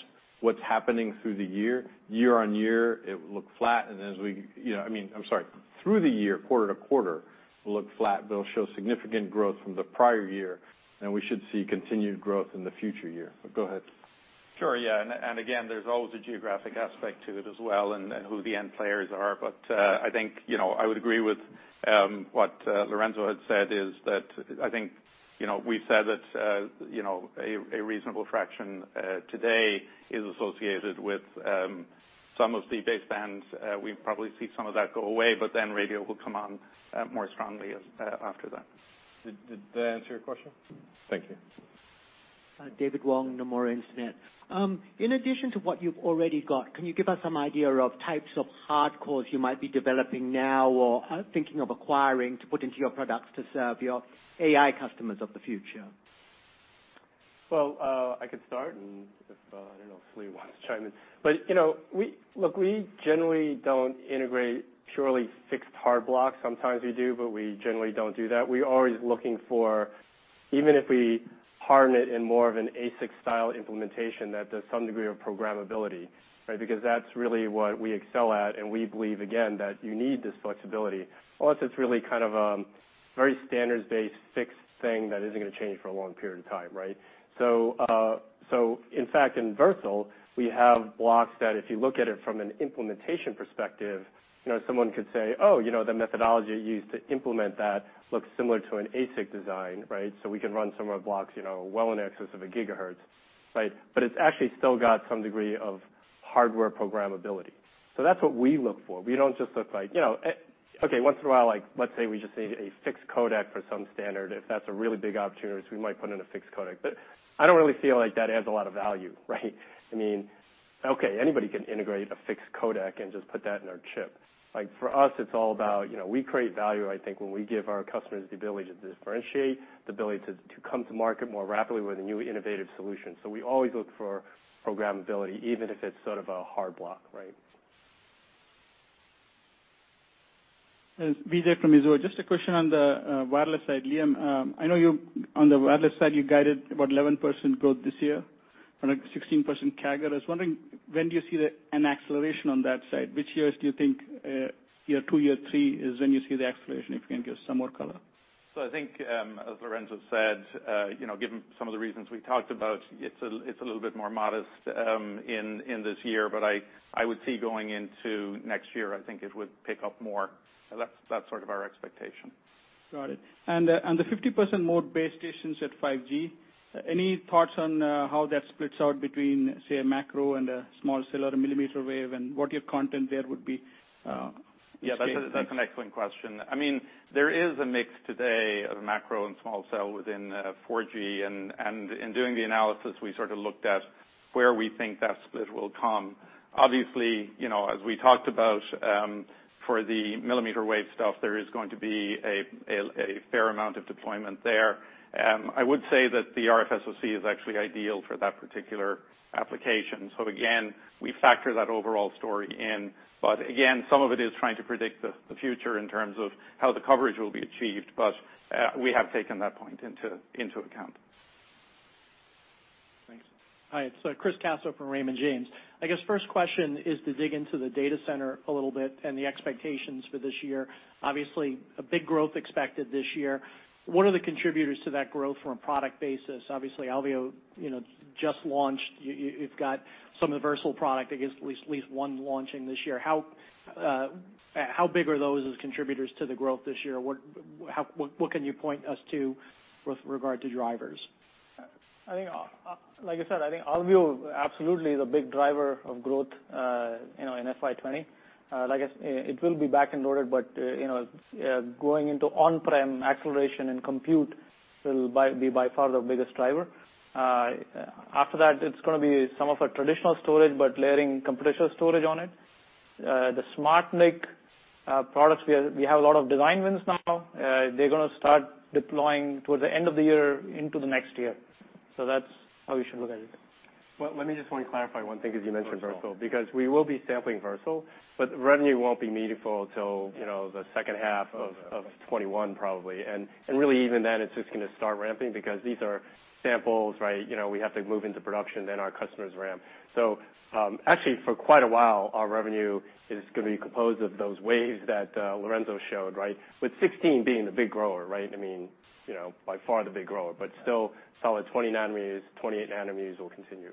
what's happening through the year. Year-on-year, it will look flat, I'm sorry. Through the year, quarter-to-quarter, will look flat, but it'll show significant growth from the prior year, and we should see continued growth in the future year. Go ahead. Sure, yeah. Again, there's always a geographic aspect to it as well and who the end players are. I think I would agree with what Lorenzo had said, is that I think we've said that a reasonable fraction today is associated with some of the basebands. We probably see some of that go away, radio will come on more strongly after that. Did that answer your question? Thank you. David Wong, Nomura Instinet. In addition to what you've already got, can you give us some idea of types of hard cores you might be developing now or thinking of acquiring to put into your products to serve your AI customers of the future? Well, I could start, I don't know if Salil wants to chime in. Look, we generally don't integrate purely fixed hard blocks. Sometimes we do, but we generally don't do that. We're always looking for, even if we harden it in more of an ASIC-style implementation that does some degree of programmability. That's really what we excel at, and we believe, again, that you need this flexibility, unless it's really a very standards-based fixed thing that isn't going to change for a long period of time. In fact, in Versal, we have blocks that if you look at it from an implementation perspective, someone could say, "Oh, the methodology used to implement that looks similar to an ASIC design." We can run some of our blocks well in excess of a gigahertz. It's actually still got some degree of hardware programmability. That's what we look for. Once in a while, let's say we just need a fixed codec for some standard. If that's a really big opportunity, we might put in a fixed codec. I don't really feel like that adds a lot of value. Anybody can integrate a fixed codec and just put that in their chip. For us, it's all about we create value, I think, when we give our customers the ability to differentiate, the ability to come to market more rapidly with a new innovative solution. We always look for programmability, even if it's sort of a hard block. Vijay from Mizuho. Just a question on the wireless side. Liam, I know on the wireless side, you guided about 11% growth this year on a 16% CAGR. I was wondering, when do you see an acceleration on that side? Which years do you think, year 2, year 3 is when you see the acceleration? If you can give some more color. I think as Lorenzo said, given some of the reasons we talked about, it's a little bit more modest in this year. I would see going into next year, I think it would pick up more. That's sort of our expectation. Got it. The 50% more base stations at 5G, any thoughts on how that splits out between, say, a macro and a small cell or a millimeter wave, what your content there would be? Yeah, that's an excellent question. There is a mix today of macro and small cell within 4G, in doing the analysis, we sort of looked at where we think that split will come. Obviously, as we talked about for the millimeter wave stuff, there is going to be a fair amount of deployment there. I would say that the RFSoC is actually ideal for that particular application. Again, we factor that overall story in. Again, some of it is trying to predict the future in terms of how the coverage will be achieved. We have taken that point into account. Thanks. Hi, it's Chris Caso from Raymond James. I guess first question is to dig into the data center a little bit and the expectations for this year. Obviously, a big growth expected this year. What are the contributors to that growth from a product basis? Obviously, Alveo just launched. You've got some of Versal product, I guess at least one launching this year. How big are those as contributors to the growth this year? What can you point us to with regard to drivers? Like I said, I think Alveo absolutely is a big driver of growth in FY 2020. It will be back-end loaded, but going into on-prem acceleration and compute will be by far the biggest driver. After that, it's going to be some of our traditional storage, but layering computational storage on it. The SmartNIC products, we have a lot of design wins now. They're going to start deploying towards the end of the year into the next year. That's how you should look at it. Let me just want to clarify one thing because you mentioned Versal. Because we will be sampling Versal, but revenue won't be meaningful till the second half of 2021 probably. Really even then, it's just going to start ramping because these are samples. We have to move into production, then our customers ramp. Actually for quite a while, our revenue is going to be composed of those waves that Lorenzo showed. With 16 being the big grower. By far the big grower, but still solid 20 nanometers, 28 nanometers will continue.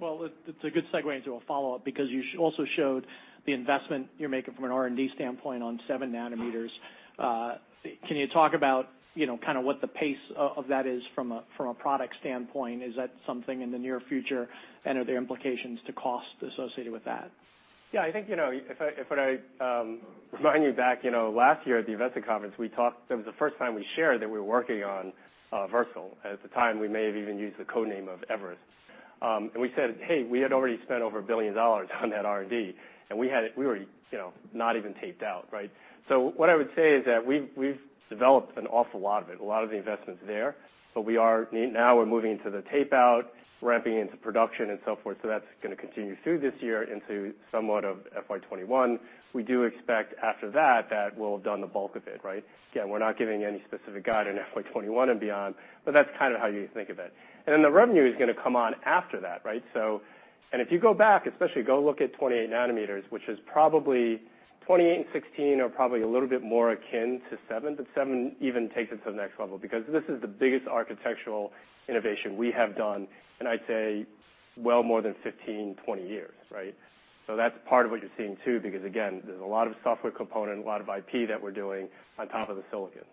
Well, it's a good segue into a follow-up because you also showed the investment you're making from an R&D standpoint on seven nanometers. Can you talk about what the pace of that is from a product standpoint? Is that something in the near future? Are there implications to cost associated with that? Yeah, I think if I remind you back last year at the investor conference, that was the first time we shared that we were working on Versal. At the time, we may have even used the code name of Everest. We said, "Hey, we had already spent over $1 billion on that R&D," and we were not even taped out. What I would say is that we've developed an awful lot of it, a lot of the investment's there. Now we're moving into the tape-out, ramping into production and so forth. That's going to continue through this year into somewhat of FY 2021. We do expect after that we'll have done the bulk of it. Again, we're not giving any specific guide on FY 2021 and beyond, but that's kind of how you think of it. Then the revenue is going to come on after that. If you go back, especially go look at 28 nanometers, which is probably 28 and 16 are probably a little bit more akin to seven, but seven even takes it to the next level because this is the biggest architectural innovation we have done in I'd say well more than 15, 20 years. That's part of what you're seeing too, because again, there's a lot of software component, a lot of IP that we're doing on top of the silicon.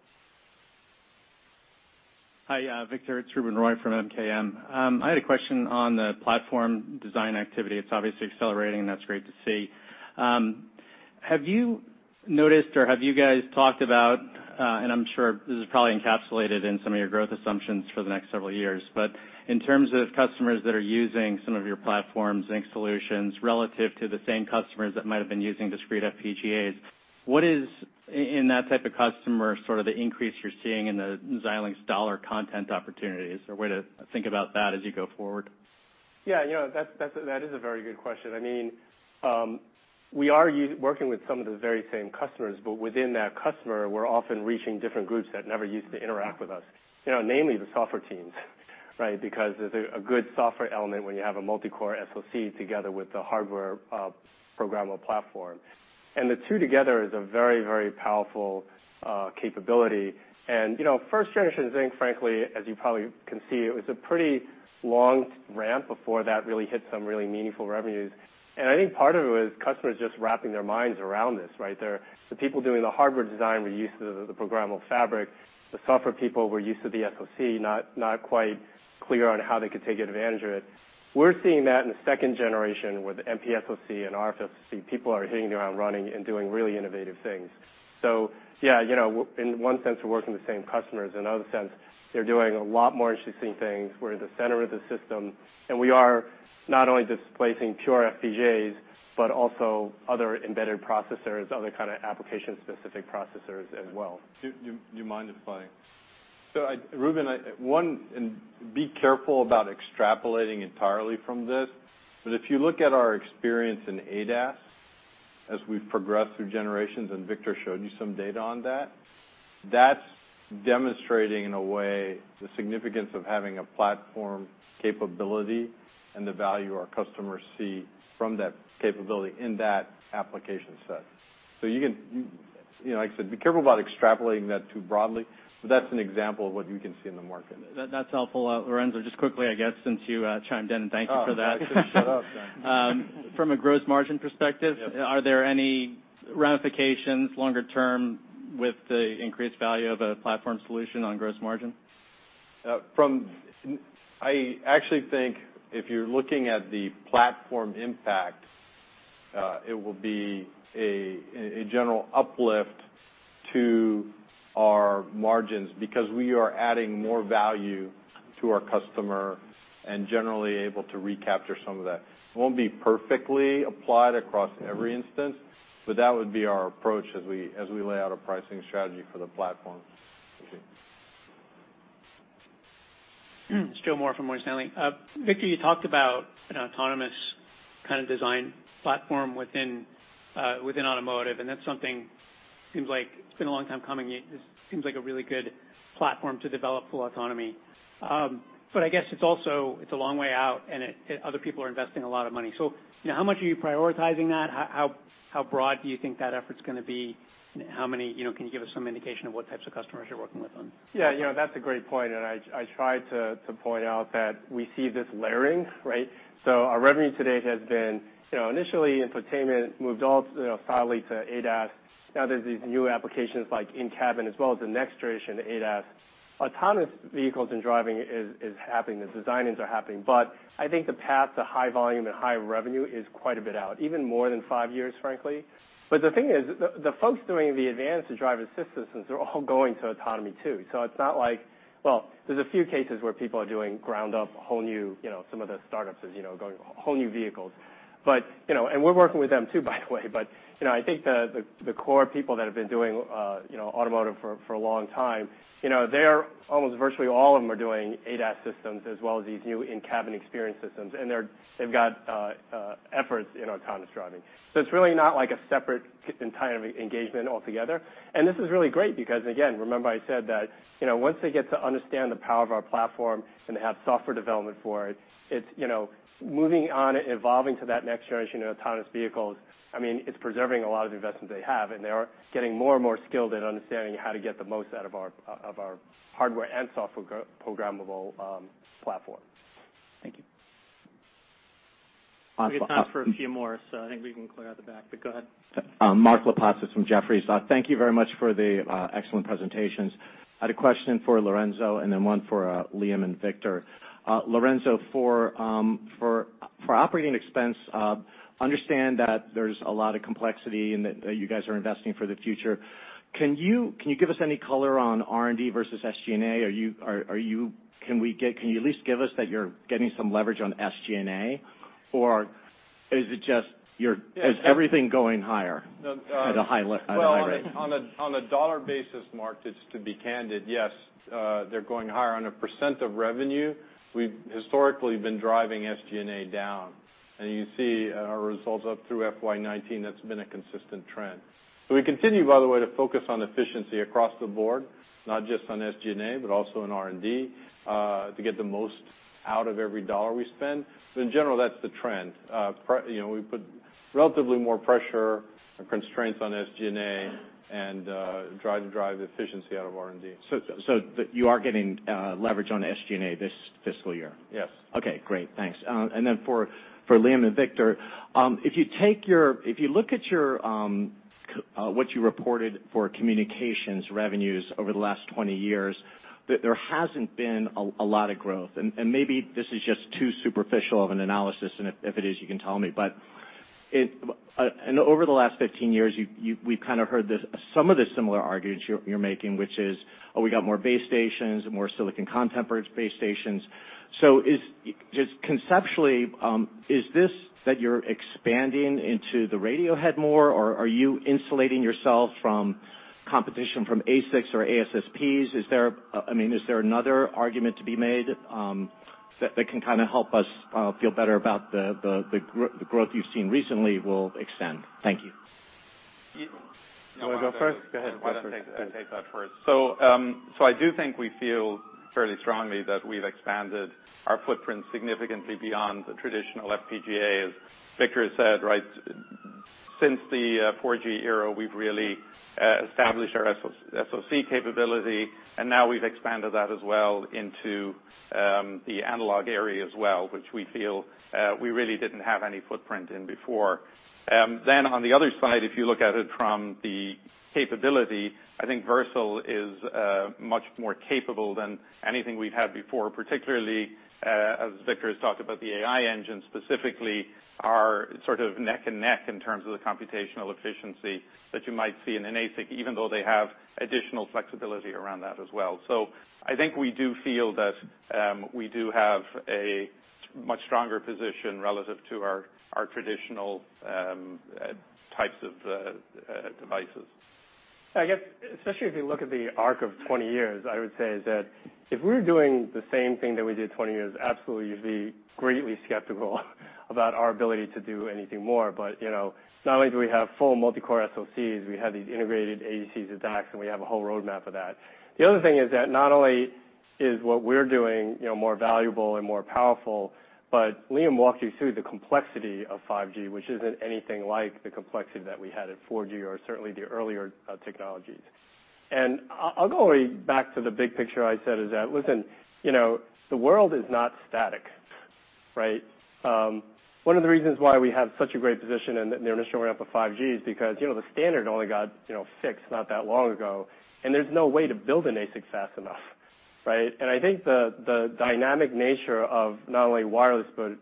Hi, Victor. It's Ruben Roy from MKM. I had a question on the platform design activity. It's obviously accelerating, and that's great to see. Have you noticed or have you guys talked about, and I'm sure this is probably encapsulated in some of your growth assumptions for the next several years, but in terms of customers that are using some of your platforms, Zynq solutions, relative to the same customers that might have been using discrete FPGAs, what is in that type of customer sort of the increase you're seeing in the Xilinx dollar content opportunity? Is there a way to think about that as you go forward? That is a very good question. We are working with some of the very same customers, but within that customer, we're often reaching different groups that never used to interact with us. Namely the software teams, right? Because there's a good software element when you have a multi-core SoC together with the hardware programmable platform. The two together is a very powerful capability. First generation Zynq, frankly, as you probably can see, it was a pretty long ramp before that really hit some really meaningful revenues. I think part of it was customers just wrapping their minds around this, right? The people doing the hardware design were used to the programmable fabric. The software people were used to the SoC, not quite clear on how they could take advantage of it. We're seeing that in the second generation with MPSoC and RFSoC, people are hitting the ground running and doing really innovative things. In one sense, we're working with the same customers. In another sense, they're doing a lot more interesting things. We're in the center of the system, and we are not only displacing pure FPGAs, but also other embedded processors, other kind of application-specific processors as well. Do you mind if I? Ruben, one, be careful about extrapolating entirely from this, but if you look at our experience in ADAS, as we've progressed through generations, Victor showed you some data on that's demonstrating, in a way, the significance of having a platform capability and the value our customers see from that capability in that application set. Like I said, be careful about extrapolating that too broadly, but that's an example of what you can see in the market. That's helpful. Lorenzo, just quickly, I guess, since you chimed in, and thank you for that. Oh, I should shut up then. From a gross margin perspective Yes Are there any ramifications longer term with the increased value of a platform solution on gross margin? I actually think if you're looking at the platform impact, it will be a general uplift to our margins because we are adding more value to our customer and generally able to recapture some of that. It won't be perfectly applied across every instance, but that would be our approach as we lay out a pricing strategy for the platform. Okay. Joseph Moore from Morgan Stanley. Victor, you talked about an autonomous kind of design platform within automotive, and that's something, seems like it's been a long time coming. It seems like a really good platform to develop full autonomy. I guess it's a long way out, and other people are investing a lot of money. How much are you prioritizing that? How broad do you think that effort's gonna be? Can you give us some indication of what types of customers you're working with on this? Yeah, that's a great point. I tried to point out that we see this layering, right? Our revenue to date has been initially infotainment, moved solidly to ADAS. Now there's these new applications like in-cabin as well as the next generation ADAS. Autonomous vehicles and driving is happening. The design-ins are happening. I think the path to high volume and high revenue is quite a bit out, even more than five years, frankly. The thing is, the folks doing the advanced driver assistance systems are all going to autonomy too. Well, there's a few cases where people are doing ground up, whole new, some of the startups are going whole new vehicles. We're working with them too, by the way. I think the core people that have been doing automotive for a long time, almost virtually all of them are doing ADAS systems as well as these new in-cabin experience systems. They've got efforts in autonomous driving. It's really not like a separate entire engagement altogether. This is really great because, again, remember I said that once they get to understand the power of our platform and have software development for it, moving on, evolving to that next generation of autonomous vehicles, it's preserving a lot of investments they have, and they are getting more and more skilled at understanding how to get the most out of our hardware and software programmable platform. Thank you. We have time for a few more, so I think we can clear out the back. Go ahead. Mark Lipacis from Jefferies. Thank you very much for the excellent presentations. I had a question for Lorenzo and then one for Liam and Victor. Lorenzo, for operating expense, understand that there's a lot of complexity and that you guys are investing for the future. Can you give us any color on R&D versus SG&A? Can you at least give us that you're getting some leverage on SG&A, or is everything going higher at a high rate? Well, on a dollar basis, Mark, just to be candid, yes, they're going higher. On a % of revenue, we've historically been driving SG&A down. You see our results up through FY 2019, that's been a consistent trend. We continue, by the way, to focus on efficiency across the board, not just on SG&A, but also in R&D, to get the most out of every dollar we spend. In general, that's the trend. We put relatively more pressure and constraints on SG&A and try to drive efficiency out of R&D. You are getting leverage on SG&A this fiscal year? Yes. Okay, great. Thanks. For Liam and Victor, if you look at what you reported for communications revenues over the last 20 years, there hasn't been a lot of growth. Maybe this is just too superficial of an analysis, and if it is, you can tell me. Over the last 15 years, we've kind of heard some of the similar arguments you're making, which is, oh, we got more base stations, more silicon content per base stations. Just conceptually, is this that you're expanding into the radio head more, or are you insulating yourself from competition from ASICs or ASSPs? Is there another argument to be made that can kind of help us feel better about the growth you've seen recently will extend? Thank you. You want to go first? Go ahead. Why don't I take that first? I do think we feel fairly strongly that we've expanded our footprint significantly beyond the traditional FPGA, as Victor has said. Since the 4G era, we've really established our SoC capability, and now we've expanded that as well into the analog area as well, which we feel we really didn't have any footprint in before. On the other side, if you look at it from the capability, I think Versal is much more capable than anything we've had before. Particularly, as Victor has talked about the AI Engine specifically are sort of neck and neck in terms of the computational efficiency that you might see in an ASIC, even though they have additional flexibility around that as well. I think we do feel that we do have a much stronger position relative to our traditional types of devices. I guess, especially if you look at the arc of 20 years, I would say that if we were doing the same thing that we did 20 years ago, absolutely you'd be greatly skeptical about our ability to do anything more. Not only do we have full multi-core SoCs, we have these integrated ADCs, DACs, and we have a whole roadmap of that. The other thing is that not only is what we're doing more valuable and more powerful, but Liam walked you through the complexity of 5G, which isn't anything like the complexity that we had at 4G or certainly the earlier technologies. I'll go back to the big picture I said is that, listen the world is not static, right? One of the reasons why we have such a great position in the initial ramp up of 5G is because the standard only got fixed not that long ago, there's no way to build an ASIC fast enough, right? I think the dynamic nature of not only wireless, but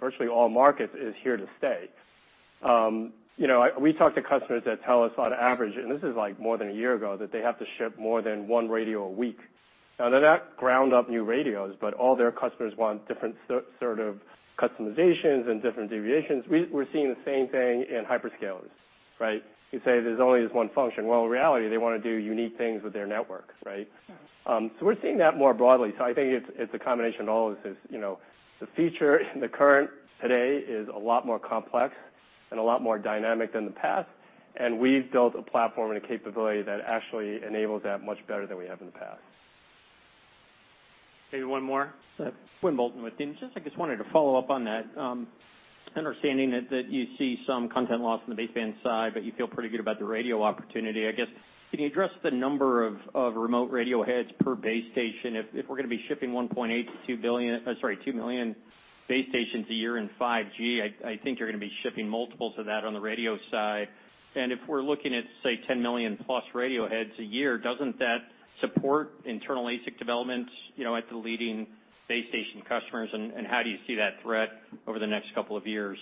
virtually all markets, is here to stay. We talk to customers that tell us on average, and this is more than a year ago, that they have to ship more than one radio a week. Now they're not ground-up new radios, but all their customers want different sort of customizations and different deviations. We're seeing the same thing in hyperscalers, right? You say there's only this one function. In reality, they want to do unique things with their networks, right? Yes. We're seeing that more broadly. I think it's a combination of all of this. The future and the current today is a lot more complex and a lot more dynamic than the past. We've built a platform and a capability that actually enables that much better than we have in the past. Maybe one more. I wanted to follow up on that. Understanding that you see some content loss on the baseband side, but you feel pretty good about the radio opportunity. I guess, can you address the number of remote radio heads per base station? If we're going to be shipping 1.8 to 2 million base stations a year in 5G, I think you're going to be shipping multiples of that on the radio side. If we're looking at, say, 10 million-plus radio heads a year, doesn't that support internal ASIC developments at the leading base station customers? How do you see that threat over the next couple of years?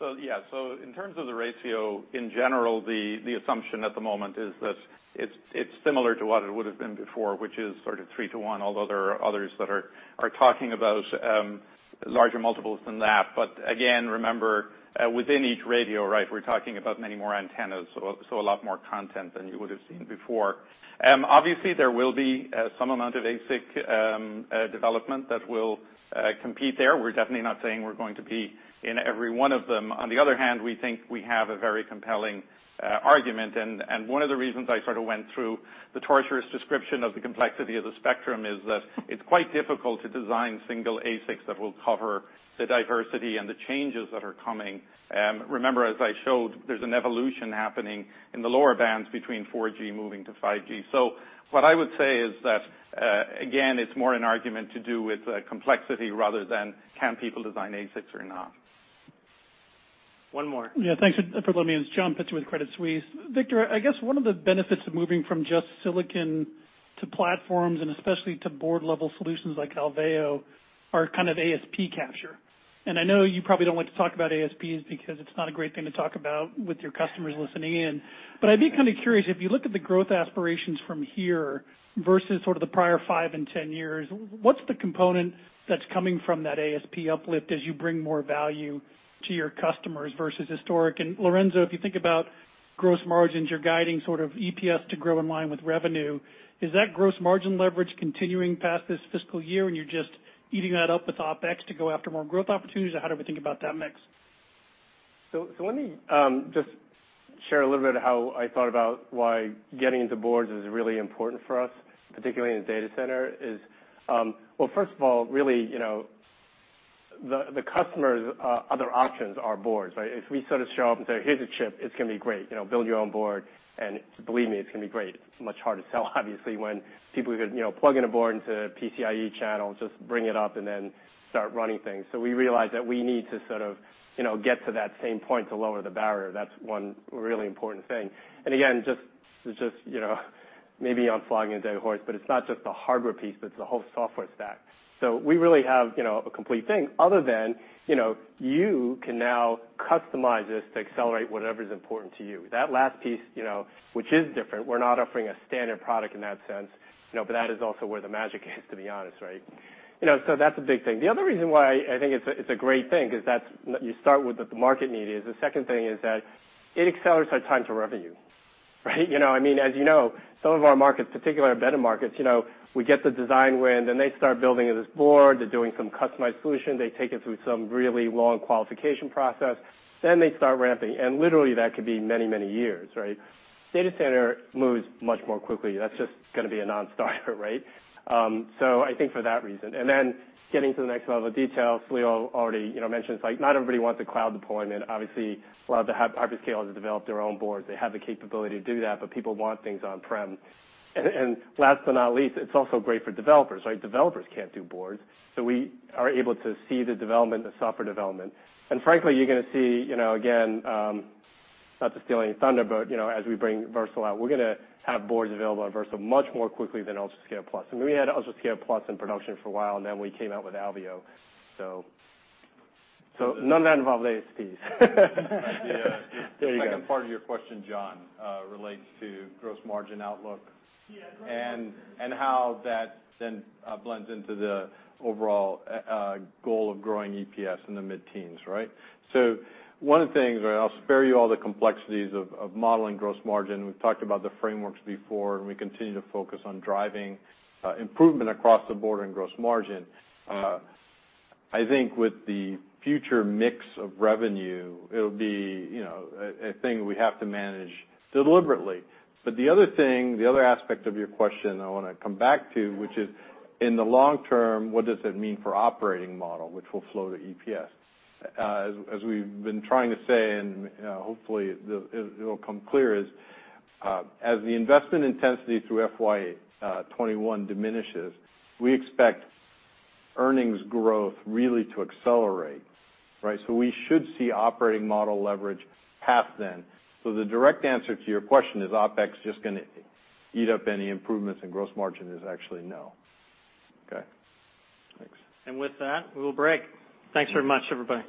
Yeah. In terms of the ratio, in general, the assumption at the moment is that it's similar to what it would have been before, which is sort of 3 to 1, although there are others that are talking about larger multiples than that. Again, remember within each radio, we're talking about many more antennas, so a lot more content than you would have seen before. Obviously, there will be some amount of ASIC development that will compete there. We're definitely not saying we're going to be in every one of them. On the other hand, we think we have a very compelling argument, and one of the reasons I sort of went through the torturous description of the complexity of the spectrum is that it's quite difficult to design single ASICs that will cover the diversity and the changes that are coming. Remember, as I showed, there's an evolution happening in the lower bands between 4G moving to 5G. What I would say is that again it's more an argument to do with complexity rather than can people design ASICs or not. One more. Yeah, thanks for letting me in. It's John Pitzer with Credit Suisse. Victor, I guess one of the benefits of moving from just silicon to platforms and especially to board-level solutions like Alveo are kind of ASP capture. I know you probably don't like to talk about ASPs because it's not a great thing to talk about with your customers listening in. I'd be kind of curious, if you look at the growth aspirations from here versus sort of the prior five and 10 years, what's the component that's coming from that ASP uplift as you bring more value to your customers versus historic? Lorenzo, if you think about gross margins, you're guiding sort of EPS to grow in line with revenue. Is that gross margin leverage continuing past this fiscal year and you're just eating that up with OpEx to go after more growth opportunities, or how do we think about that mix? Let me just share a little bit how I thought about why getting into boards is really important for us, particularly in the data center is, well, first of all, really the customer's other options are boards, right? If we sort of show up and say, "Here's a chip, it's going to be great. Build your own board and believe me, it's going to be great" it's much harder to sell, obviously, when people could plug in a board into a PCIe channel, just bring it up and then start running things. We realized that we need to sort of get to that same point to lower the barrier. That's one really important thing. Again, just maybe I'm flogging a dead horse, but it's not just the hardware piece, but it's the whole software stack. We really have a complete thing other than you can now customize this to accelerate whatever's important to you. That last piece which is different, we're not offering a standard product in that sense, but that is also where the magic is, to be honest, right? That's a big thing. The other reason why I think it's a great thing is that you start with what the market need is. The second thing is that it accelerates our time to revenue. Right. As you know, some of our markets, particularly our embedded markets, we get the design win, then they start building this board. They're doing some customized solution. They take it through some really long qualification process, then they start ramping, and literally that could be many, many years, right? Data center moves much more quickly. That's just going to be a non-starter, right? I think for that reason. Getting to the next level of detail, Liam already mentioned, it's like not everybody wants a cloud deployment. Obviously, a lot of the hyperscalers have developed their own boards. They have the capability to do that, but people want things on-prem. Last but not least, it's also great for developers, right? Developers can't do boards, we are able to see the development, the software development. Frankly, you're going to see, again, not to steal any thunder, but as we bring Versal out, we're going to have boards available on Versal much more quickly than UltraScale+. We had UltraScale+ in production for a while, then we came out with Alveo. None of that involves ASPs. Yeah. There you go. The second part of your question, John, relates to gross margin outlook- Yeah, gross margin How that then blends into the overall goal of growing EPS in the mid-teens. One of the things, I'll spare you all the complexities of modeling gross margin. We've talked about the frameworks before, we continue to focus on driving improvement across the board in gross margin. I think with the future mix of revenue, it'll be a thing we have to manage deliberately. The other thing, the other aspect of your question I want to come back to, which is in the long term, what does it mean for operating model, which will flow to EPS? As we've been trying to say, and hopefully it'll come clear is, as the investment intensity through FY 2021 diminishes, we expect earnings growth really to accelerate. We should see operating model leverage past then. The direct answer to your question is, OpEx just going to eat up any improvements in gross margin is actually no. Okay. Thanks. With that, we will break. Thanks very much, everybody.